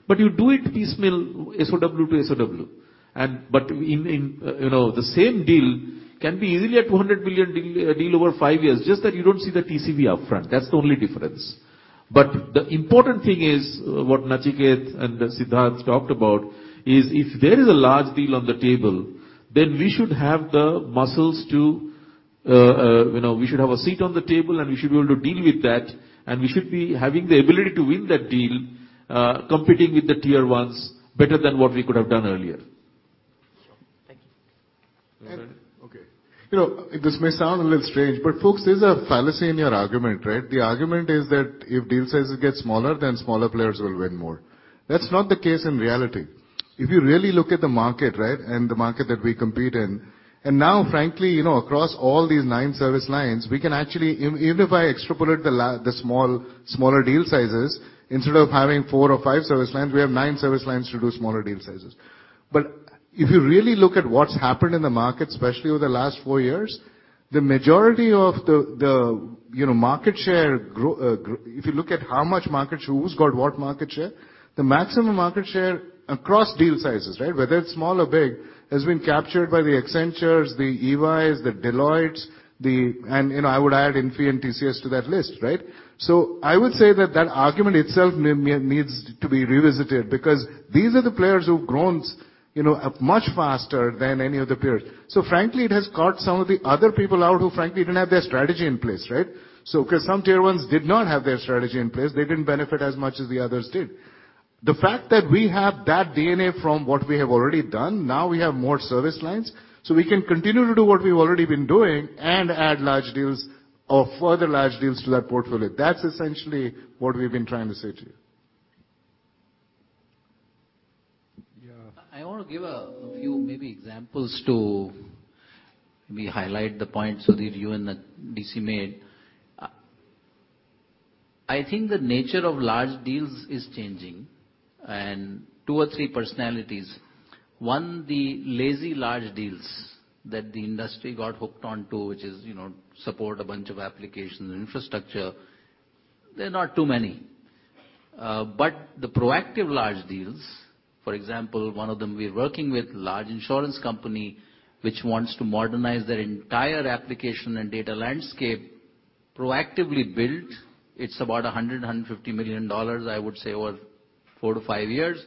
but you do it piecemeal, SOW to SOW. In, in, you know, the same deal can be easily an 200 billion deal over five years. Just that you don't see the TCV upfront. That's the only difference. The important thing is, what Nachiket and Siddharth talked about, is if there is a large deal on the table, then we should have the muscles to, you know, we should have a seat on the table and we should be able to deal with that, and we should be having the ability to win that deal, competing with the tier ones better than what we could have done earlier. Sure. Thank you. Okay. You know, this may sound a little strange, folks, there's a fallacy in your argument, right? The argument is that if deal sizes get smaller, then smaller players will win more. That's not the case in reality. If you really look at the market, right, and the market that we compete in, and now frankly, you know, across all these nine service lines, we can actually even if I extrapolate the smaller deal sizes, instead of having four or five service lines, we have nine service lines to do smaller deal sizes. If you really look at what's happened in the market, especially over the last four years, the majority of the, you know, market share grow If you look at how much market share, who's got what market share, the maximum market share across deal sizes, right, whether it's small or big, has been captured by the Accentures, the EYs, the Deloittes, the. You know, I would add Infosys and TCS to that list, right? I would say that that argument itself needs to be revisited because these are the players who've grown, you know, up much faster than any other period. Frankly, it has caught some of the other people out who frankly didn't have their strategy in place, right? 'cause some tier ones did not have their strategy in place, they didn't benefit as much as the others did. The fact that we have that DNA from what we have already done, now we have more service lines, so we can continue to do what we've already been doing and add large deals or further large deals to that portfolio. That's essentially what we've been trying to say to you. Yeah. I want to give a few maybe examples to maybe highlight the points Sudhir, you and DC made. I think the nature of large deals is changing, two or three personalities. One, the lazy large deals that the industry got hooked onto, which is, you know, support a bunch of applications and infrastructure. They're not too many. The proactive large deals, for example, one of them we're working with, large insurance company, which wants to modernize their entire application and data landscape, proactively build. It's about $100 million-$150 million, I would say, over four-five years,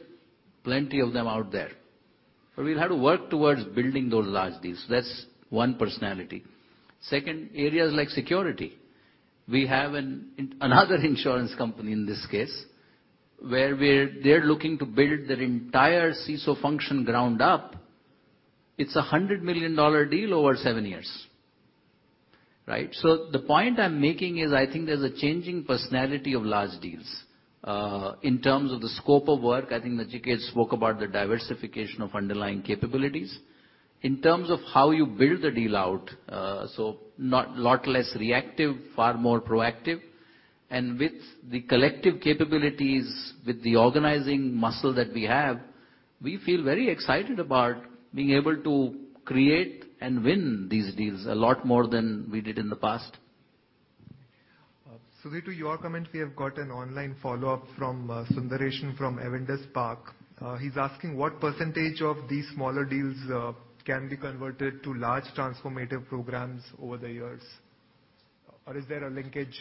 plenty of them out there. We'll have to work towards building those large deals. That's one personality. Second, areas like security. We have another insurance company in this case, where they're looking to build their entire CISO function ground up. It's a $100 million deal over seven years, right? The point I'm making is, I think there's a changing personality of large deals. In terms of the scope of work, I think Nachiket spoke about the diversification of underlying capabilities. In terms of how you build the deal out, lot less reactive, far more proactive. With the collective capabilities, with the organizing muscle that we have, we feel very excited about being able to create and win these deals a lot more than we did in the past. Sudhir, to your comment, we have got an online follow-up from Sundaresan from Avendus Spark. He's asking what % of these smaller deals can be converted to large transformative programs over the years? Is there a linkage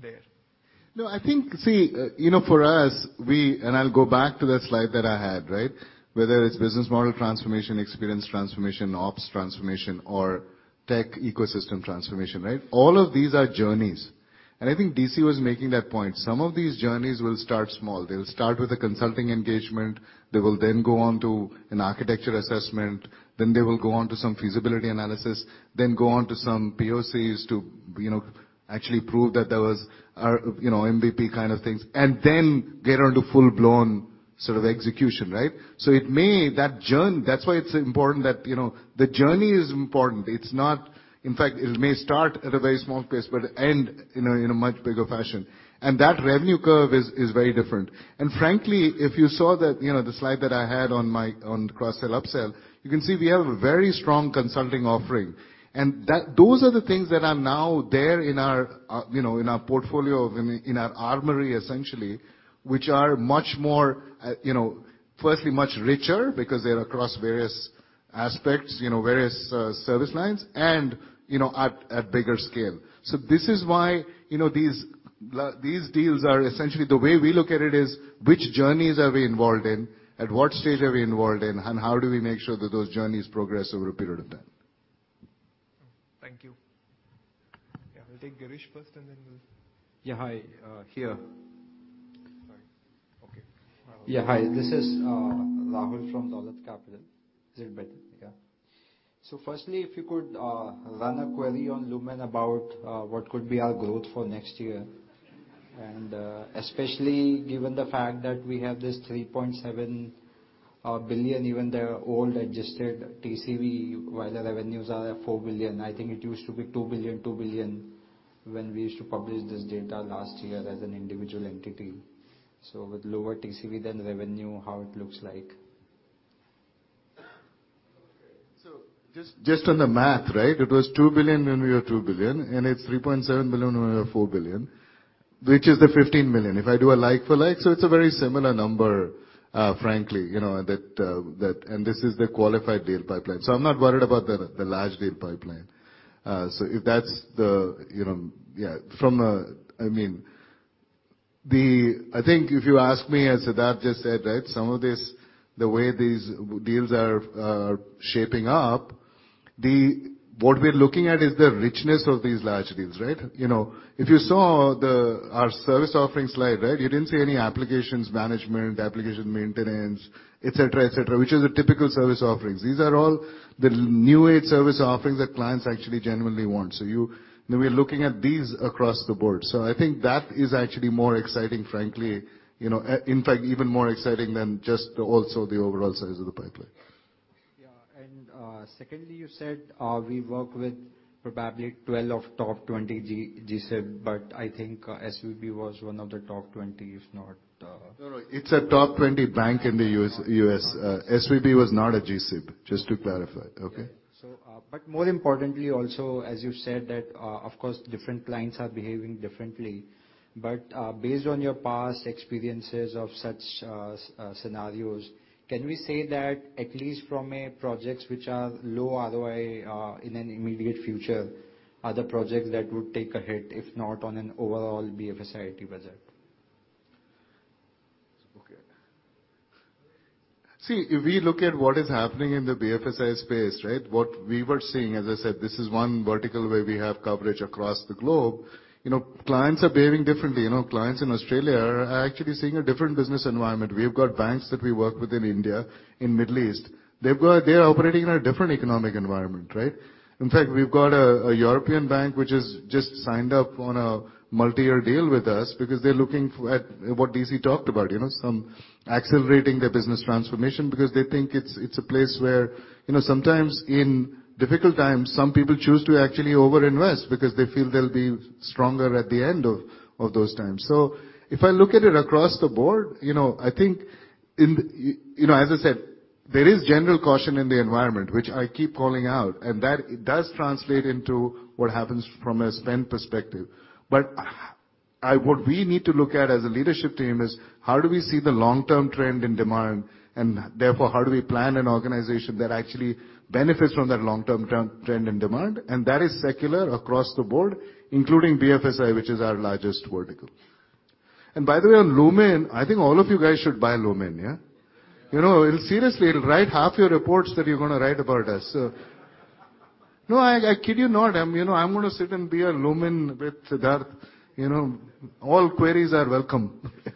there? No, I think, see, you know, for us, I'll go back to that slide that I had, right? Whether it's business model transformation, experience transformation, ops transformation, or tech ecosystem transformation, right? All of these are journeys. I think DC was making that point. Some of these journeys will start small. They'll start with a consulting engagement. They will then go on to an architecture assessment, then they will go on to some feasibility analysis, then go on to some POCs to, you know, actually prove that there was our, you know, MVP kind of things, and then get on to full-blown sort of execution, right? It may, that's why it's important that, you know, the journey is important. In fact, it may start at a very small place, but end in a, in a much bigger fashion. That revenue curve is very different. Frankly, if you saw the, you know, the slide that I had on my, on cross-sell, up-sell, you can see we have a very strong consulting offering. Those are the things that are now there in our, you know, in our portfolio, in our armory, essentially, which are much more, you know, firstly, much richer because they're across various aspects, you know, various service lines and, you know, at bigger scale. This is why, you know, these deals are essentially the way we look at it is which journeys are we involved in? At what stage are we involved in? How do we make sure that those journeys progress over a period of time? Thank you. Yeah, we'll take Girish pai first, and then. Yeah, hi. here. Sorry. Okay. Hi. This is Rahul from Dolat Capital. Is it better? Yeah. Firstly, if you could run a query on Lumin about what could be our growth for next year? Especially given the fact that we have this $3.7 billion, even the old adjusted TCV, while the revenues are at $4 billion, I think it used to be $2 billion when we used to publish this data last year as an individual entity. With lower TCV than revenue, how it looks like. Just on the math, right? It was $2 billion when we were $2 billion, and it's $3.7 billion when we were $4 billion, which is the $15 million. If I do a like for like, it's a very similar number, frankly, you know, that. And this is the qualified deal pipeline. I'm not worried about the large deal pipeline. If that's the, you know, yeah, from a. I mean, the. I think if you ask me, as Siddhartha just said, right? Some of this, the way these deals are shaping up, what we're looking at is the richness of these large deals, right? You know, if you saw our service offering slide, right? You didn't see any applications management, application maintenance, et cetera, et cetera, which is the typical service offerings. These are all the new age service offerings that clients actually genuinely want. We're looking at these across the board. I think that is actually more exciting, frankly, you know, in fact, even more exciting than just also the overall size of the pipeline. Yeah. Secondly, you said, we work with probably 12 of top 20 GSIB, but I think SVB was one of the top 20, if not. No, no. It's a top 20 bank in the U.S., U.S. SVB was not a GSIB, just to clarify. Okay? More importantly, also, as you said that, of course, different clients are behaving differently. Based on your past experiences of such scenarios, can we say that at least from a projects which are low ROI, in an immediate future, are the projects that would take a hit if not on an overall BFSI IT budget? Okay. See, if we look at what is happening in the BFSI space, right? What we were seeing, as I said, this is one vertical where we have coverage across the globe. You know, clients are behaving differently. You know, clients in Australia are actually seeing a different business environment. We've got banks that we work with in India, in Middle East. They're operating in a different economic environment, right? In fact, we've got a European bank which has just signed up on a multi-year deal with us because they're looking for at what DC talked about, you know. Accelerating their business transformation because they think it's a place where, you know, sometimes in difficult times, some people choose to actually over-invest because they feel they'll be stronger at the end of those times. If I look at it across the board, you know, as I said, there is general caution in the environment, which I keep calling out, and that does translate into what happens from a spend perspective. What we need to look at as a leadership team is how do we see the long-term trend in demand, and therefore, how do we plan an organization that actually benefits from that long-term trend and demand, and that is secular across the board, including BFSI, which is our largest vertical. By the way, on Lumin, I think all of you guys should buy Lumin, yeah. You know, it'll seriously, it'll write half your reports that you're gonna write about us. No, I kid you not. I'm, you know, I'm gonna sit and be a Lumin with Siddharth, you know. All queries are welcome. Can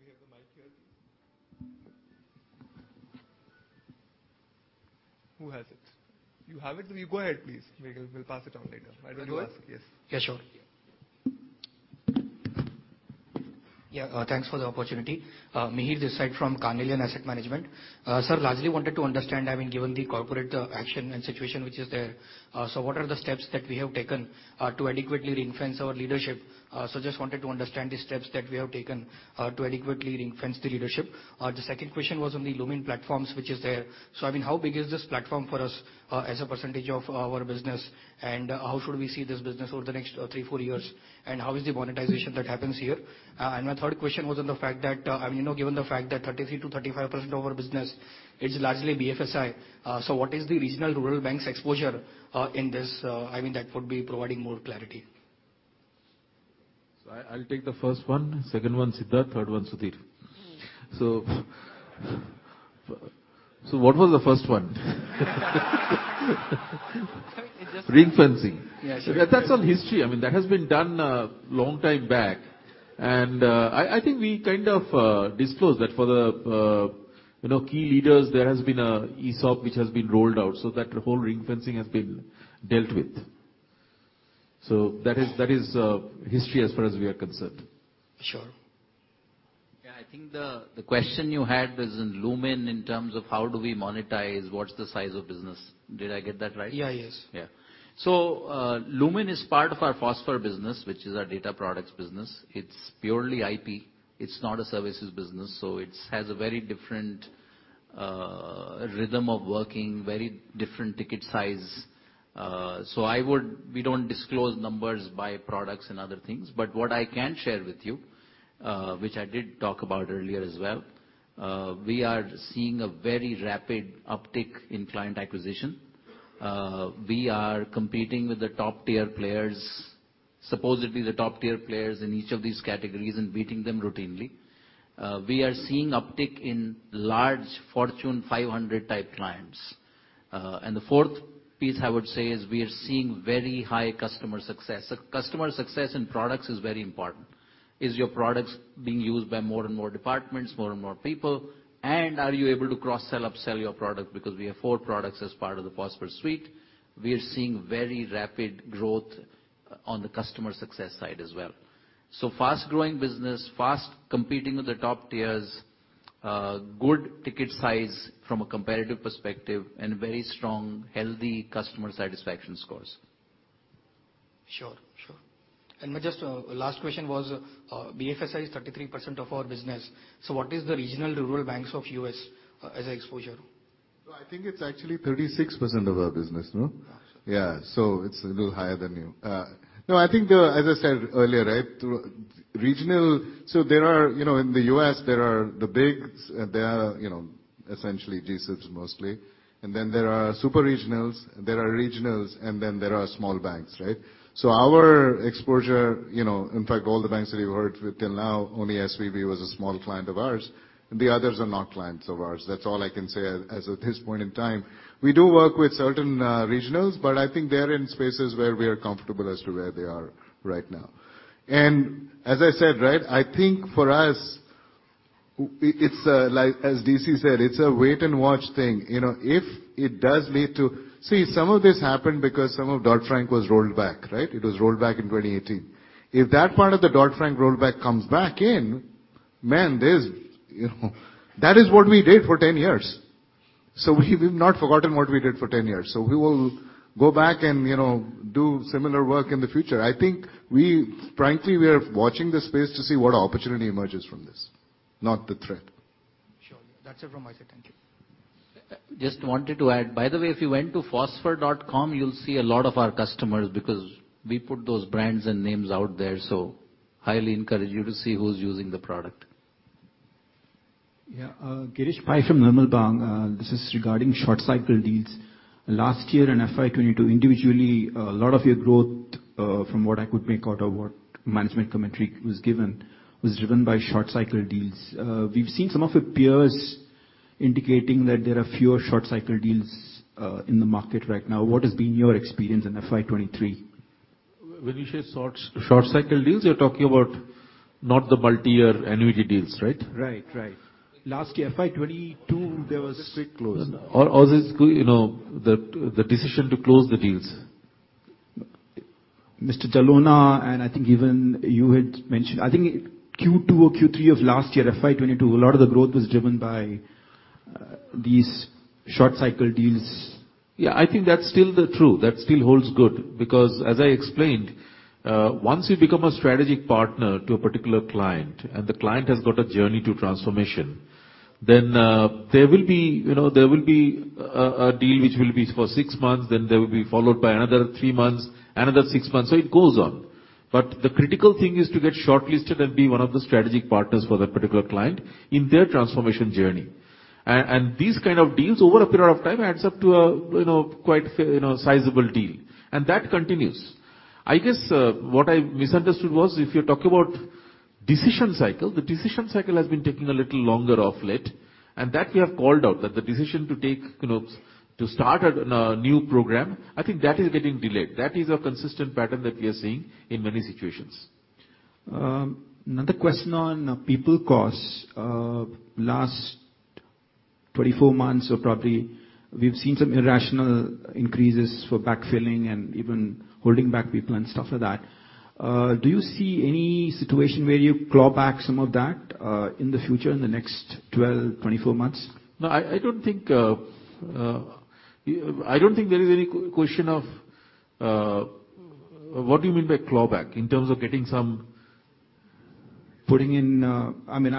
we have the mic here, please? Who has it? You have it? You go ahead, please. We'll pass it on later. Should I go ahead? Yes. Yeah, sure. Yeah, thanks for the opportunity. Mihir Desai from Carnelian Asset Management. Sir, largely wanted to understand, I mean, given the corporate action and situation which is there, what are the steps that we have taken to adequately ring-fence our leadership? Just wanted to understand the steps that we have taken to adequately ring-fence the leadership. The second question was on the Lumin platforms which is there. I mean, how big is this platform for us as a % of our business, and how should we see this business over the next three, four years? And how is the monetization that happens here? My third question was on the fact that, I mean, you know, given the fact that 33%-35% of our business is largely BFSI, so what is the regional rural banks exposure, in this? I mean, that would be providing more clarity. I'll take the first one, second one Siddharth, third one Sudhir. What was the first one? It's. Ring-fencing. Yeah, sure. That's on history. I mean, that has been done a long time back. I think we kind of disclosed that for the, you know, key leaders, there has been a ESOP which has been rolled out, so that whole ring-fencing has been dealt with. That is, that is history as far as we are concerned. Sure. Yeah. I think the question you had was on Lumin in terms of how do we monetize, what's the size of business. Did I get that right? Yeah. Yes. Yeah. Lumin is part of our Fosfor business, which is our data products business. It's purely IP. It's not a services business, it's has a very different rhythm of working, very different ticket size. We don't disclose numbers by products and other things. What I can share with you, which I did talk about earlier as well, we are seeing a very rapid uptick in client acquisition. We are competing with the top-tier players in each of these categories and beating them routinely. We are seeing uptick in large Fortune 500 type clients. The fourth piece I would say is we are seeing very high customer success. Customer success in products is very important. Is your products being used by more and more departments, more and more people? Are you able to cross-sell, up-sell your product? We have four products as part of the Fosfor suite. We are seeing very rapid growth on the customer success side as well. Fast-growing business, fast competing with the top tiers, good ticket size from a comparative perspective, and very strong, healthy customer satisfaction scores. Sure, sure. Just last question was BFSI is 33% of our business, so what is the regional rural banks of US as exposure? Well, I think it's actually 36% of our business, no? Gotcha. Yeah. It's a little higher than you. No, I think the... As I said earlier, right? Regional-- there are, you know, in the U.S. there are the big, they are, you know, essentially GSIBs mostly. Then there are super regionals, there are regionals, and then there are small banks, right? Our exposure, you know, in fact, all the banks that you heard till now, only SVB was a small client of ours. The others are not clients of ours. That's all I can say as at this point in time. We do work with certain regionals, but I think they're in spaces where we are comfortable as to where they are right now. As I said, right, I think for us, it's like as DC said, it's a wait and watch thing. You know, if it does lead to... See, some of this happened because some of Dodd-Frank was rolled back, right? It was rolled back in 2018. If that part of the Dodd-Frank rollback comes back in, man, there's, you know, that is what we did for 10 years. We've not forgotten what we did for 10 years. We will go back and, you know, do similar work in the future. I think we, frankly, we are watching the space to see what opportunity emerges from this, not the threat. Sure. That's it from my side. Thank you. Just wanted to add, by the way, if you went to Fosfor.com, you'll see a lot of our customers because we put those brands and names out there. Highly encourage you to see who's using the product. Yeah. Girish Pai from Nirmal Bang. This is regarding short cycle deals. Last year in FY22, individually, a lot of your growth, from what I could make out of what management commentary was given, was driven by short cycle deals. We've seen some of your peers indicating that there are fewer short cycle deals, in the market right now. What has been your experience in FY23? When you say short cycle deals, you're talking about not the multi-year annuity deals, right? Right. Last year, FY 2022, there was quick close. This, you know, the decision to close the deals. Mr. Talona, I think even you had mentioned, I think Q2 or Q3 of last year, FY 22, a lot of the growth was driven by these short cycle deals. Yeah, I think that's still the true. That still holds good, because as I explained, once you become a strategic partner to a particular client, and the client has got a journey to transformation, then there will be, you know, a deal which will be for six months, then there will be followed by another three months, another six months. It goes on. The critical thing is to get shortlisted and be one of the strategic partners for that particular client in their transformation journey. These kind of deals over a period of time adds up to a, you know, quite sizable deal. That continues. I guess, what I misunderstood was if you're talking about decision cycle, the decision cycle has been taking a little longer of late. That we have called out, that the decision to take, you know, to start a new program, I think that is getting delayed. That is a consistent pattern that we are seeing in many situations. Another question on people costs. Last 24 months or probably we've seen some irrational increases for backfilling and even holding back people and stuff like that. Do you see any situation where you claw back some of that in the future, in the next 12-24 months? No, I don't think there is any question of. What do you mean by claw back in terms of getting? Putting in, I mean,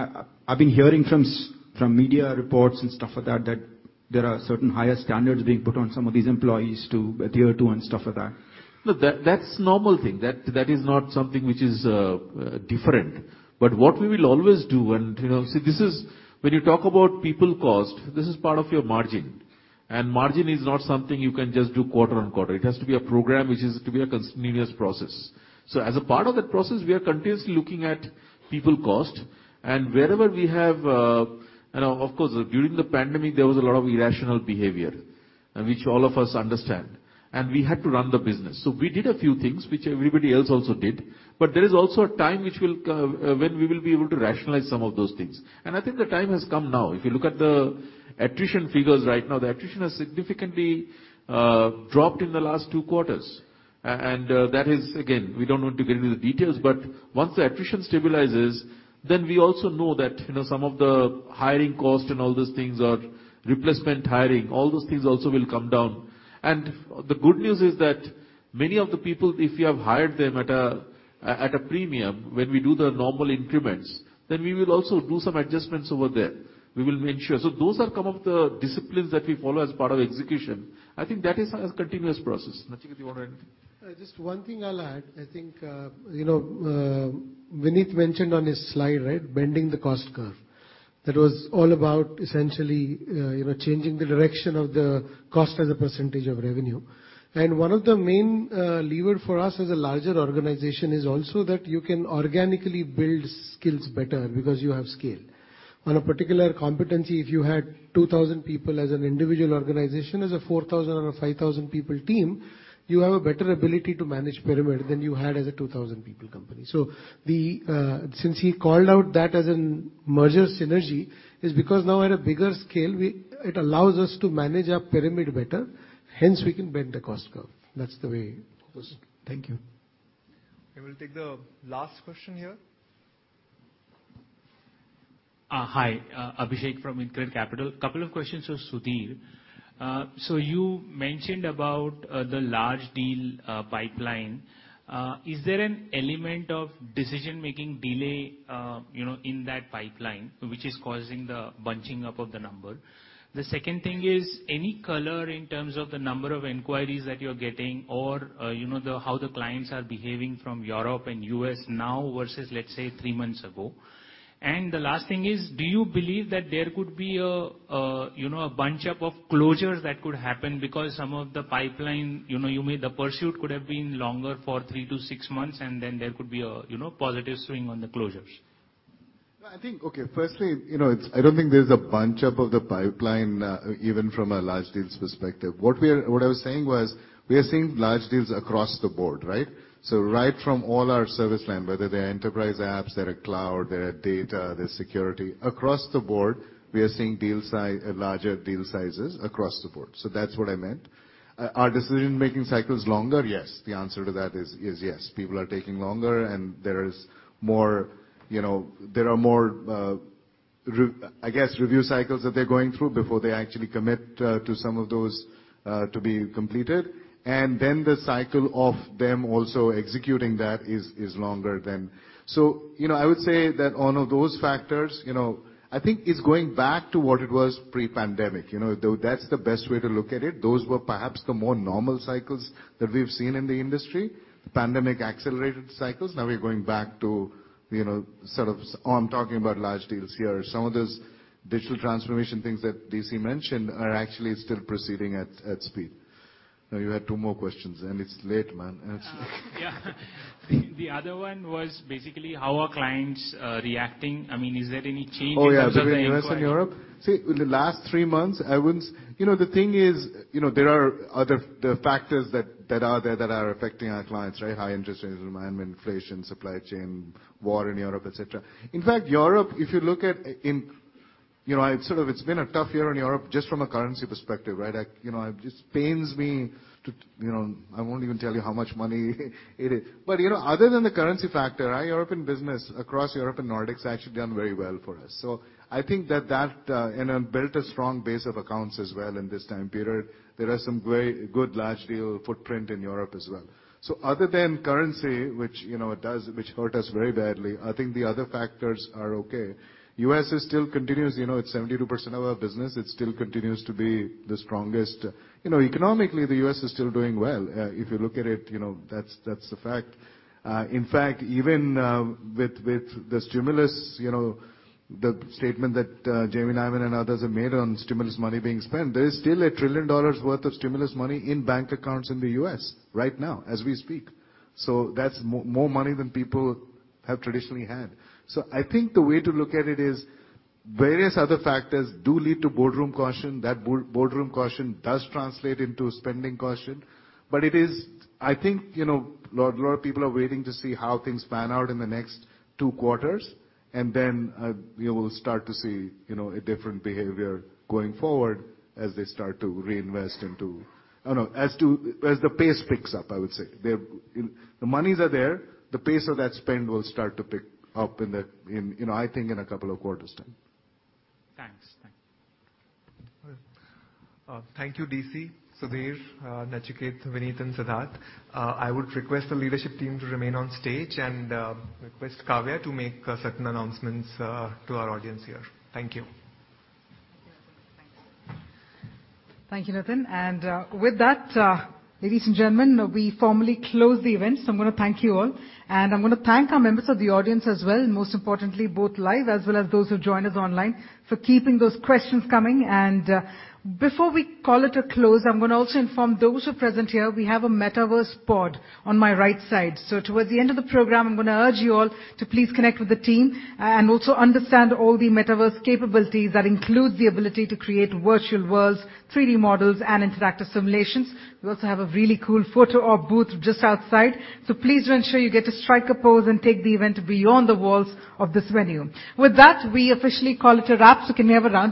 I've been hearing from media reports and stuff like that there are certain higher standards being put on some of these employees to adhere to and stuff like that. No, that's normal thing. That is not something which is different. What we will always do and, you know, see. When you talk about people cost, this is part of your margin, and margin is not something you can just do quarter-on-quarter. It has to be a program which is to be a continuous process. As a part of that process, we are continuously looking at people cost and wherever we have. Of course, during the pandemic there was a lot of irrational behavior, which all of us understand, and we had to run the business. We did a few things, which everybody else also did. There is also a time which will when we will be able to rationalize some of those things. I think the time has come now. If you look at the attrition figures right now, the attrition has significantly dropped in the last two quarters. That is again, we don't want to get into the details, but once the attrition stabilizes, then we also know that, you know, some of the hiring costs and all those things are replacement hiring, all those things also will come down. The good news is that many of the people, if you have hired them at a premium, when we do the normal increments, then we will also do some adjustments over there. We will make sure. Those are some of the disciplines that we follow as part of execution. I think that is a continuous process. Nachiket, do you wanna add anything? Just one thing I'll add. I think, you know, Vineet mentioned on his slide, right, bending the cost curve. That was all about essentially, you know, changing the direction of the cost as a percentage of revenue. One of the main lever for us as a larger organization is also that you can organically build skills better because you have scale. On a particular competency, if you had 2,000 people as an individual organization, as a 4,000 or a 5,000 people team, you have a better ability to manage pyramid than you had as a 2,000 people company. Since he called out that as in merger synergy, it allows us to manage our pyramid better, hence we can bend the cost curve. That's the way it was. Thank you. We'll take the last question here. Hi, Abhishek from InCred Capital. Couple of questions for Sudhir. You mentioned about the large deal pipeline. Is there an element of decision-making delay, you know, in that pipeline, which is causing the bunching up of the number? The second thing is, any color in terms of the number of inquiries that you're getting or, you know, the, how the clients are behaving from Europe and U.S. now versus, let's say, 3 months ago? The last thing is, do you believe that there could be a, you know, a bunch up of closures that could happen because some of the pipeline, you know, you made the pursuit could have been longer for 3-6 months, there could be a, you know, positive swing on the closures? I think, okay, firstly, you know, I don't think there's a bunch up of the pipeline even from a large deals perspective. What I was saying was we are seeing large deals across the board, right? Right from all our service line, whether they're enterprise apps, they're cloud, they're data, they're security, across the board, we are seeing larger deal sizes across the board. That's what I meant. Are decision-making cycles longer? Yes. The answer to that is yes. People are taking longer and there is more, you know, there are more, I guess, review cycles that they're going through before they actually commit to some of those to be completed. The cycle of them also executing that is longer than... You know, I would say that all of those factors, you know, I think it's going back to what it was pre-pandemic. You know, though that's the best way to look at it. Those were perhaps the more normal cycles that we've seen in the industry. The pandemic accelerated cycles. We're going back to, you know, sort of. Oh, I'm talking about large deals here. Some of those digital transformation things that DC mentioned are actually still proceeding at speed. You had two more questions, and it's late, man. It's. Yeah. The other one was basically how are clients reacting? I mean, is there any change in terms of the inquiry? Oh, yeah. In U.S. and Europe? In the last three months, I wouldn't... You know, the thing is, you know, there are the factors that are there that are affecting our clients, right? High interest rates, environment inflation, supply chain, war in Europe, et cetera. Europe, if you look at. You know, It's been a tough year in Europe just from a currency perspective, right? I, you know, it just pains me to, you know, I won't even tell you how much money it is. You know, other than the currency factor, our European business across Europe and Nordics has actually done very well for us. I think that that, you know, built a strong base of accounts as well in this time period. There are some very good large deal footprint in Europe as well. Other than currency, which, you know, hurt us very badly, I think the other factors are okay. US is still continues, you know, it's 72% of our business. It still continues to be the strongest. You know, economically, the US is still doing well. If you look at it, you know, that's a fact. In fact, even with the stimulus, you know, the statement that Jamie Dimon and others have made on stimulus money being spent, there is still a $1 trillion worth of stimulus money in bank accounts in the US right now as we speak. That's more money than people have traditionally had. I think the way to look at it is various other factors do lead to boardroom caution. That boardroom caution does translate into spending caution. It is... I think, you know, lot of people are waiting to see how things pan out in the next two quarters, and then we will start to see, you know, a different behavior going forward as they start to reinvest into... Oh, no. As to, as the pace picks up, I would say. The monies are there, the pace of that spend will start to pick up in the, you know, I think in a couple of quarters time. Thanks. Thanks. Thank you, DC, Sudhir, Nachiket, Vineet, and Siddharth. I would request the leadership team to remain on stage and request Kavya to make certain announcements to our audience here. Thank you. Thank you, Nitin. With that, ladies and gentlemen, we formally close the event. I'm gonna thank you all. I'm gonna thank our members of the audience as well, and most importantly, both live as well as those who joined us online, for keeping those questions coming. Before we call it a close, I'm gonna also inform those who are present here we have a metaverse pod on my right side. Towards the end of the program, I'm gonna urge you all to please connect with the team and also understand all the metaverse capabilities. That includes the ability to create virtual worlds, 360 models and interactive simulations. We also have a really cool photo op booth just outside. Please do ensure you get to strike a pose and take the event beyond the walls of this venue. With that, we officially call it a wrap, so can we have a round.